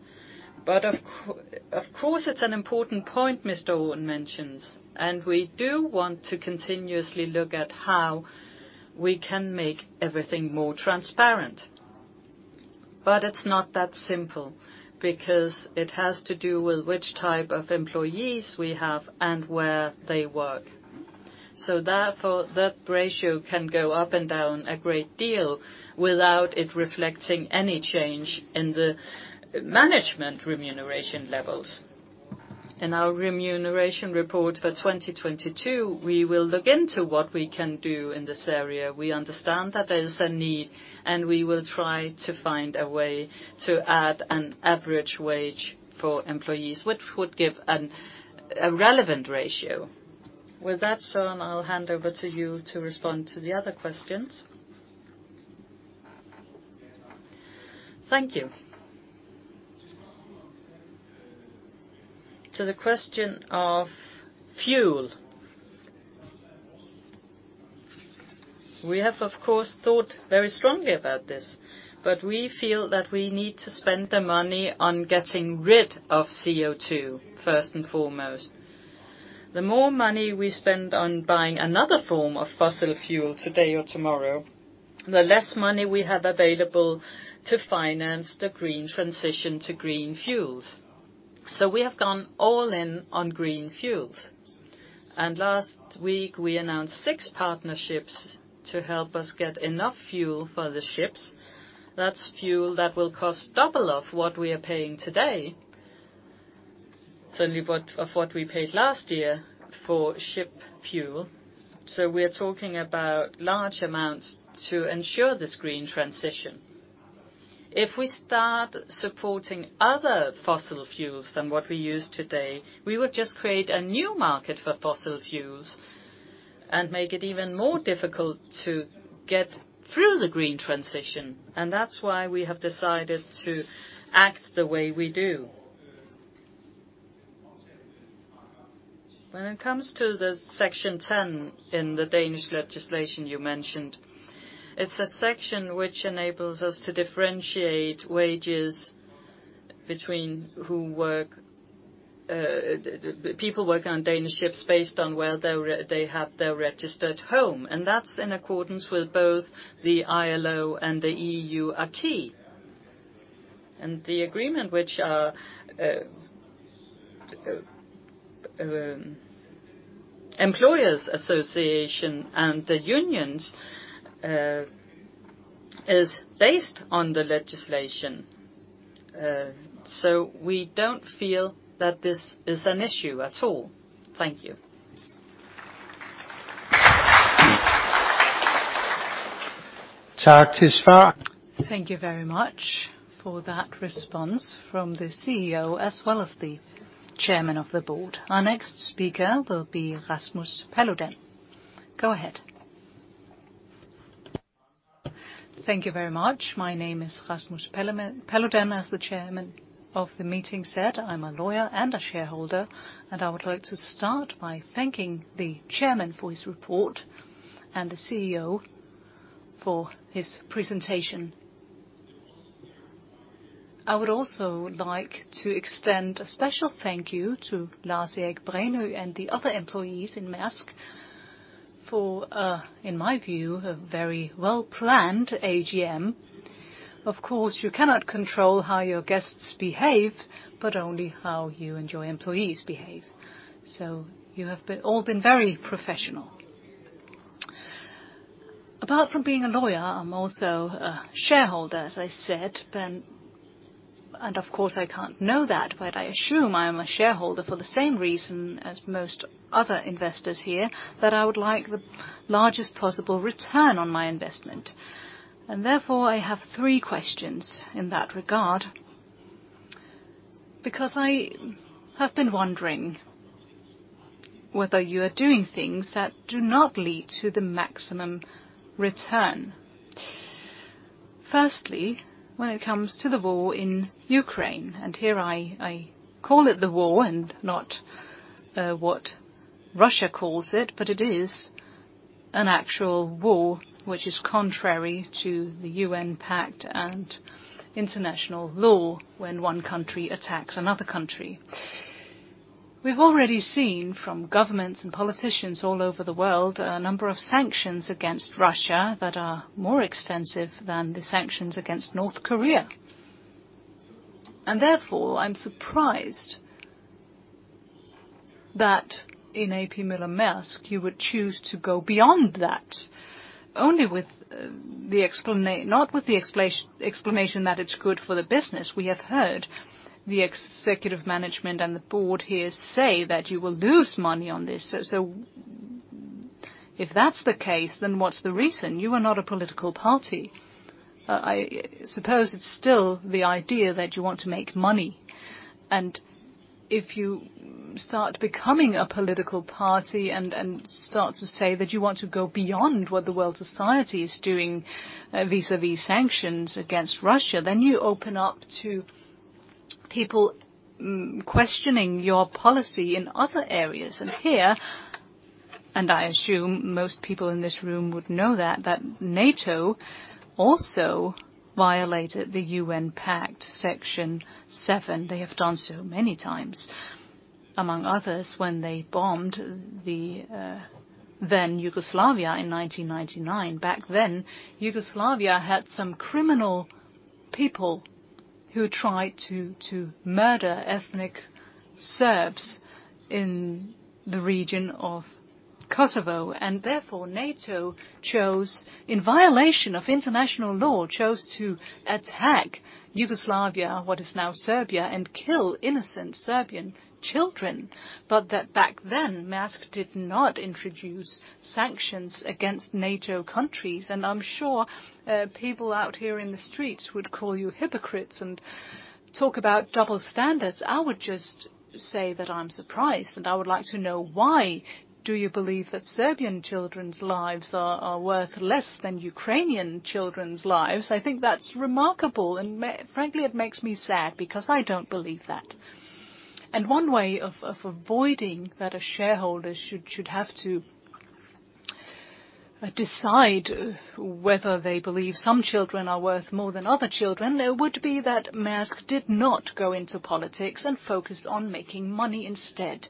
Of course, it's an important point Mr. Olsen mentions. We do want to continuously look at how we can make everything more transparent. It's not that simple because it has to do with which type of employees we have and where they work. Therefore, that ratio can go up and down a great deal without it reflecting any change in the management remuneration levels. In our remuneration report for 2022, we will look into what we can do in this area. We understand that there is a need, and we will try to find a way to add an average wage for employees, which would give a relevant ratio. With that, Søren, I'll hand over to you to respond to the other questions. Thank you. To the question of fuel. We have, of course, thought very strongly about this, but we feel that we need to spend the money on getting rid of CO₂ first and foremost. The more money we spend on buying another form of fossil fuel today or tomorrow, the less money we have available to finance the green transition to green fuels. We have gone all in on green fuels. Last week, we announced six partnerships to help us get enough fuel for the ships. That's fuel that will cost double what we are paying today, certainly double what we paid last year for ship fuel. We're talking about large amounts to ensure this green transition. If we start supporting other fossil fuels than what we use today, we would just create a new market for fossil fuels and make it even more difficult to get through the green transition, and that's why we have decided to act the way we do. When it comes to the Section Ten in the Danish legislation you mentioned, it's a section which enables us to differentiate wages between who work, the people working on Danish ships based on where they have their registered home, and that's in accordance with both the ILO and the EU acquis. The agreement which employers association and the unions is based on the legislation. We don't feel that this is an issue at all. Thank you. Thank you very much for that response from the CEO as well as the Chairman of the Board. Our next speaker will be Rasmus Paludan. Go ahead. Thank you very much. My name is Rasmus Paludan. As the chairman of the meeting said, I'm a lawyer and a shareholder, and I would like to start by thanking the chairman for his report and the CEO for his presentation. I would also like to extend a special thank you to Lars Erik Brenøe and the other employees in Maersk for, in my view, a very well-planned AGM. Of course, you cannot control how your guests behave, but only how you and your employees behave. You have all been very professional. Apart from being a lawyer, I'm also a shareholder, as I said, and of course I can't know that, but I assume I'm a shareholder for the same reason as most other investors here, that I would like the largest possible return on my investment. Therefore, I have three questions in that regard. Because I have been wondering whether you are doing things that do not lead to the maximum return. Firstly, when it comes to the war in Ukraine, and here I call it the war and not what Russia calls it, but it is an actual war which is contrary to the UN pact and international law when one country attacks another country. We've already seen from governments and politicians all over the world a number of sanctions against Russia that are more extensive than the sanctions against North Korea. Therefore, I'm surprised that in A.P. Møller - Maersk you would choose to go beyond that only with the explanation that it's good for the business. We have heard the executive management and the board here say that you will lose money on this. If that's the case, then what's the reason? You are not a political party. I suppose it's still the idea that you want to make money. If you start becoming a political party and start to say that you want to go beyond what the world society is doing vis-à-vis sanctions against Russia, then you open up to people questioning your policy in other areas. Here, I assume most people in this room would know that NATO also violated the UN pact, Section Seven. They have done so many times, among others, when they bombed the then Yugoslavia in 1999. Back then, Yugoslavia had some criminal people who tried to murder ethnic Serbs in the region of Kosovo, and therefore NATO chose, in violation of international law, chose to attack Yugoslavia, what is now Serbia, and kill innocent Serbian children. That back then, Maersk did not introduce sanctions against NATO countries, and I'm sure people out here in the streets would call you hypocrites and talk about double standards. I would just say that I'm surprised, and I would like to know why do you believe that Serbian children's lives are worth less than Ukrainian children's lives? I think that's remarkable, and frankly, it makes me sad because I don't believe that. One way of avoiding that a shareholder should have to decide whether they believe some children are worth more than other children. There would be that Maersk did not go into politics and focus on making money instead.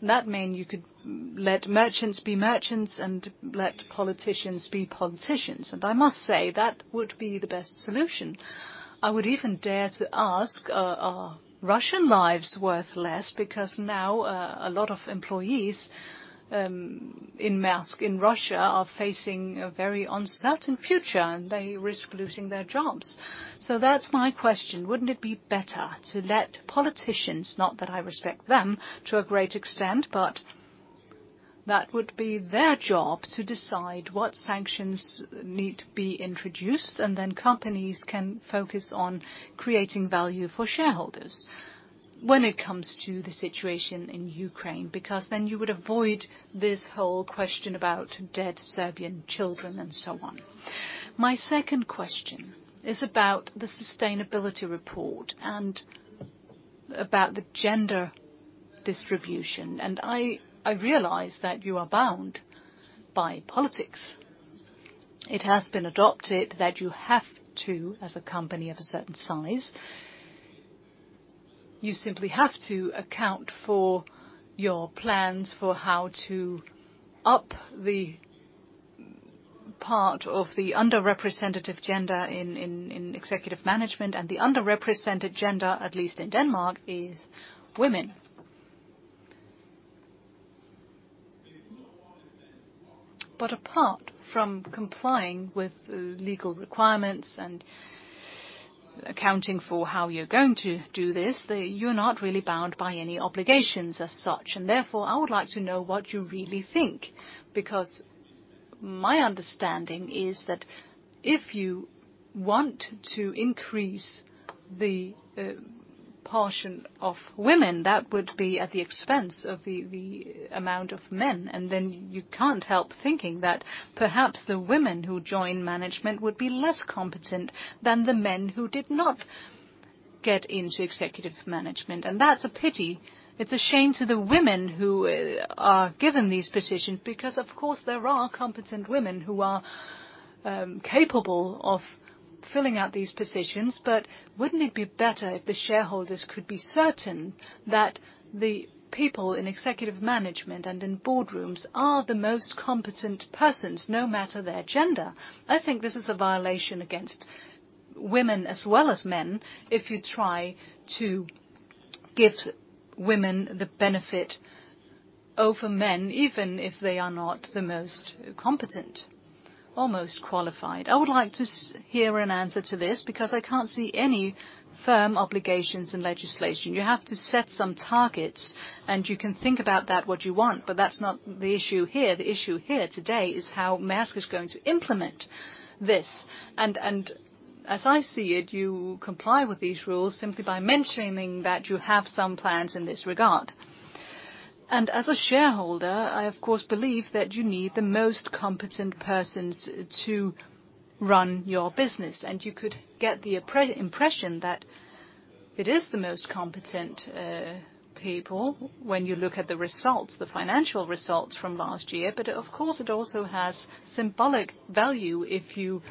That mean you could let merchants be merchants and let politicians be politicians. I must say that would be the best solution. I would even dare to ask, are Russian lives worth less? Because now, a lot of employees in Maersk in Russia are facing a very uncertain future, and they risk losing their jobs. That's my question. Wouldn't it be better to let politicians, not that I respect them to a great extent, but that would be their job to decide what sanctions need to be introduced, and then companies can focus on creating value for shareholders when it comes to the situation in Ukraine, because then you would avoid this whole question about dead Serbian children and so on. My second question is about the sustainability report and about the gender distribution. I realize that you are bound by politics. It has been adopted that you have to, as a company of a certain size, you simply have to account for your plans for how to up the part of the under-representative gender in executive management. The underrepresented gender, at least in Denmark, is women. Apart from complying with legal requirements and accounting for how you're going to do this, you're not really bound by any obligations as such. Therefore, I would like to know what you really think, because my understanding is that if you want to increase the portion of women, that would be at the expense of the amount of men. You can't help thinking that perhaps the women who join management would be less competent than the men who did not get into executive management. That's a pity. It's a shame to the women who are given these positions because of course there are competent women who are capable of filling out these positions. Wouldn't it be better if the shareholders could be certain that the people in executive management and in boardrooms are the most competent persons, no matter their gender? I think this is a violation against women as well as men if you try to give women the benefit over men, even if they are not the most competent, or most qualified. I would like to hear an answer to this because I can't see any firm obligations in legislation. You have to set some targets, and you can think about that what you want, but that's not the issue here. The issue here today is how Maersk is going to implement this. As I see it, you comply with these rules simply by mentioning that you have some plans in this regard. As a shareholder, I of course believe that you need the most competent persons to run your business, and you could get the a priori impression that it is the most competent people when you look at the results, the financial results from last year. Of course, it also has symbolic value if you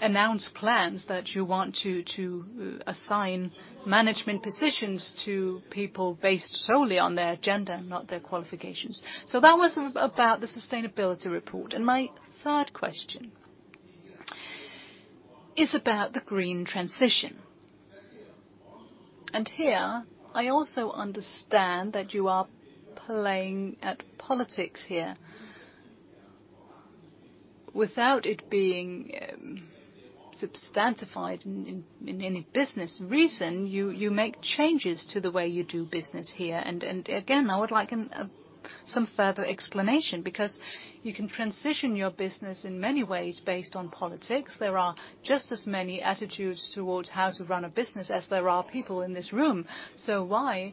announce plans that you want to assign management positions to people based solely on their gender and not their qualifications. That was about the sustainability report. My third question is about the green transition. Here I also understand that you are playing at politics here without it being substantiated in any business reason. You make changes to the way you do business here and again, I would like some further explanation because you can transition your business in many ways based on politics. There are just as many attitudes towards how to run a business as there are people in this room. So why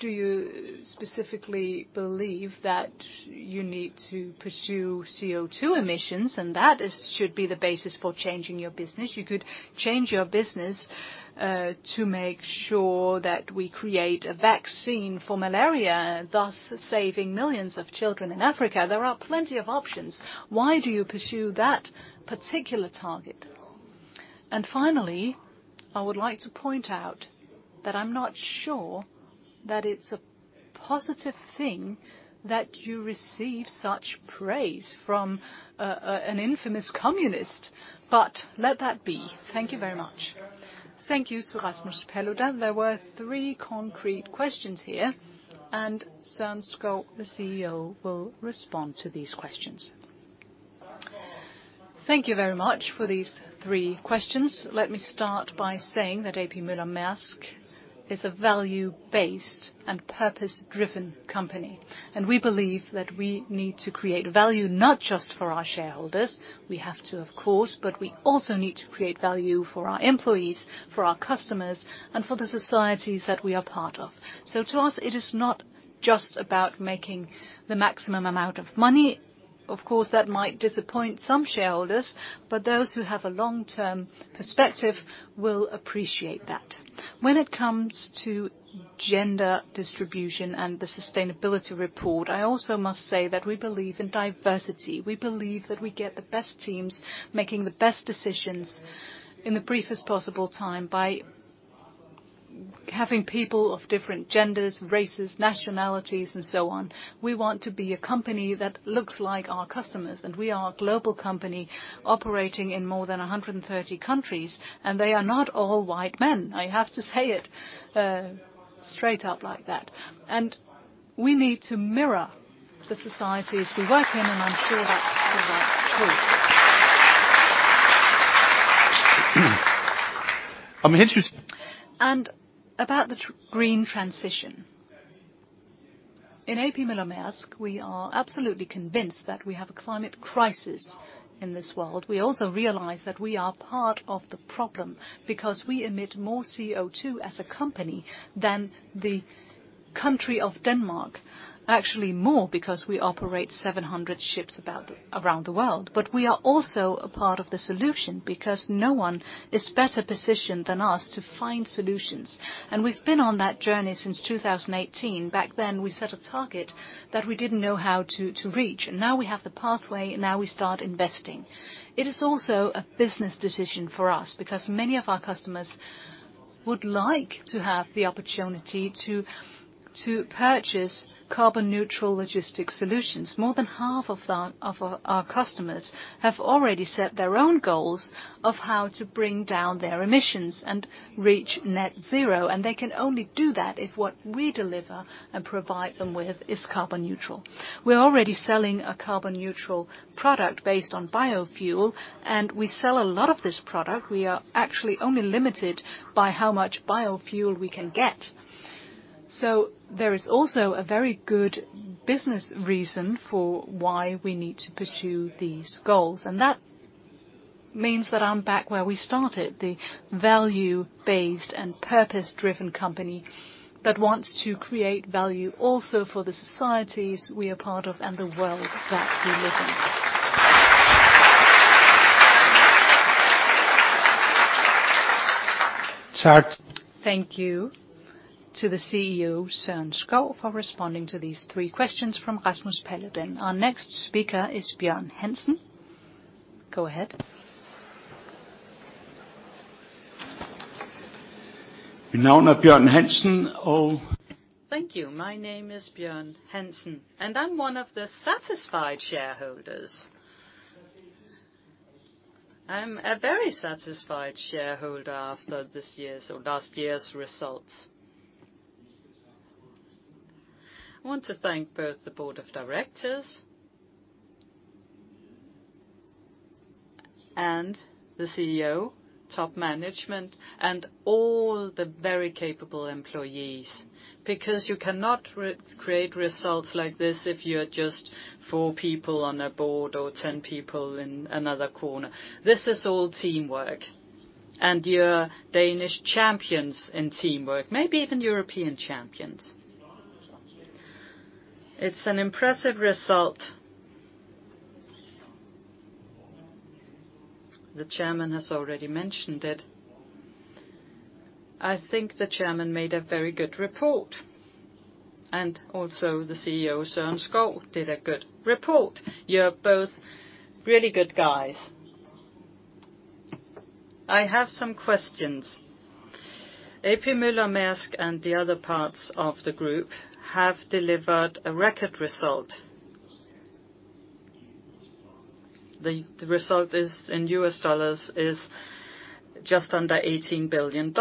do you specifically believe that you need to pursue CO2 emissions and that it should be the basis for changing your business? You could change your business to make sure that we create a vaccine for malaria, thus saving millions of children in Africa. There are plenty of options. Why do you pursue that particular target? Finally, I would like to point out that I'm not sure that it's a positive thing that you receive such praise from an infamous communist. Let that be. Thank you very much. Thank you, Rasmus Paludan. There were three concrete questions here, and Søren Skou, the CEO, will respond to these questions. Thank you very much for these three questions. Let me start by saying that A.P. Møller - Maersk is a value-based and purpose-driven company, and we believe that we need to create value not just for our shareholders, we have to, of course, but we also need to create value for our employees, for our customers, and for the societies that we are part of. To us, it is not just about making the maximum amount of money. Of course, that might disappoint some shareholders, but those who have a long-term perspective will appreciate that. When it comes to gender distribution and the sustainability report, I also must say that we believe in diversity. We believe that we get the best teams making the best decisions in the briefest possible time by having people of different genders, races, nationalities and so on. We want to be a company that looks like our customers, and we are a global company operating in more than 130 countries, and they are not all white men. I have to say it straight up like that. We need to mirror the societies we work in, and I'm sure that is our choice. I'm interested in the green transition. In A.P. Møller - Maersk, we are absolutely convinced that we have a climate crisis in this world. We also realize that we are part of the problem because we emit more CO2 as a company than the country of Denmark, actually more because we operate 700 ships around the world. We are also a part of the solution because no one is better positioned than us to find solutions. We've been on that journey since 2018. Back then, we set a target that we didn't know how to reach. Now we have the pathway. Now we start investing. It is also a business decision for us because many of our customers would like to have the opportunity to purchase carbon neutral logistics solutions. More than half of our customers have already set their own goals of how to bring down their emissions and reach net zero, and they can only do that if what we deliver and provide them with is carbon neutral. We're already selling a carbon neutral product based on biofuel, and we sell a lot of this product. We are actually only limited by how much biofuel we can get. There is also a very good business reason for why we need to pursue these goals, and that means that I'm back where we started, the value-based and purpose-driven company that wants to create value also for the societies we are part of and the world that we live in. Chart. Thank you to the CEO, Søren Skou, for responding to these three questions from Rasmus Paludan. Our next speaker is Björn Hansen. Go ahead. The name of Björn Hansen. Thank you. My name is Björn Hansen, and I'm one of the satisfied shareholders. I'm a very satisfied shareholder after this year's or last year's results. I want to thank both the board of directors and the CEO, top management, and all the very capable employees, because you cannot re-create results like this if you're just four people on a board or 10 people in another corner. This is all teamwork, and you're Danish champions in teamwork, maybe even European champions. It's an impressive result. The chairman has already mentioned it. I think the chairman made a very good report, and also the CEO, Søren Skou, did a good report. You're both really good guys. I have some questions. A.P. Møller - Maersk and the other parts of the group have delivered a record result. The result, in US dollars, is just under $18 billion.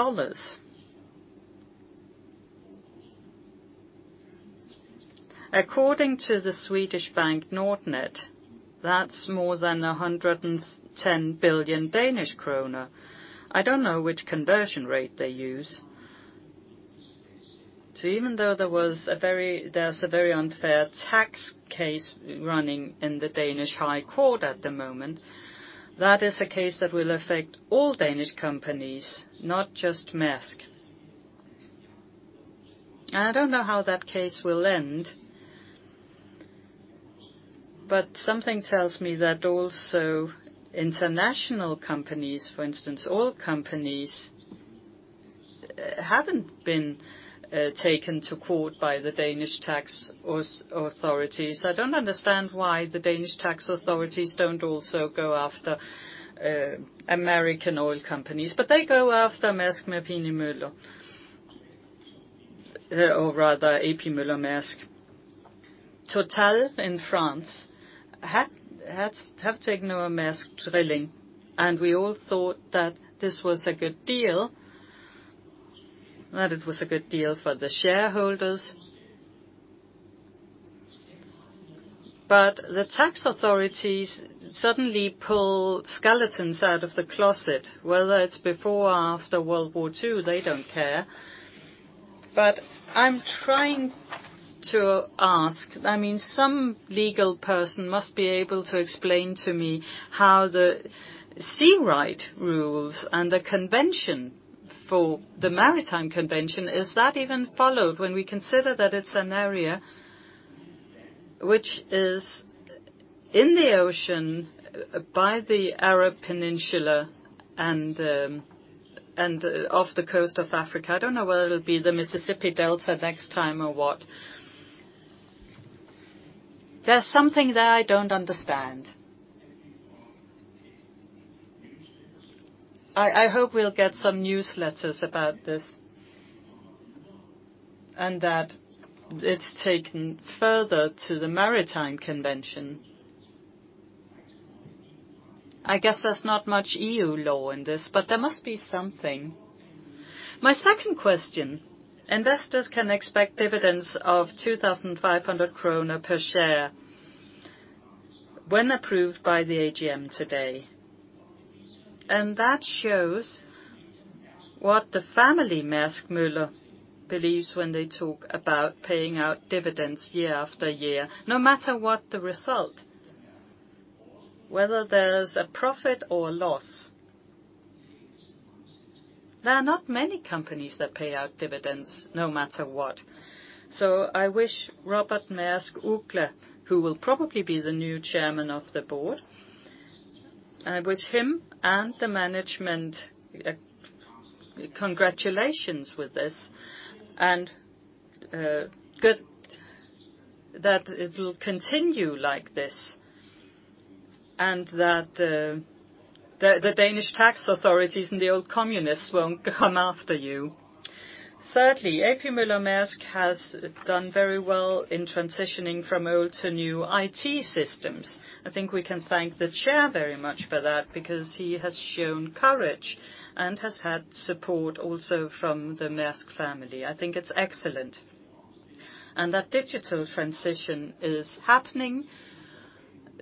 According to the Swedish bank Nordnet, that's more than 110 billion Danish kroner. I don't know which conversion rate they use. Even though there's a very unfair tax case running in the Danish High Court at the moment, that is a case that will affect all Danish companies, not just Maersk. I don't know how that case will end, but something tells me that also international companies, for instance, oil companies, haven't been taken to court by the Danish tax authorities. I don't understand why the Danish tax authorities don't also go after American oil companies, but they go after Maersk Mc-Kinney Møller, or rather A.P. Møller - Maersk. Total in France has taken over Maersk Drilling, and we all thought that this was a good deal, that it was a good deal for the shareholders. The tax authorities suddenly pull skeletons out of the closet, whether it's before or after World War II, they don't care. I'm trying to ask, I mean, some legal person must be able to explain to me how the seafarers' rights rules and the convention for the maritime convention is that even followed when we consider that it's an area which is in the ocean by the Arabian Peninsula and off the coast of Africa. I don't know whether it'll be the Mississippi Delta next time or what. There's something there I don't understand. I hope we'll get some newsletters about this, and that it's taken further to the maritime convention. I guess there's not much EU law in this, but there must be something. My second question, investors can expect dividends of 2,500 kroner per share when approved by the AGM today. That shows what the family Maersk Møller believes when they talk about paying out dividends year after year, no matter what the result, whether there's a profit or loss. There are not many companies that pay out dividends no matter what. I wish Robert Maersk Uggla, who will probably be the new chairman of the board, with him and the management, congratulations with this, and good that it will continue like this, and that the Danish tax authorities and the old communists won't come after you. Thirdly, A.P. Møller - Maersk has done very well in transitioning from old to new IT systems. I think we can thank the chair very much for that because he has shown courage and has had support also from the Maersk family. I think it's excellent. That digital transition is happening,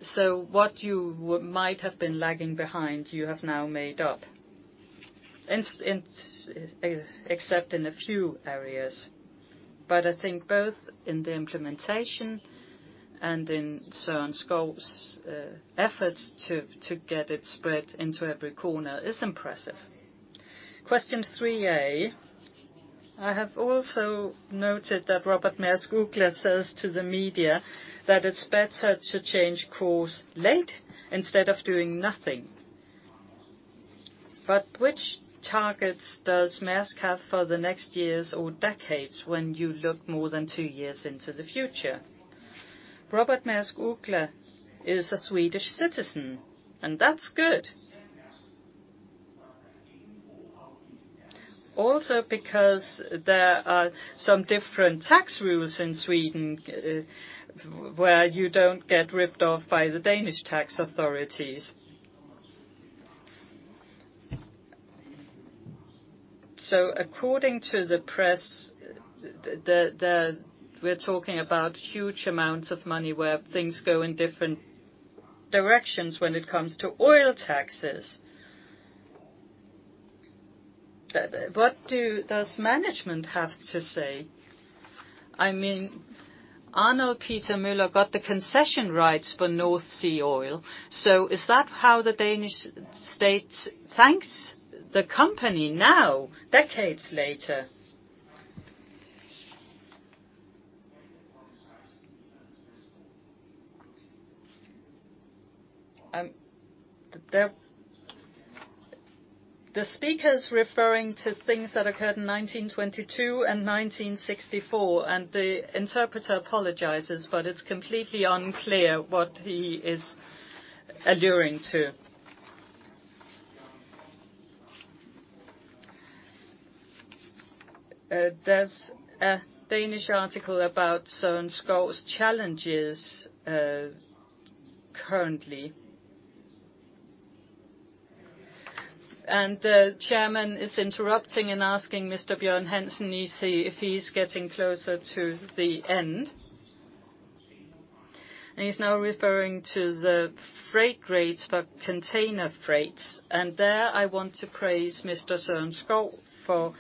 so what you might have been lagging behind, you have now made up. In except in a few areas. I think both in the implementation and in Søren Skou's efforts to get it spread into every corner is impressive. Question three A. I have also noted that Robert Maersk Uggla says to the media that it's better to change course late instead of doing nothing. Which targets does Maersk have for the next years or decades when you look more than two years into the future? Robert Maersk Uggla is a Swedish citizen, and that's good. Also because there are some different tax rules in Sweden, where you don't get ripped off by the Danish tax authorities. According to the press, the... We're talking about huge amounts of money where things go in different directions when it comes to oil taxes. What does management have to say? I mean, Arnold Peter Møller got the concession rights for North Sea oil, so is that how the Danish state thanks the company now, decades later? The speaker's referring to things that occurred in 1922 and 1964, and the interpreter apologizes, but it's completely unclear what he is alluding to. There's a Danish article about Søren Skou's challenges currently. The chairman is interrupting and asking Mr. Björn Hansen to see if he's getting closer to the end. He's now referring to the freight rates for container freights. There I want to praise Mr. Søren Skou for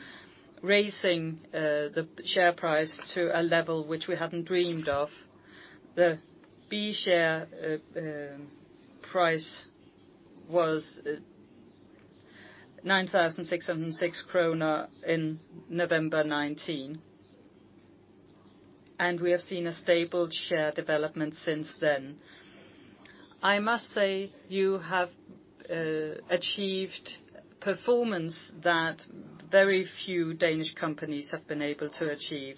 raising the share price to a level which we haven't dreamed of. The B share price was 9,606 krone in November 2019, and we have seen a stable share development since then. I must say, you have achieved performance that very few Danish companies have been able to achieve.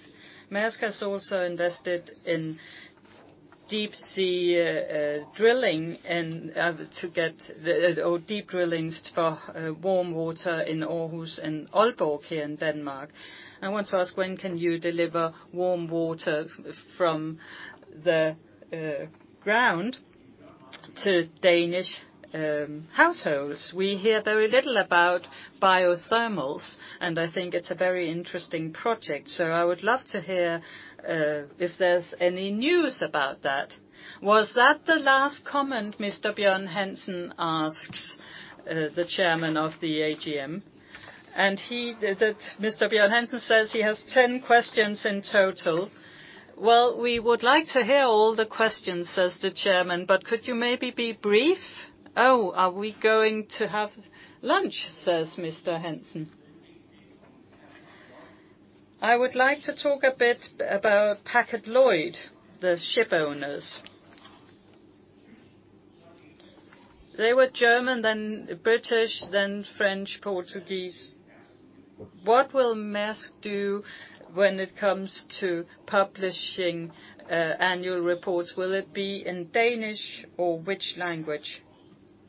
Maersk has also invested in deep-sea drilling or deep drillings for warm water in Aarhus and Aalborg here in Denmark. I want to ask, when can you deliver warm water from the ground to Danish households? We hear very little about thermals, and I think it's a very interesting project. I would love to hear if there's any news about that. Was that the last comment? Mr. Björn Hansen asks the chairman of the AGM. Mr. Björn Hansen says he has 10 questions in total. Well, we would like to hear all the questions, says the chairman, but could you maybe be brief? Oh, are we going to have lunch? says Mr. Hansen. I would like to talk a bit about P&O Nedlloyd, the ship owners. They were German, then British, then French, Portuguese. What will Maersk do when it comes to publishing annual reports? Will it be in Danish or which language?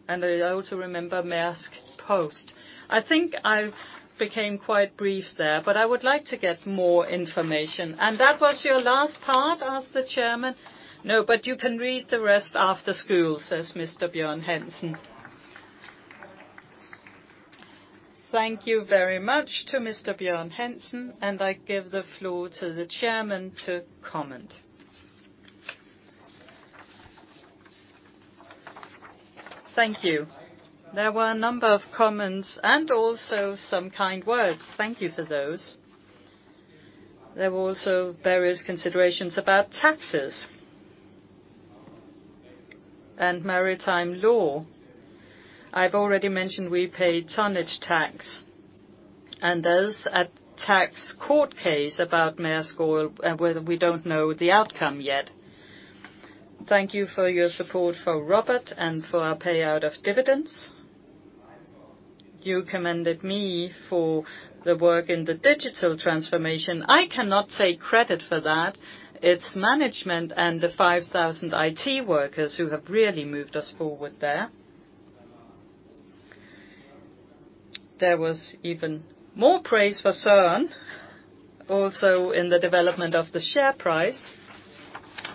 I also remember Maersk Post. I think I became quite brief there, but I would like to get more information. That was your last part? Asks the chairman. No, but you can read the rest after school, says Mr. Björn Hansen. Thank you very much to Mr. Björn Hansen, and I give the floor to the chairman to comment. Thank you. There were a number of comments and also some kind words. Thank you for those. There were also various considerations about taxes and maritime law. I've already mentioned we pay tonnage tax, and there's a tax court case about Maersk Oil where we don't know the outcome yet. Thank you for your support for Robert and for our payout of dividends. You commended me for the work in the digital transformation. I cannot take credit for that. It's management and the 5,000 IT workers who have really moved us forward there. There was even more praise for Søren, also in the development of the share price.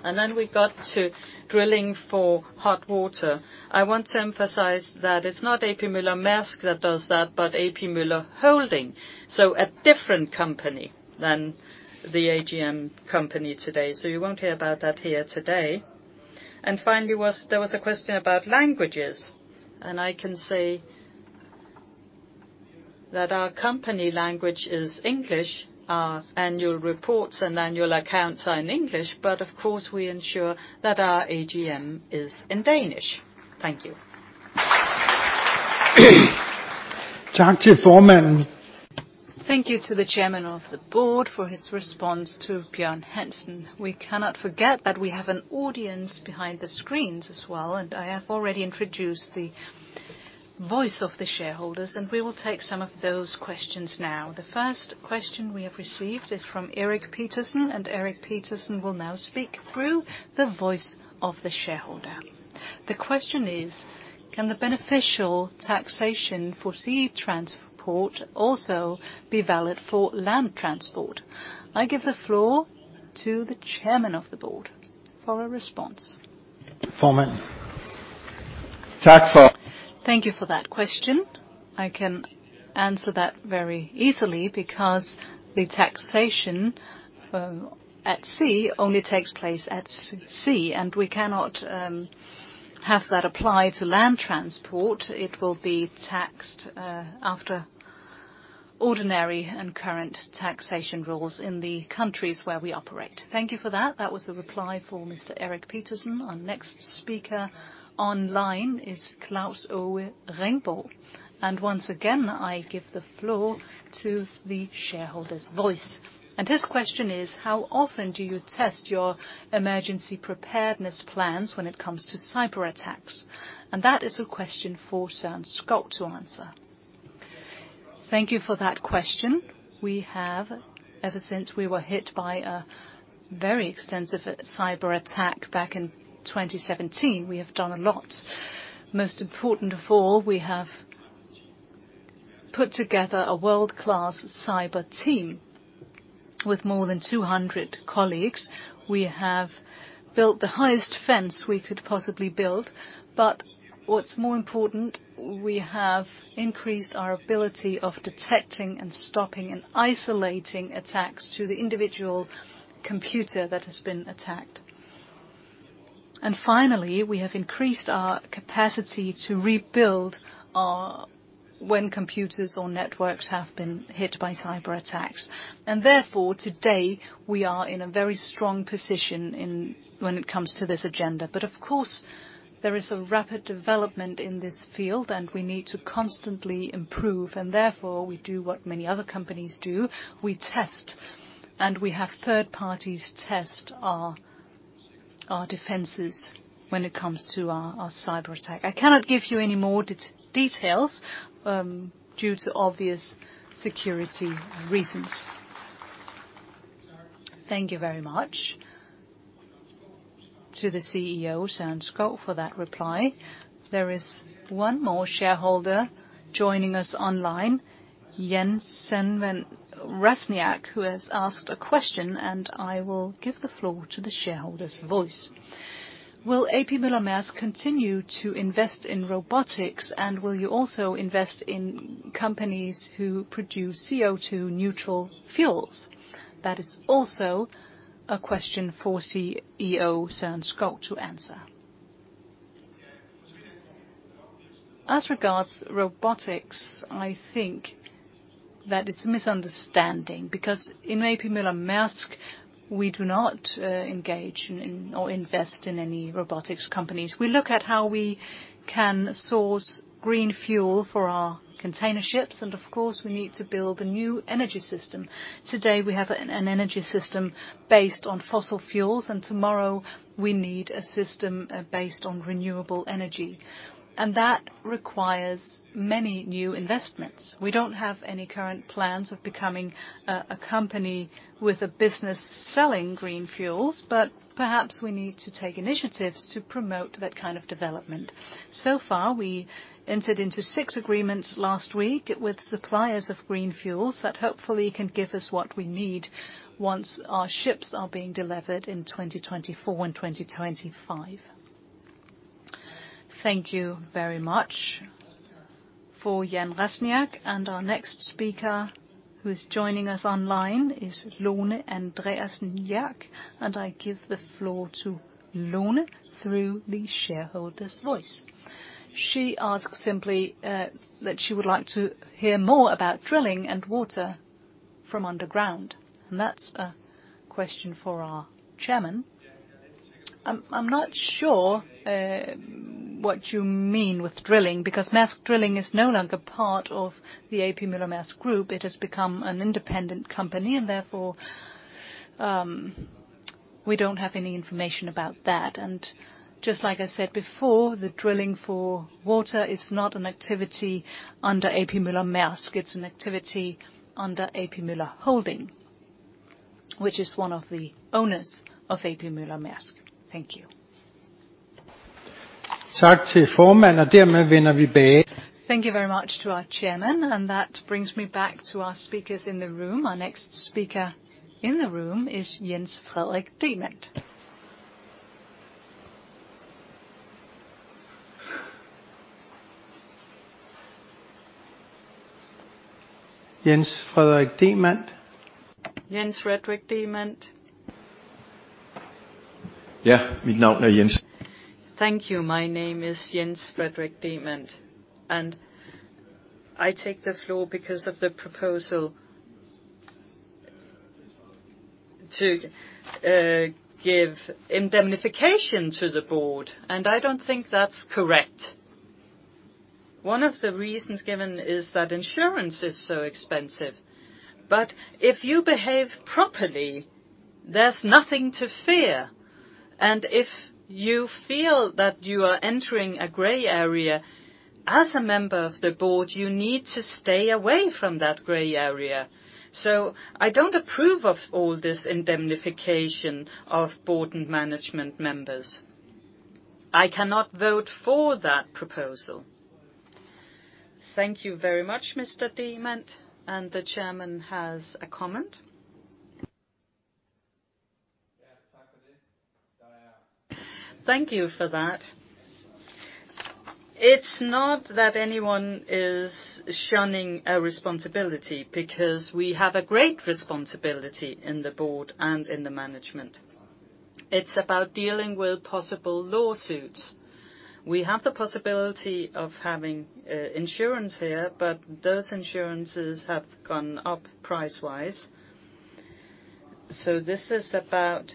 Then we got to drilling for hot water. I want to emphasize that it's not A.P. Møller - Maersk that does that, but A.P. Møller Holding. So a different company than the AGM company today. So you won't hear about that here today. Finally, there was a question about languages, and I can say that our company language is English. Our annual reports and annual accounts are in English, but of course, we ensure that our AGM is in Danish. Thank you. Thank you to the Chairman of the Board for his response to Björn Hansen. We cannot forget that we have an audience behind the screens as well, and I have already introduced the voice of the shareholders, and we will take some of those questions now. The first question we have received is from Erik Petersen, and Erik Petersen will now speak through the voice of the shareholder. The question is, can the beneficial taxation for sea transport also be valid for land transport? I give the floor to the Chairman of the Board for a response. Thank you for that question. I can answer that very easily because the taxation at sea only takes place at sea, and we cannot have that apply to land transport. It will be taxed after ordinary and current taxation rules in the countries where we operate. Thank you for that. That was the reply for Mr. Erik Petersen. Our next speaker online is Klaus O. Ringbøl. Once again, I give the floor to the shareholder's voice. His question is, how often do you test your emergency preparedness plans when it comes to cyber attacks? That is a question for Søren Skou to answer. Thank you for that question. We have, ever since we were hit by a very extensive cyber attack back in 2017, we have done a lot. Most important of all, we have put together a world-class cyber team with more than 200 colleagues. We have built the highest fence we could possibly build. What's more important, we have increased our ability of detecting and stopping and isolating attacks to the individual computer that has been attacked. Finally, we have increased our capacity to rebuild our when computers or networks have been hit by cyber attacks. Therefore, today, we are in a very strong position in, when it comes to this agenda. Of course, there is a rapid development in this field and we need to constantly improve, and therefore we do what many other companies do. We test, and we have third parties test our defenses when it comes to our cyber attack. I cannot give you any more details due to obvious security reasons. Thank you very much to the CEO, Søren Skou, for that reply. There is one more shareholder joining us online, Jens Søndergaard, who has asked a question, and I will give the floor to the shareholder's voice. Will A.P. Møller - Maersk continue to invest in robotics, and will you also invest in companies who produce CO₂ neutral fuels? That is also a question for CEO Søren Skou to answer. As regards robotics, I think that it's a misunderstanding because in A.P. Møller - Maersk we do not engage in or invest in any robotics companies. We look at how we can source green fuel for our container ships, and of course, we need to build a new energy system. Today, we have an energy system based on fossil fuels, and tomorrow we need a system based on renewable energy, and that requires many new investments. We don't have any current plans of becoming a company with a business selling green fuels, but perhaps we need to take initiatives to promote that kind of development. So far, we entered into 6 agreements last week with suppliers of green fuels that hopefully can give us what we need once our ships are being delivered in 2024 and 2025. Thank you very much for Jens Senderovitz She asks simply that she would like to hear more about drilling and water from underground, and that's a question for our chairman. I'm not sure what you mean with drilling, because Maersk Drilling is no longer part of the A.P. Møller - Maersk Group. It has become an independent company, and therefore, we don't have any information about that. Just like I said before, the drilling for water is not an activity under A.P. Møller–Maersk. It's an activity under A.P. Møller Holding, which is one of the owners of A.P. Møller–Maersk. Thank you. Thank you very much to our chairman, and that brings me back to our speakers in the room. Our next speaker in the room is Jens Frederik Demant. Jens Frederik Demant. Jens Frederik Demant. Thank you. My name is Jens Frederik Demant, and I take the floor because of the proposal to give indemnification to the board, and I don't think that's correct. One of the reasons given is that insurance is so expensive. If you behave properly, there's nothing to fear. If you feel that you are entering a gray area, as a member of the board, you need to stay away from that gray area. I don't approve of all this indemnification of board and management members. I cannot vote for that proposal. Thank you very much, Mr. Demant. The chairman has a comment. Thank you for that. It's not that anyone is shunning a responsibility, because we have a great responsibility in the board and in the management. It's about dealing with possible lawsuits. We have the possibility of having insurance here, but those insurances have gone up price-wise. This is about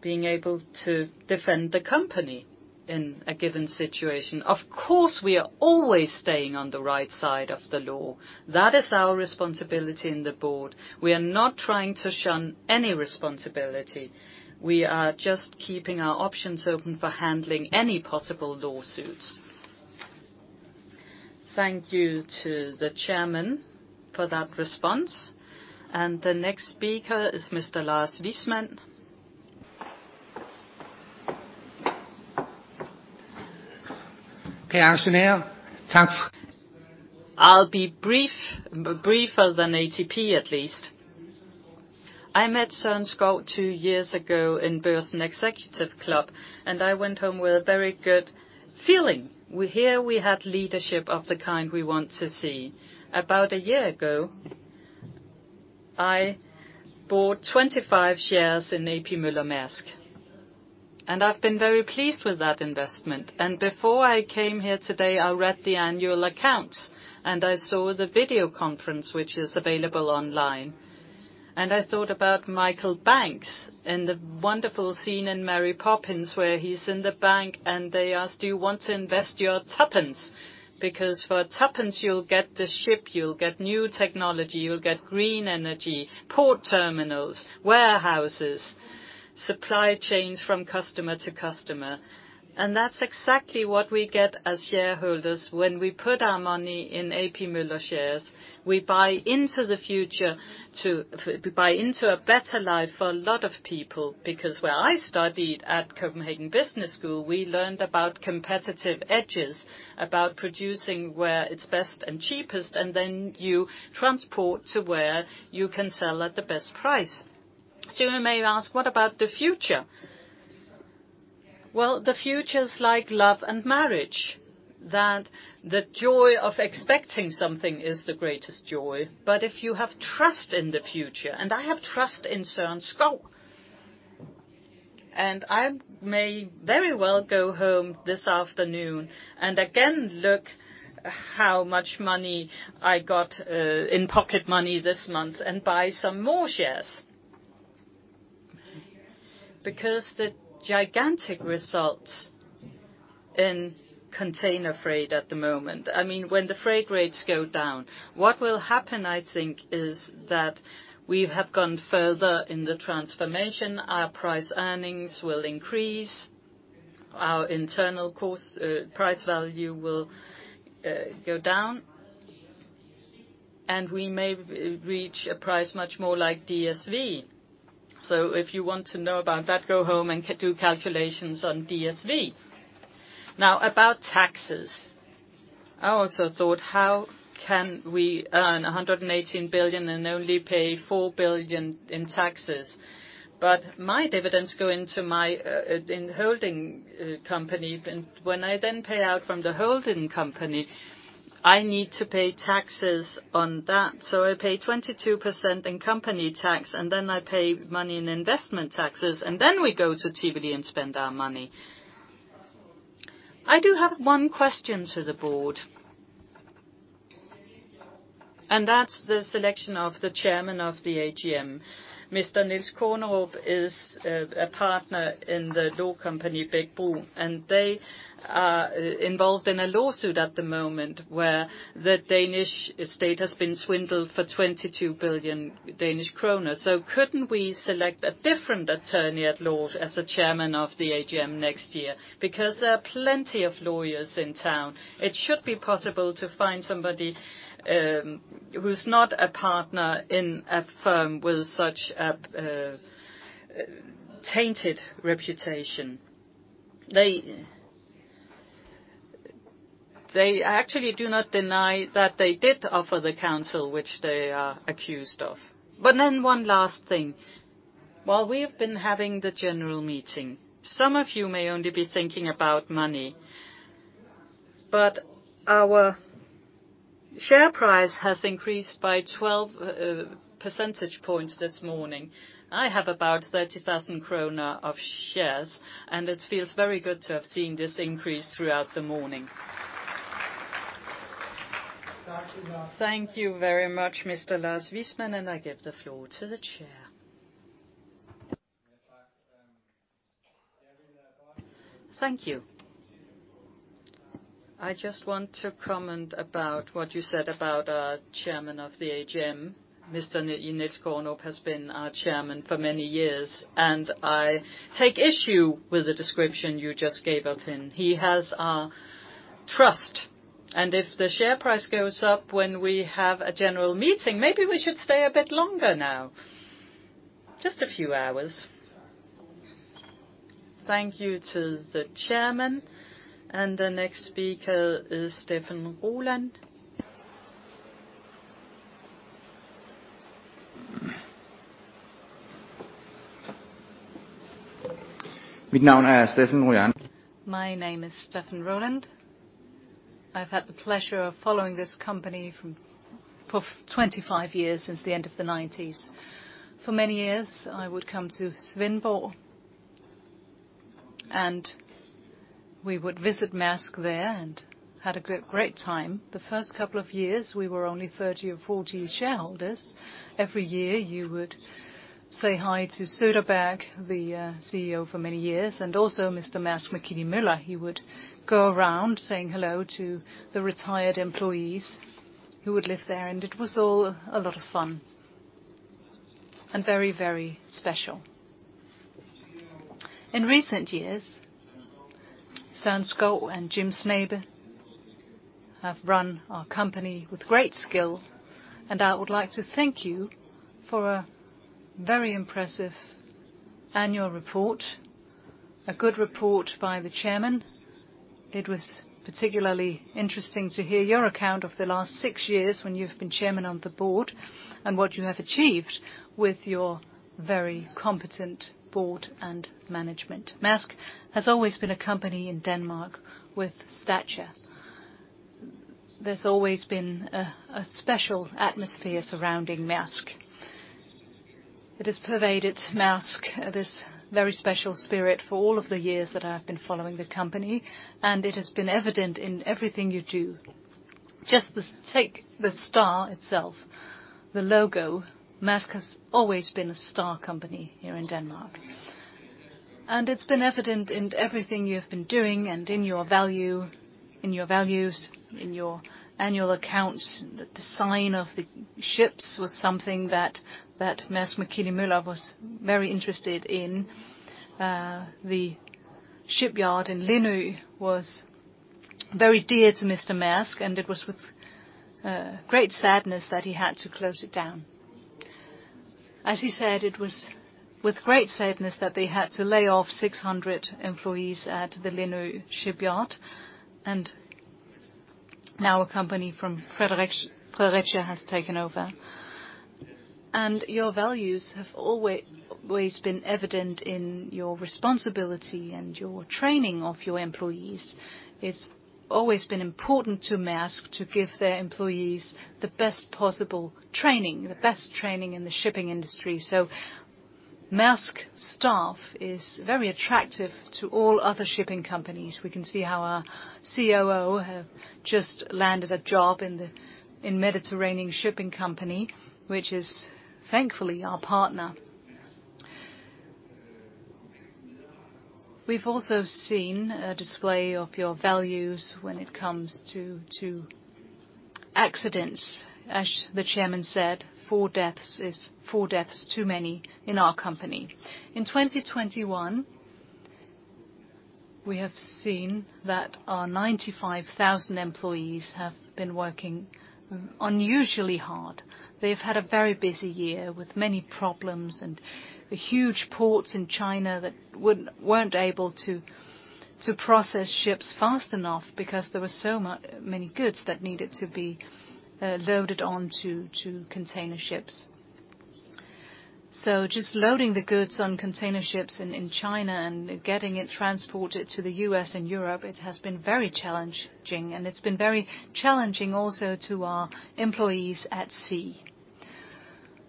being able to defend the company in a given situation. Of course, we are always staying on the right side of the law. That is our responsibility in the board. We are not trying to shun any responsibility. We are just keeping our options open for handling any possible lawsuits. Thank you to the chairman for that response. The next speaker is Mr. Lars Wismann. I'll be brief, briefer than ATP, at least. I met Søren Skou two years ago in Børsen Executive Club, and I went home with a very good feeling. We hear we had leadership of the kind we want to see. About a year ago, I bought 25 shares in A.P. Møller - Maersk, and I've been very pleased with that investment. Before I came here today, I read the annual accounts, and I saw the video conference, which is available online. I thought about Michael Banks and the wonderful scene in Mary Poppins where he's in the bank, and they ask, "Do you want to invest your tuppence? Because for a tuppence, you'll get the ship, you'll get new technology, you'll get green energy, port terminals, warehouses, supply chains from customer to customer." That's exactly what we get as shareholders when we put our money in A.P. Møller shares. We buy into a better life for a lot of people, because where I studied at Copenhagen Business School, we learned about competitive edges, about producing where it's best and cheapest, and then you transport to where you can sell at the best price. You may ask, what about the future? Well, the future is like love and marriage, that the joy of expecting something is the greatest joy. If you have trust in the future, and I have trust in Søren Skou, and I may very well go home this afternoon and again look how much money I got in pocket money this month and buy some more shares, because the gigantic results in container freight at the moment. I mean, when the freight rates go down, what will happen I think is that we have gone further in the transformation. Our price earnings will increase. Our internal cost, price value will go down, and we may reach a price much more like DSV. If you want to know about that, go home and do calculations on DSV. Now, about taxes. I also thought, "How can we earn $118 billion and only pay $4 billion in taxes?" My dividends go into my holding company. When I then pay out from the holding company, I need to pay taxes on that. I pay 22% in company tax, and then I pay money in investment taxes, and then we go to Tivoli and spend our money. I do have one question to the board, and that's the selection of the chairman of the AGM. Mr. Niels Kornerup is a partner in the law company, Bech-Bruun, and they are involved in a lawsuit at the moment where the Danish state has been swindled for 22 billion Danish kroner. Couldn't we select a different attorney at law as the chairman of the AGM next year? Because there are plenty of lawyers in town. It should be possible to find somebody who's not a partner in a firm with such a tainted reputation. They actually do not deny that they did offer the counsel which they are accused of. One last thing. While we've been having the general meeting, some of you may only be thinking about money, but our share price has increased by 12 percentage points this morning. I have about 30,000 kroner of shares, and it feels very good to have seen this increase throughout the morning. Thank you very much. Thank you very much, Mr. Lars Wismann, and I give the floor to the chair. Thank you. I just want to comment about what you said about our chairman of the AGM. Mr. Niels Kornerup has been our Chairman for many years, and I take issue with the description you just gave of him. He has our trust. If the share price goes up when we have a general meeting, maybe we should stay a bit longer now. Just a few hours. Thank you to the Chairman. The next speaker is Steffen Rolland. My name is Steffen Rolland. I've had the pleasure of following this company from afar for 25 years, since the end of the 1990s. For many years, I would come to Svendborg, and we would visit Maersk there and had a good, great time. The first couple of years, we were only 30 or 40 shareholders. Every year, you would say hi to Söderberg, the CEO for many years, and also Mr. Maersk Mc-Kinney Møller. He would go around saying hello to the retired employees who would live there, and it was all a lot of fun and very, very special. In recent years, Søren Skou and Jim Snabe have run our company with great skill, and I would like to thank you for a very impressive annual report, a good report by the chairman. It was particularly interesting to hear your account of the last six years when you've been chairman on the board and what you have achieved with your very competent board and management. Maersk has always been a company in Denmark with stature. There's always been a special atmosphere surrounding Maersk. It has pervaded Maersk, this very special spirit, for all of the years that I've been following the company, and it has been evident in everything you do. Just this, take the star itself, the logo. Maersk has always been a star company here in Denmark. It's been evident in everything you've been doing and in your value, in your values, in your annual accounts. The design of the ships was something that Maersk Mc-Kinney Møller was very interested in. The shipyard in Lindø was very dear to Mr. Maersk, and it was with great sadness that he had to close it down. As you said, it was with great sadness that they had to lay off 600 employees at the Lindø shipyard, and now a company from Fredericia has taken over. Your values have always been evident in your responsibility and your training of your employees. It's always been important to Maersk to give their employees the best possible training, the best training in the shipping industry. Maersk staff is very attractive to all other shipping companies. We can see how our COO has just landed a job in Mediterranean Shipping Company, which is thankfully our partner. We've also seen a display of your values when it comes to accidents. As the chairman said, four deaths is four deaths too many in our company. In 2021, we have seen that our 95,000 employees have been working unusually hard. They've had a very busy year with many problems and the huge ports in China that weren't able to process ships fast enough because there were so many goods that needed to be loaded onto container ships. Just loading the goods on container ships in China and getting it transported to the U.S. and Europe, it has been very challenging, and it's been very challenging also to our employees at sea.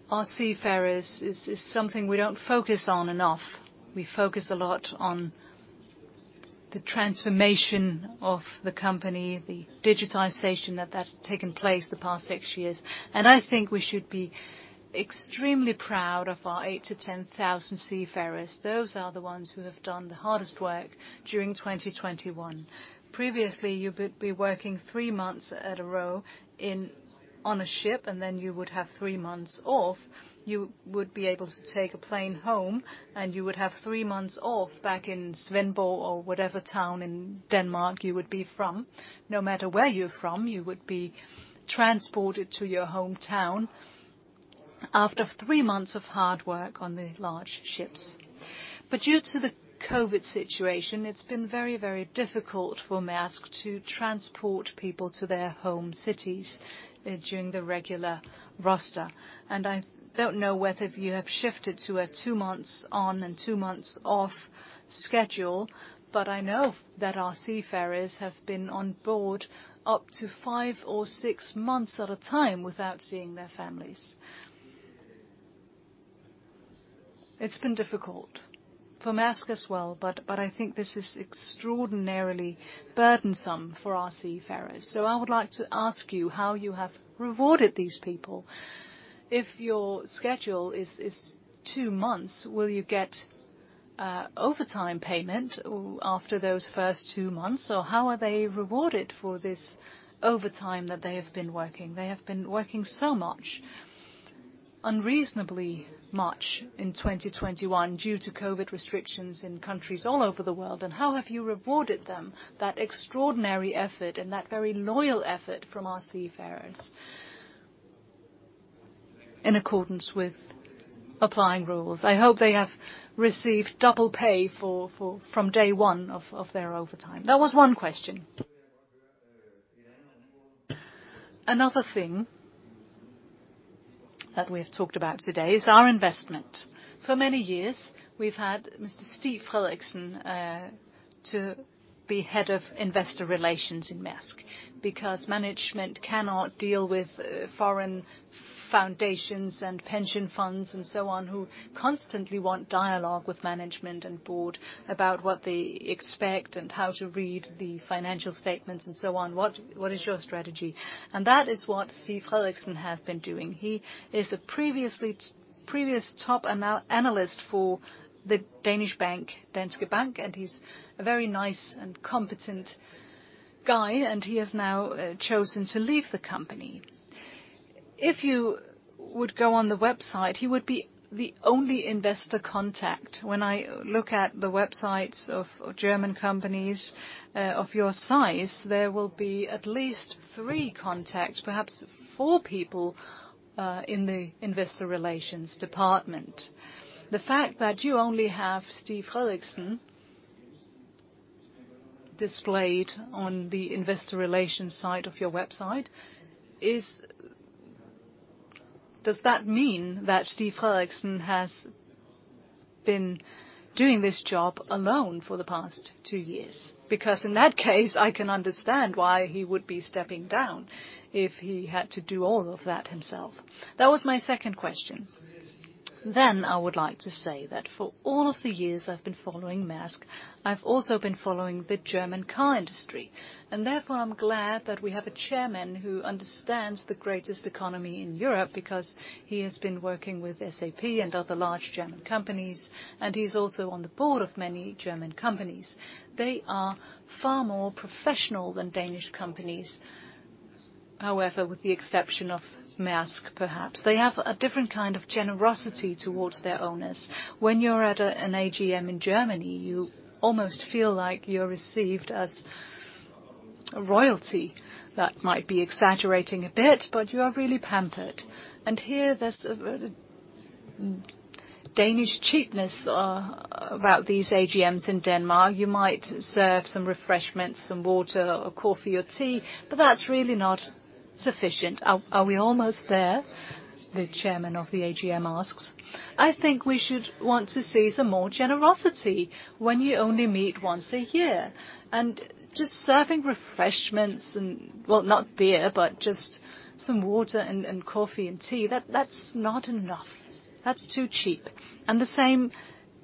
Our seafarers is something we don't focus on enough. We focus a lot on the transformation of the company, the digitization that has taken place the past six years. I think we should be extremely proud of our 8,000-10,000 seafarers. Those are the ones who have done the hardest work during 2021. Previously, you would be working three months at a row in, on a ship, and then you would have three months off. You would be able to take a plane home, and you would have three months off back in Svendborg or whatever town in Denmark you would be from. No matter where you're from, you would be transported to your hometown after three months of hard work on the large ships. Due to the COVID situation, it's been very, very difficult for Maersk to transport people to their home cities during the regular roster. I don't know whether you have shifted to a two months on and two months off schedule, but I know that our seafarers have been on board up to five or six months at a time without seeing their families. It's been difficult for Maersk as well, but I think this is extraordinarily burdensome for our seafarers. I would like to ask you how you have rewarded these people. If your schedule is two months, will you get overtime payment after those first two months? Or how are they rewarded for this overtime that they have been working? They have been working so much, unreasonably much in 2021 due to COVID restrictions in countries all over the world, and how have you rewarded them, that extraordinary effort and that very loyal effort from our seafarers in accordance with applying rules? I hope they have received double pay for from day one of their overtime. That was one question. Another thing that we have talked about today is our investment. For many years, we've had Mr. Stig Frederiksen to be Head of Investor Relations in Maersk because management cannot deal with foreign foundations and pension funds and so on, who constantly want dialogue with management and board about what they expect and how to read the financial statements and so on. What is your strategy? That is what Stig Frederiksen has been doing. He is a previous top analyst for the Danish bank, Danske Bank, and he's a very nice and competent guy, and he has now chosen to leave the company. If you would go on the website, he would be the only investor contact. When I look at the websites of German companies of your size, there will be at least three contacts, perhaps four people, in the investor relations department. The fact that you only have Stig Frederiksen displayed on the investor relations side of your website is. Does that mean that Stig Frederiksen has been doing this job alone for the past two years? Because in that case, I can understand why he would be stepping down if he had to do all of that himself. That was my second question. I would like to say that for all of the years I've been following Maersk, I've also been following the German car industry. Therefore, I'm glad that we have a chairman who understands the greatest economy in Europe because he has been working with SAP and other large German companies, and he's also on the board of many German companies. They are far more professional than Danish companies. However, with the exception of Maersk, perhaps. They have a different kind of generosity towards their owners. When you're at an AGM in Germany, you almost feel like you're received as royalty. That might be exaggerating a bit, but you are really pampered. Here, there's a Danish cheapness about these AGMs in Denmark. You might serve some refreshments, some water or coffee or tea, but that's really not sufficient. Are we almost there? The chairman of the AGM asks. I think we should want to see some more generosity when you only meet once a year. Just serving refreshments and, well, not beer, but just some water and coffee and tea, that's not enough. That's too cheap. The same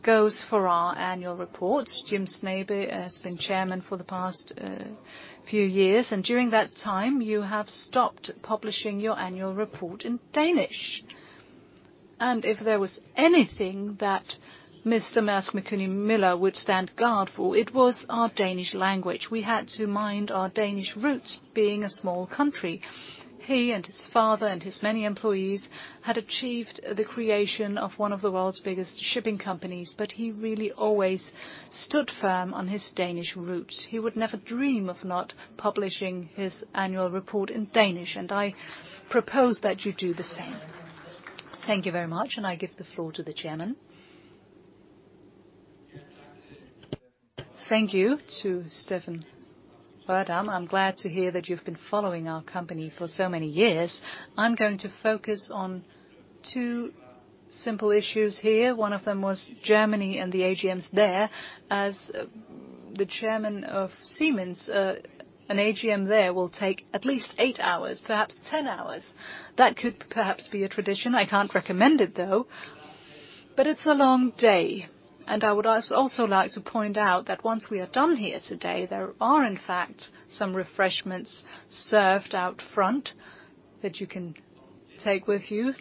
goes for our annual report. Jim Hagemann Snabe has been Chairman for the past few years, and during that time, you have stopped publishing your annual report in Danish. If there was anything that Mr. Maersk Mc-Kinney Møller would stand guard for, it was our Danish language. We had to mind our Danish roots being a small country. He and his father, and his many employees had achieved the creation of one of the world's biggest shipping companies, but he really always stood firm on his Danish roots. He would never dream of not publishing his annual report in Danish, and I propose that you do the same. Thank you very much, and I give the floor to the Chairman. Thank you to Steffen Rolland. I'm glad to hear that you've been following our company for so many years. I'm going to focus on two simple issues here. One of them was Germany and the AGMs there. As the chairman of Siemens, an AGM there will take at least 8 hours, perhaps 10 hours. That could perhaps be a tradition. I can't recommend it, though, but it's a long day. I would also like to point out that once we are done here today, there are, in fact, some refreshments served out front that you can take with you.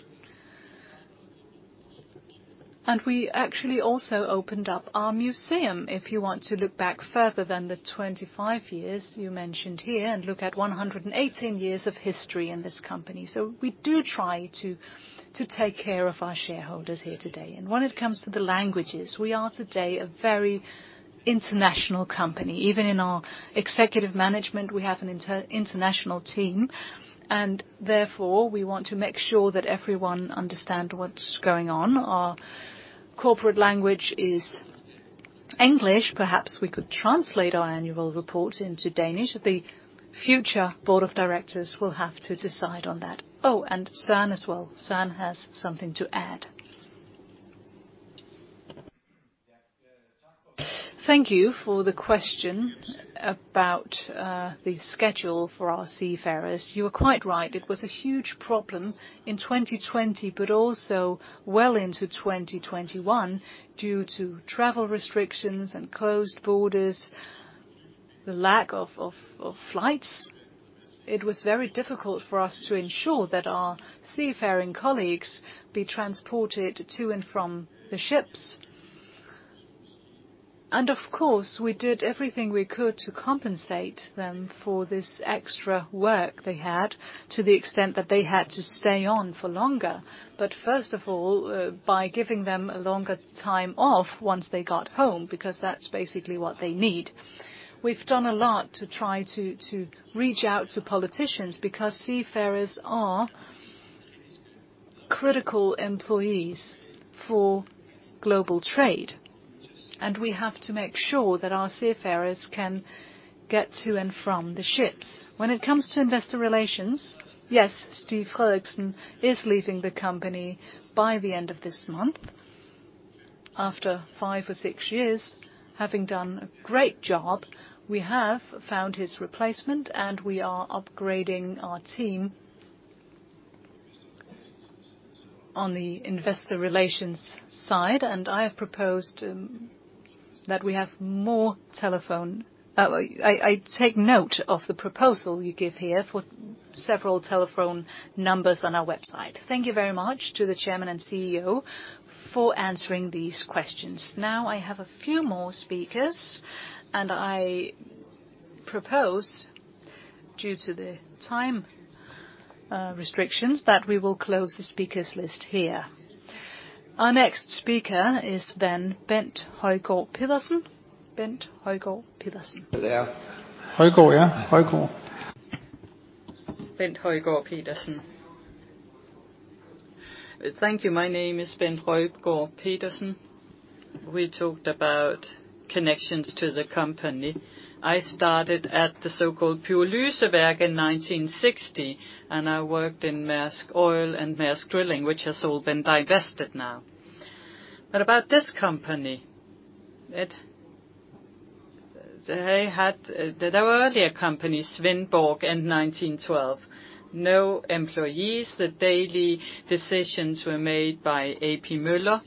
We actually also opened up our museum, if you want to look back further than the 25 years you mentioned here and look at 118 years of history in this company. We do try to take care of our shareholders here today. When it comes to the languages, we are today a very international company. Even in our executive management, we have an international team, and therefore we want to make sure that everyone understand what's going on. Our corporate language is English. Perhaps we could translate our annual report into Danish. The future board of directors will have to decide on that. Oh, and Søren as well. Søren has something to add. Thank you for the question about the schedule for our seafarers. You are quite right. It was a huge problem in 2020, but also well into 2021 due to travel restrictions and closed borders, the lack of flights. It was very difficult for us to ensure that our seafaring colleagues be transported to and from the ships. Of course, we did everything we could to compensate them for this extra work they had to the extent that they had to stay on for longer. First of all, by giving them a longer time off once they got home, because that's basically what they need. We've done a lot to try to reach out to politicians because seafarers are critical employees for global trade, and we have to make sure that our seafarers can get to and from the ships. When it comes to investor relations, yes, Stig Frederiksen is leaving the company by the end of this month after five or six years, having done a great job. We have found his replacement, and we are upgrading our team on the investor relations side, and I have proposed that we have more telephone... I take note of the proposal you give here for several telephone numbers on our website. Thank you very much to the Chairman and CEO for answering these questions. Now, I have a few more speakers, and I propose, due to the time, restrictions, that we will close the speakers list here. Our next speaker is then Bent Højgaard Pedersen. Bent Højgaard Pedersen. Højgaard, yeah. Højgaard. Bent Højgaard Pedersen. Thank you. My name is Bent Højgaard Pedersen. We talked about connections to the company. I started at the so-called Pure Lysewerk in 1960, and I worked in Maersk Oil and Maersk Drilling, which has all been divested now. About this company, they had, there were earlier companies, Svendborg in 1912. No employees. The daily decisions were made by A.P. Møller.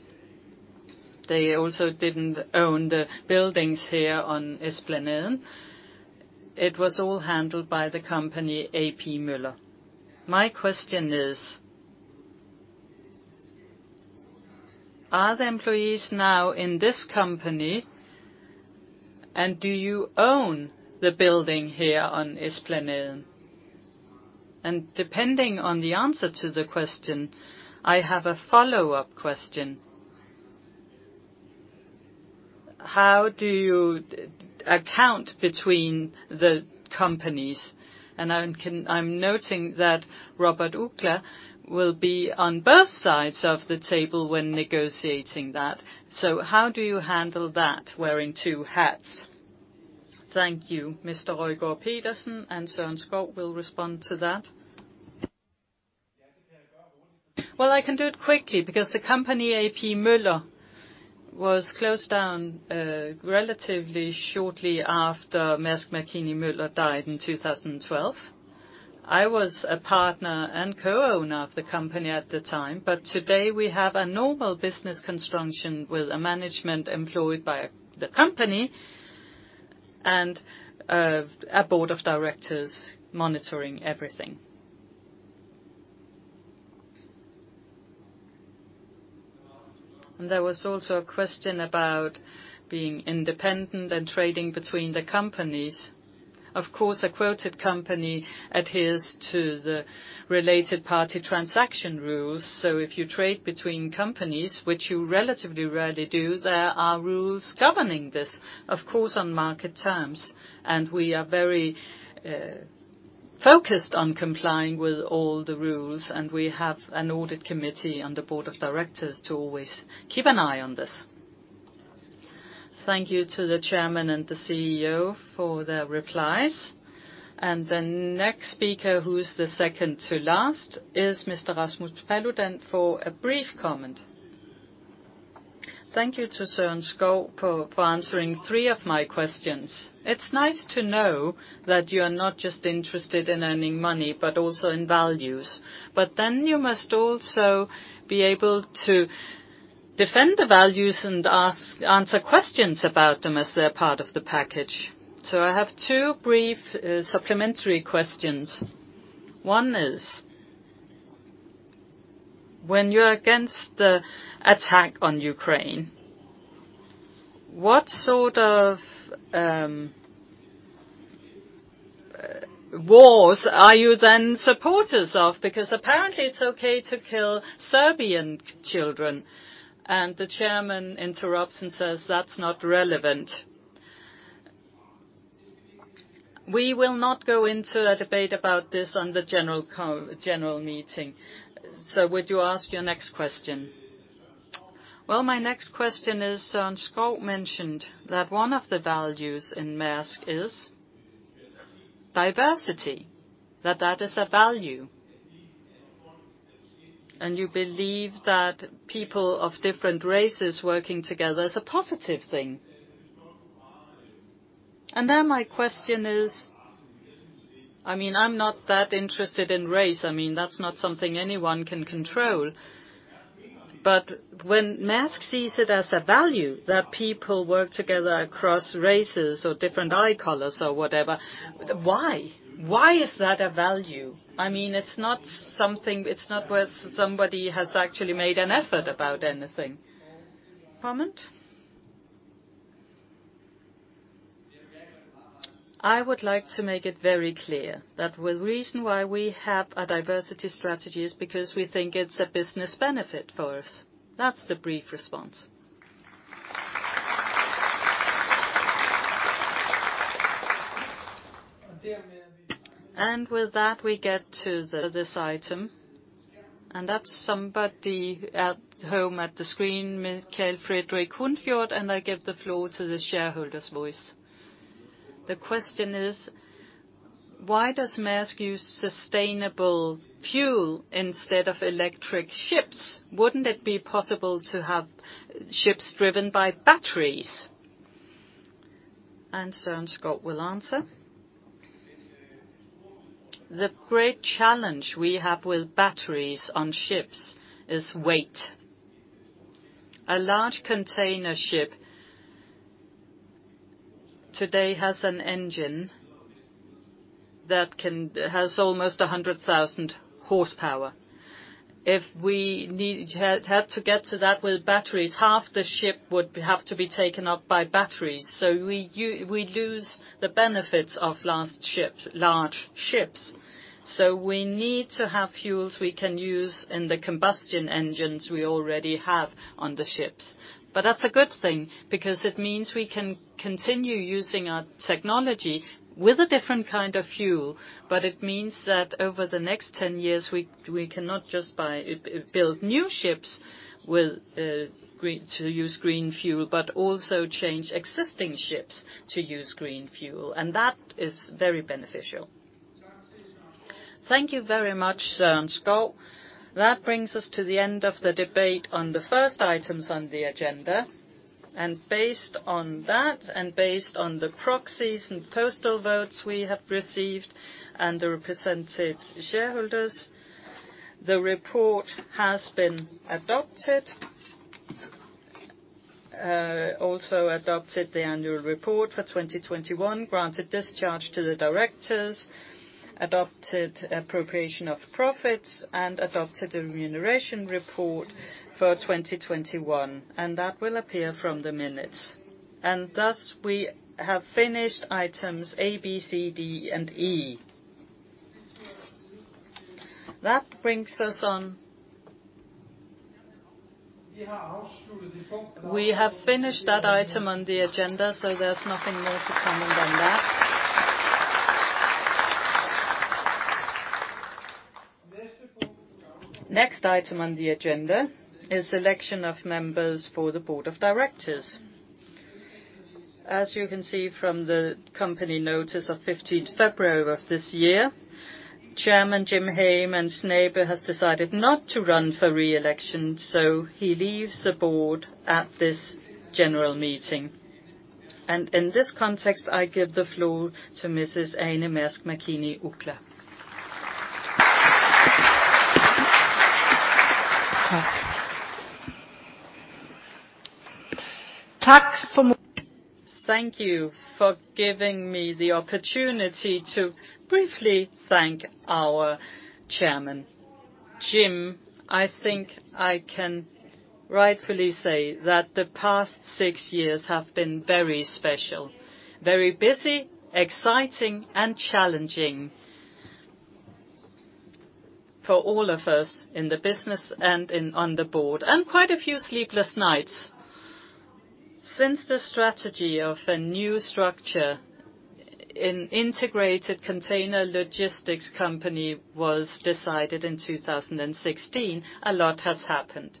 They also didn't own the buildings here on Esplanaden. It was all handled by the company A.P. Møller. My question is, are the employees now in this company, and do you own the building here on Esplanaden? Depending on the answer to the question, I have a follow-up question. How do you account between the companies? I'm noting that Robert Uggla will be on both sides of the table when negotiating that. How do you handle that, wearing two hats? Thank you, Mr. Højgaard Pedersen, and Søren Skou will respond to that. Well, I can do it quickly because the company A.P. Møller Was closed down relatively shortly after Maersk Mc-Kinney Møller died in 2012. I was a partner and co-owner of the company at the time, but today we have a normal business construction with a management employed by the company and a board of directors monitoring everything. There was also a question about being independent and trading between the companies. Of course, a quoted company adheres to the related party transaction rules. If you trade between companies, which you relatively rarely do, there are rules governing this, of course, on market terms. We are very focused on complying with all the rules, and we have an audit committee on the board of directors to always keep an eye on this. Thank you to the Chairman and the CEO for their replies. The next speaker, who is the second to last, is Mr. Rasmus Paludan for a brief comment. Thank you to Søren Skou for answering three of my questions. It's nice to know that you are not just interested in earning money, but also in values. Then you must also be able to defend the values and answer questions about them as they're part of the package. I have two brief supplementary questions. One is, when you're against the attack on Ukraine, what sort of wars are you then supporters of? Because apparently it's okay to kill Serbian children. The chairman interrupts and says, "That's not relevant." We will not go into a debate about this on the general meeting. Would you ask your next question? Well, my next question is, Søren Skou mentioned that one of the values in Maersk is diversity, that that is a value. You believe that people of different races working together is a positive thing. My question is, I mean, I'm not that interested in race. I mean, that's not something anyone can control. When Maersk sees it as a value that people work together across races or different eye colors or whatever, why? Why is that a value? I mean, it's not something, it's not where somebody has actually made an effort about anything. Comment? I would like to make it very clear that the reason why we have a diversity strategy is because we think it's a business benefit for us. That's the brief response. With that, we get to this item, and that's somebody at home at the screen, Michael Frederik Hundfjord. I give the floor to the shareholder's voice. The question is: Why does Maersk use sustainable fuel instead of electric ships? Wouldn't it be possible to have ships driven by batteries? Søren Skou will answer. The great challenge we have with batteries on ships is weight. A large container ship today has an engine that has almost 100,000 horsepower. If we had to get to that with batteries, half the ship would have to be taken up by batteries. We'd lose the benefits of large ships. We need to have fuels we can use in the combustion engines we already have on the ships. That's a good thing because it means we can continue using our technology with a different kind of fuel. It means that over the next 10 years, we cannot just buy, build new ships with, to use green fuel, but also change existing ships to use green fuel, and that is very beneficial. Thank you very much, Søren Skou. That brings us to the end of the debate on the first items on the agenda. Based on that, and based on the proxies and postal votes we have received and the represented shareholders, the report has been adopted. Also adopted the annual report for 2021, granted discharge to the directors, adopted appropriation of profits, and adopted a remuneration report for 2021. That will appear from the minutes. Thus, we have finished items A, B, C, D, and E. That brings us on. We have finished that item on the agenda, so there's nothing more to comment on that. Next item on the agenda is election of members for the board of directors. As you can see from the company notice of15th February of this year, Chairman Jim Hagemann Snabe has decided not to run for re-election, so he leaves the board at this general meeting. In this context, I give the floor to Mrs. Ane Maersk Mc-Kinney Uggla. Thank you for giving me the opportunity to briefly thank our chairman. Jim, I think I can rightfully say that the past six years have been very special, very busy, exciting, and challenging for all of us in the business and in, on the board, and quite a few sleepless nights. Since the strategy of a new structure in integrated container logistics company was decided in 2016, a lot has happened.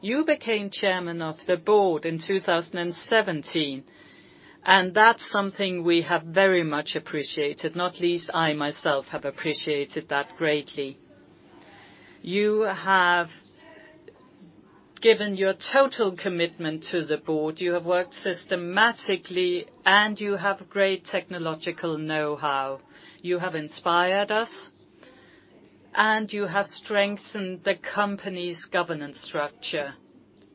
You became Chairman of the Board in 2017, and that's something we have very much appreciated, not least I myself have appreciated that greatly. You have given your total commitment to the board. You have worked systematically, and you have great technological know-how. You have inspired us, and you have strengthened the company's governance structure.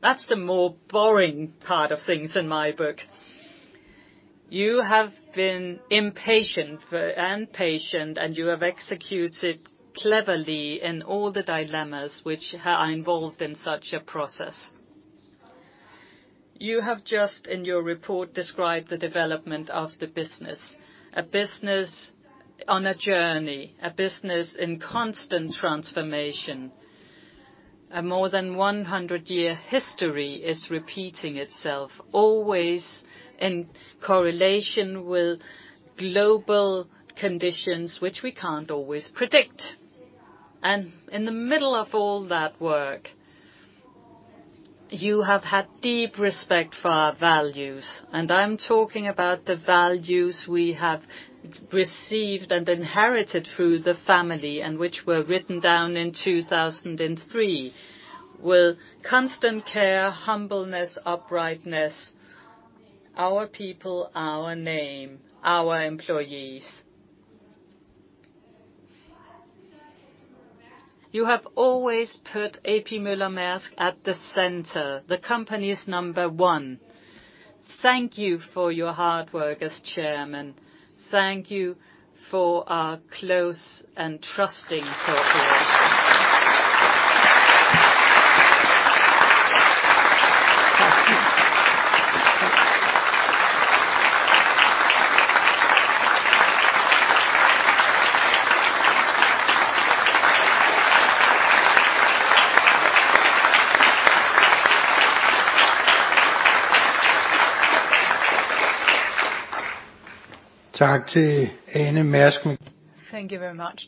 That's the more boring part of things in my book. You have been impatient for, and patient, and you have executed cleverly in all the dilemmas which are involved in such a process. You have just, in your report, described the development of the business, a business on a journey, a business in constant transformation. A more than 100-year history is repeating itself, always in correlation with global conditions which we can't always predict. In the middle of all that work, you have had deep respect for our values, and I'm talking about the values we have received and inherited through the family and which were written down in 2003. With constant care, humbleness, uprightness, our people, our name, our employees. You have always put A.P. Møller - Maersk at the center. The company is number one. Thank you for your hard work as chairman. Thank you for our close and trusting cooperation. Thank you very much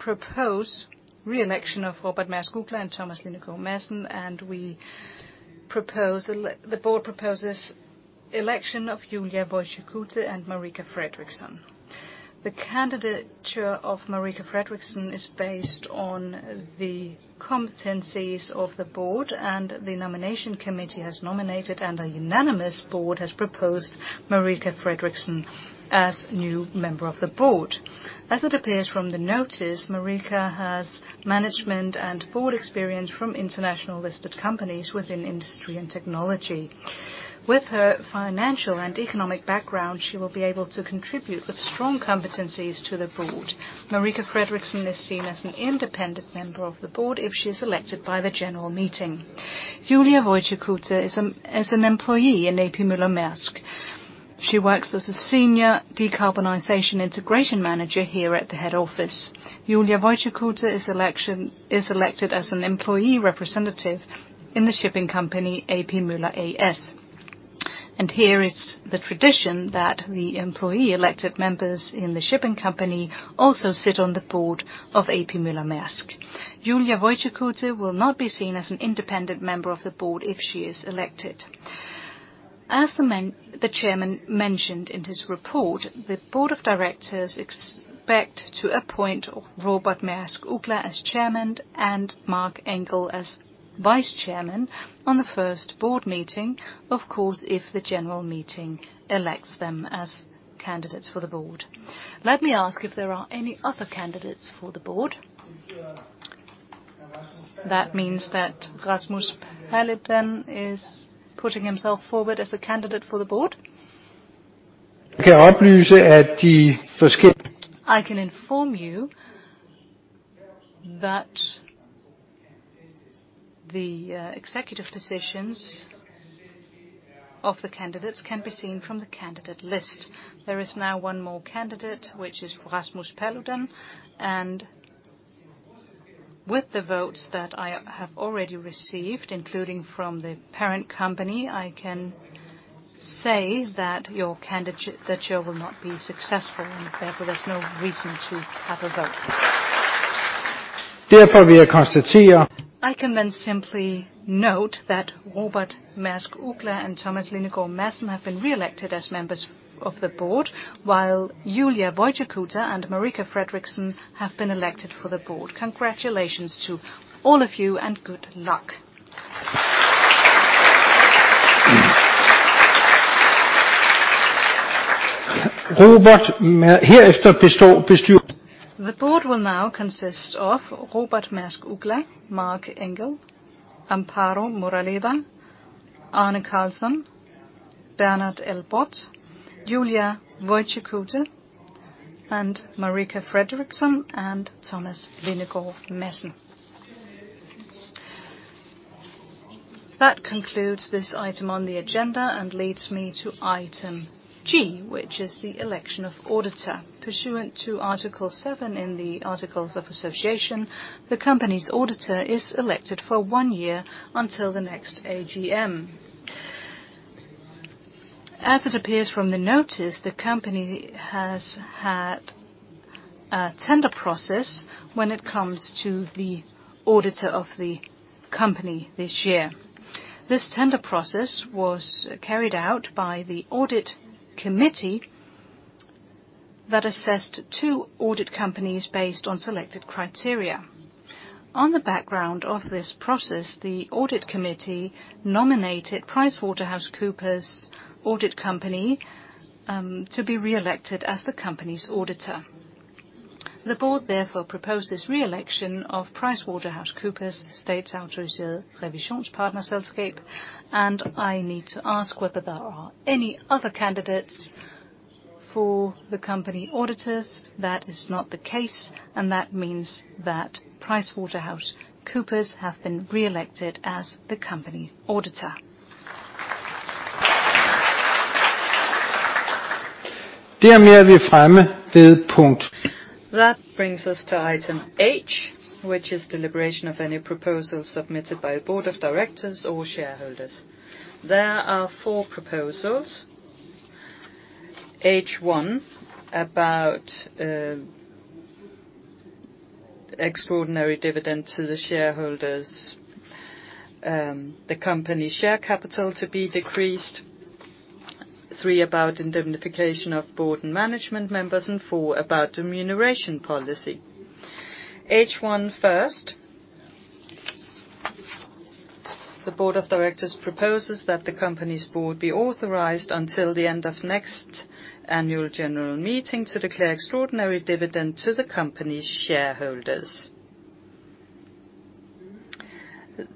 to Ane Maersk Mc-Kinney Uggla. Pursuant to the articles of association, article three, there is a two-year election period for members of the board. Besides Jim Hagemann Snabe, also Ane Maersk Mc-Kinney Uggla, Robert Maersk Uggla, Blythe Masters, Thomas Lindegaard Madsen, and Jacob Andersen Sterling will also step down. We propose re-election of Robert Maersk Uggla and Thomas Lindegaard Madsen, and we propose the board proposes election of Julija Voitiekute and Marika Fredriksson. The candidature of Marika Fredriksson is based on the competencies of the board, and the nomination committee has nominated, and a unanimous board has proposed Marika Fredriksson as new member of the board. As it appears from the notice, Marika has management and board experience from international listed companies within industry and technology. With her financial and economic background, she will be able to contribute with strong competencies to the board. Marika Fredriksson is seen as an independent member of the board if she is elected by the general meeting. Julija Voitiekute is an employee in A.P. Møller - Maersk. She works as a Senior Decarbonization Integration Manager here at the head office. Julija Voitiekute is elected as an employee representative in the shipping company A.P. Møller - Maersk A/S. Here it's the tradition that the employee elected members in the shipping company also sit on the board of A.P. Møller - Maersk. Julija Voitiekute will not be seen as an independent member of the board if she is elected. As the chairman mentioned in his report, the board of directors expect to appoint Robert Maersk Uggla as chairman and Marc Engel as vice chairman on the first board meeting, of course, if the general meeting elects them as candidates for the board. Let me ask if there are any other candidates for the board? That means that Rasmus Paludan is putting himself forward as a candidate for the board. I can inform you that The executive positions of the candidates can be seen from the candidate list. There is now one more candidate, which is Rasmus Paludan. With the votes that I have already received, including from the parent company, I can say that you will not be successful. Therefore, there's no reason to have a vote. I can then simply note that Robert Maersk Uggla and Thomas Lindegaard Madsen have been re-elected as members of the Board, while Julija Voitiekute and Marika Fredriksson have been elected to the Board. Congratulations to all of you, and good luck. The Board will now consist of Robert Maersk Uggla, Marc Engel, Amparo Moraleda, Arne Karlsson, Bernard L. Bot, Julija Voitiekute, and Marika Fredriksson, and Thomas Lindegaard Madsen. That concludes this item on the agenda and leads me to item G, which is the election of auditor. Pursuant to Article seven in the Articles of Association, the company's auditor is elected for one year until the next AGM. As it appears from the notice, the company has had a tender process when it comes to the auditor of the company this year. This tender process was carried out by the audit committee that assessed two audit companies based on selected criteria. On the background of this process, the audit committee nominated PricewaterhouseCoopers Audit Company to be re-elected as the company's auditor. The board therefore proposes re-election of PricewaterhouseCoopers, and I need to ask whether there are any other candidates for the company auditors. That is not the case, and that means that PricewaterhouseCoopers have been re-elected as the company auditor. That brings us to item H, which is deliberation of any proposals submitted by the board of directors or shareholders. There are four proposals. Item one, about extraordinary dividend to the shareholders. The company share capital to be decreased. Three, about indemnification of board and management members, and four, about remuneration policy. Item one first. The Board of Directors proposes that the company's Board be authorized until the end of next annual general meeting to declare extraordinary dividend to the company's shareholders.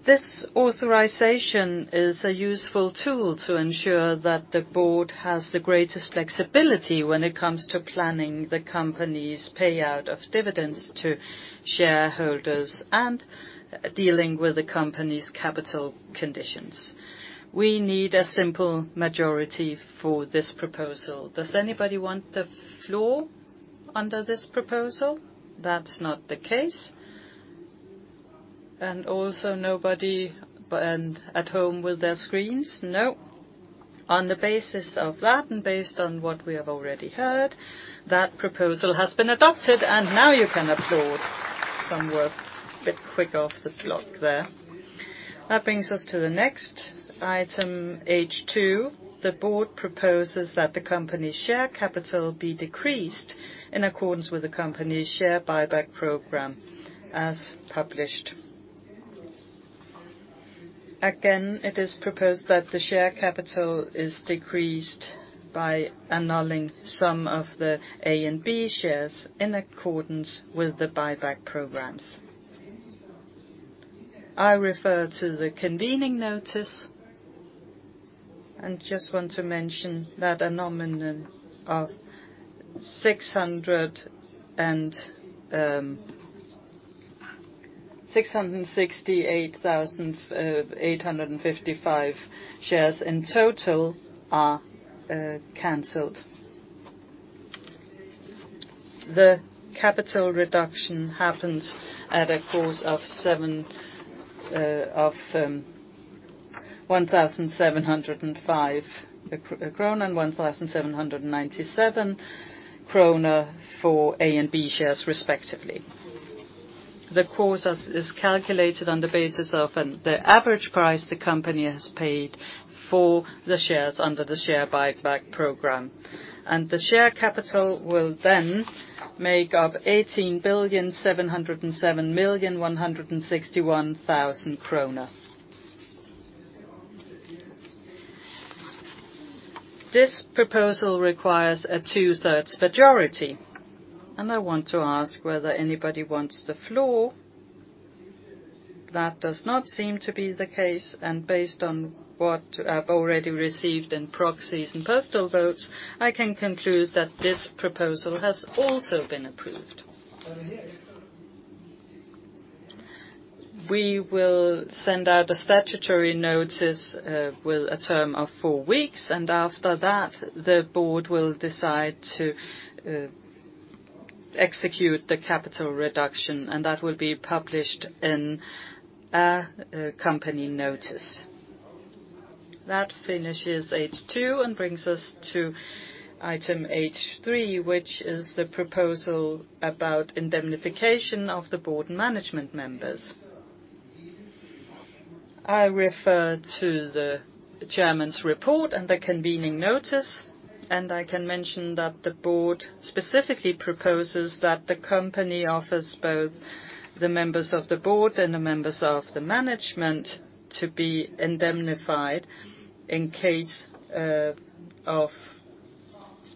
This authorization is a useful tool to ensure that the Board has the greatest flexibility when it comes to planning the company's payout of dividends to shareholders and dealing with the company's capital conditions. We need a simple majority for this proposal. Does anybody want the floor under this proposal? That's not the case. Also nobody at home with their screens? No. On the basis of that, and based on what we have already heard, that proposal has been adopted, and now you can applaud. Some were a bit quick off the block there. That brings us to the next item, H 2. The board proposes that the company's share capital be decreased in accordance with the company's share buyback program as published. Again, it is proposed that the share capital is decreased by annulling some of the A and B shares in accordance with the buyback programs. I refer to the convening notice and just want to mention that a nominal of 668,855 shares in total are canceled. The capital reduction happens at a cost of 1,705 krone and 1,797 kroner for A and B shares, respectively. The cost is calculated on the basis of an... the average price the company has paid for the shares under the share buyback program. The share capital will then make up 18,707,161,000 kroner. This proposal requires a two-thirds majority, and I want to ask whether anybody wants the floor. That does not seem to be the case, and based on what I've already received in proxies and postal votes, I can conclude that this proposal has also been approved. We will send out a statutory notice with a term of 4 weeks, and after that, the board will decide to execute the capital reduction, and that will be published in a company notice. That finishes H2 and brings us to item H3, which is the proposal about indemnification of the board management members. I refer to the chairman's report and the convening notice, and I can mention that the Board specifically proposes that the company offers both the members of the Board and the members of the Management to be indemnified in case of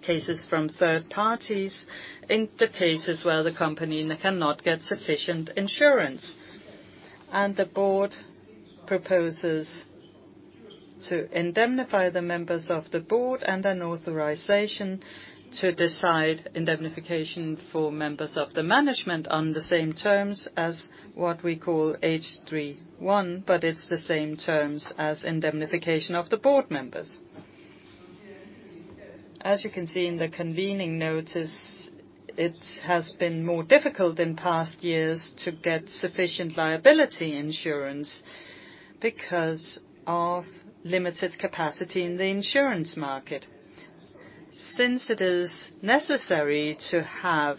cases from third parties in the cases where the company cannot get sufficient insurance. The Board proposes to indemnify the members of the Board and an authorization to decide indemnification for members of the Management on the same terms as what we call H3-1, but it's the same terms as indemnification of the Board members. As you can see in the convening notice, it has been more difficult in past years to get sufficient liability insurance because of limited capacity in the insurance market. Since it is necessary to have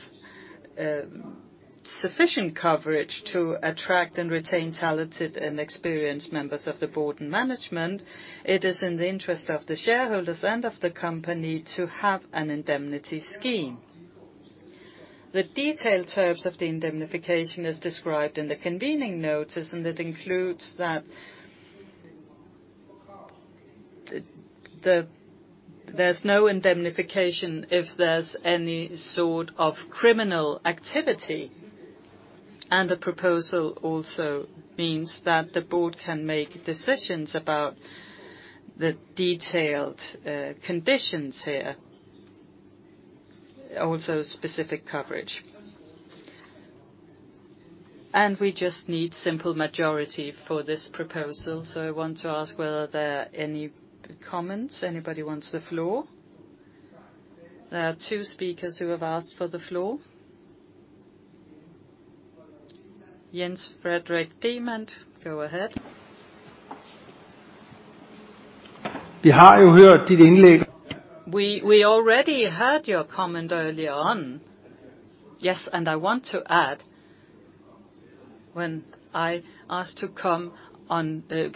sufficient coverage to attract and retain talented and experienced members of the board and management, it is in the interest of the shareholders and of the company to have an indemnity scheme. The detailed terms of the indemnification is described in the convening notice, and it includes that there's no indemnification if there's any sort of criminal activity, and the proposal also means that the board can make decisions about the detailed conditions here, also specific coverage. We just need simple majority for this proposal, so I want to ask whether there are any comments. Anybody wants the floor? There are two speakers who have asked for the floor. Jens Frederik Demant, go ahead. We already heard your comment earlier on. Yes, I want to add. When I asked to come on to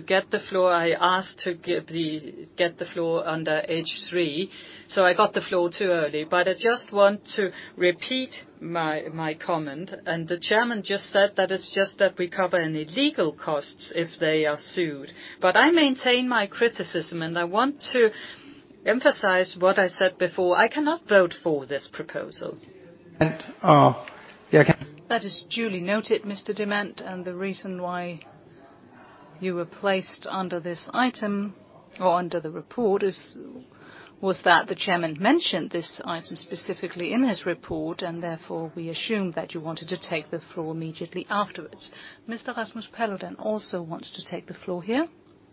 get the floor, I asked to get the floor under H3, so I got the floor too early. I just want to repeat my comment, and the chairman just said that it's just that we cover any legal costs if they are sued. I maintain my criticism, and I want to emphasize what I said before. I cannot vote for this proposal. That is duly noted, Mr. Demant, and the reason why you were placed under this item or under the report was that the chairman mentioned this item specifically in his report, and therefore, we assumed that you wanted to take the floor immediately afterwards. Mr. Rasmus Paludan also wants to take the floor here.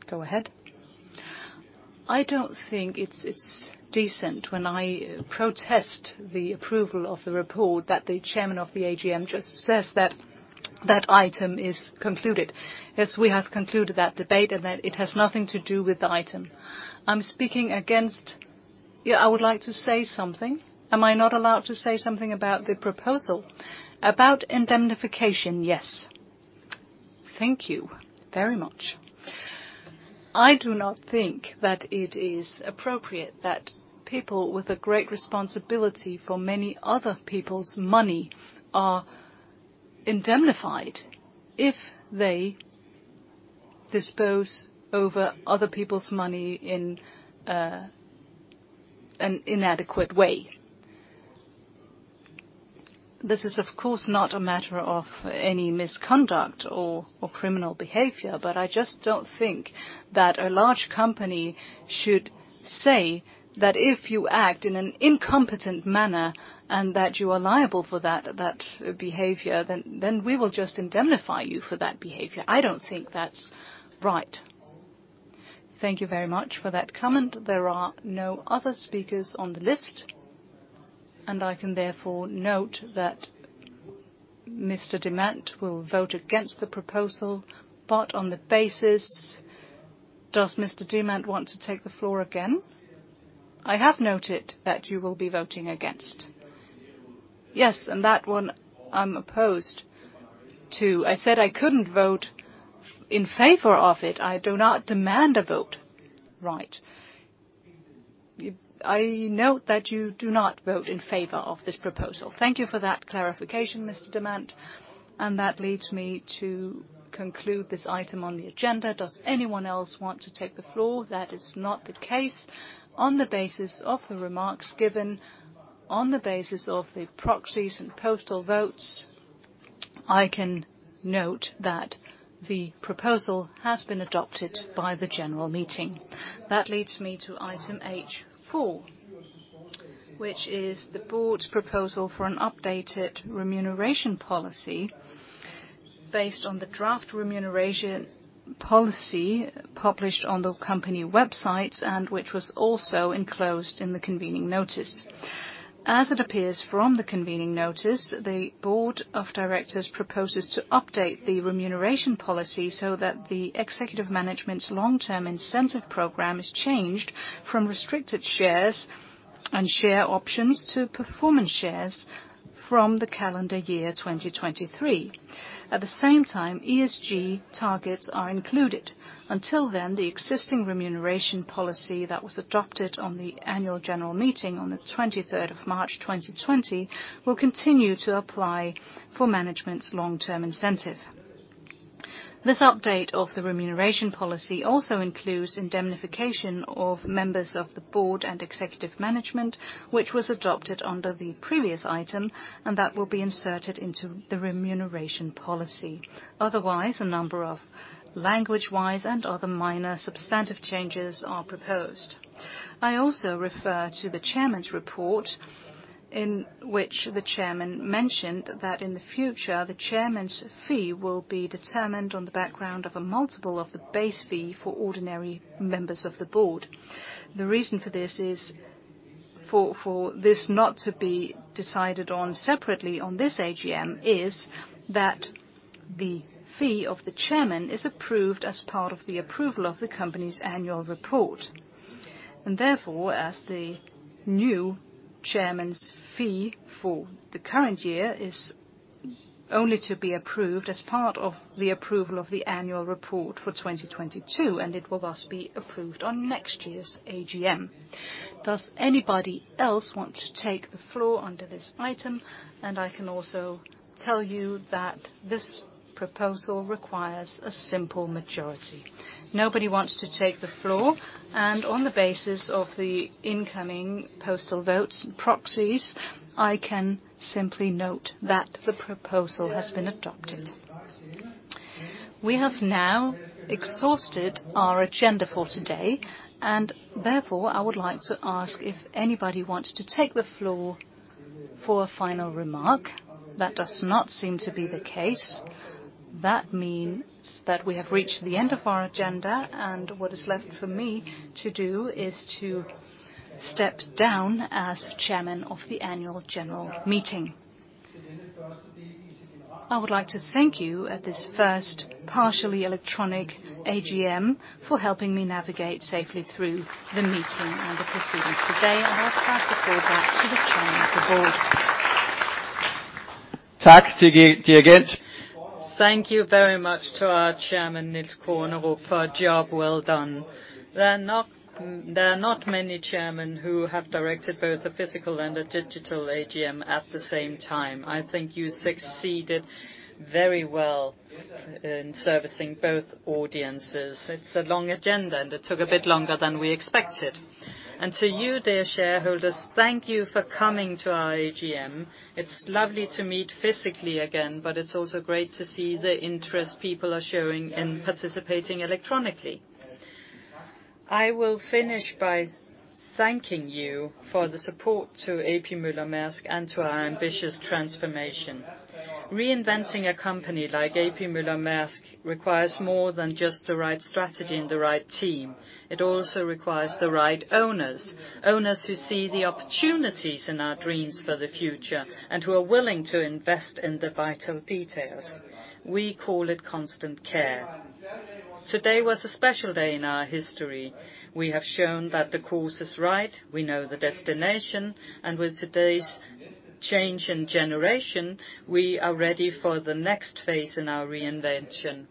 Go ahead. I don't think it's decent when I protest the approval of the report that the chairman of the AGM just says that that item is concluded. Yes, we have concluded that debate and that it has nothing to do with the item. I'm speaking against. I would like to say something. Am I not allowed to say something about the proposal? About indemnification, yes. Thank you very much. I do not think that it is appropriate that people with a great responsibility for many other people's money are indemnified if they dispose over other people's money in an inadequate way. This is, of course, not a matter of any misconduct or criminal behavior, but I just don't think that a large company should say that if you act in an incompetent manner and that you are liable for that behavior, then we will just indemnify you for that behavior. I don't think that's right. Thank you very much for that comment. There are no other speakers on the list, and I can therefore note that Mr. Demant will vote against the proposal. Does Mr. Demant want to take the floor again? I have noted that you will be voting against. Yes, that one I'm opposed to. I said I couldn't vote in favor of it. I do not demand a vote. Right. I note that you do not vote in favor of this proposal. Thank you for that clarification, Mr. Demant, and that leads me to conclude this item on the agenda. Does anyone else want to take the floor? That is not the case. On the basis of the remarks given, on the basis of the proxies and postal votes I can note that the proposal has been adopted by the general meeting. That leads me to item H4, which is the Board's proposal for an updated remuneration policy based on the draft remuneration policy published on the company website and which was also enclosed in the convening notice. As it appears from the convening notice, the Board of Directors proposes to update the remuneration policy so that the Executive Management's long-term incentive program is changed from restricted shares and share options to performance shares from the calendar year 2023. At the same time, ESG targets are included. Until then, the existing remuneration policy that was adopted on the Annual General Meeting on the 23rd of March, 2020 will continue to apply for management's long-term incentive. This update of the remuneration policy also includes indemnification of members of the board and executive management, which was adopted under the previous item, and that will be inserted into the remuneration policy. Otherwise, a number of language-wise and other minor substantive changes are proposed. I also refer to the Chairman's report, in which the Chairman mentioned that in the future, the Chairman's fee will be determined on the background of a multiple of the base fee for ordinary members of the board. The reason for this is for this not to be decided on separately on this AGM is that the fee of the Chairman is approved as part of the approval of the company's annual report. Therefore, as the new Chairman's fee for the current year is only to be approved as part of the approval of the annual report for 2022, and it will thus be approved on next year's AGM. Does anybody else want to take the floor under this item? I can also tell you that this proposal requires a simple majority. Nobody wants to take the floor. On the basis of the incoming postal votes and proxies, I can simply note that the proposal has been adopted. We have now exhausted our agenda for today, and therefore, I would like to ask if anybody wants to take the floor for a final remark. That does not seem to be the case. That means that we have reached the end of our agenda, and what is left for me to do is to step down as Chairman of the annual general meeting. I would like to thank you at this first partially electronic AGM for helping me navigate safely through the meeting and the proceedings today. I'll pass the floor back to the Chairman of the board. Thank you very much to our Chairman, Niels Kornerup, for a job well done. There are not many chairman who have directed both a physical and a digital AGM at the same time. I think you succeeded very well in servicing both audiences. It's a long agenda, and it took a bit longer than we expected. To you, dear shareholders, thank you for coming to our AGM. It's lovely to meet physically again, but it's also great to see the interest people are showing in participating electronically. I will finish by thanking you for the support to A.P. Møller - Maersk and to our ambitious transformation. Reinventing a company like A.P. Møller - Maersk requires more than just the right strategy and the right team. It also requires the right owners who see the opportunities in our dreams for the future and who are willing to invest in the vital details. We call it constant care. Today was a special day in our history. We have shown that the course is right, we know the destination, and with today's change in generation, we are ready for the next phase in our reinvention.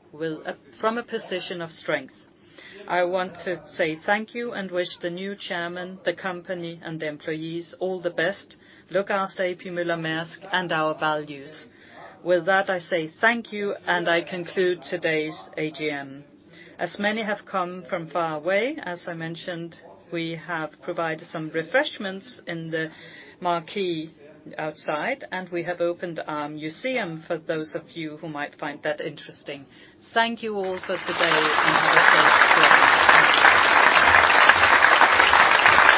From a position of strength. I want to say thank you and wish the new Chairman, the company, and the employees all the best. Look after A.P. Møller - Maersk and our values. With that, I say thank you, and I conclude today's AGM. As many have come from far away, as I mentioned, we have provided some refreshments in the marquee outside, and we have opened our museum for those of you who might find that interesting. Thank you all for today and have a safe journey home.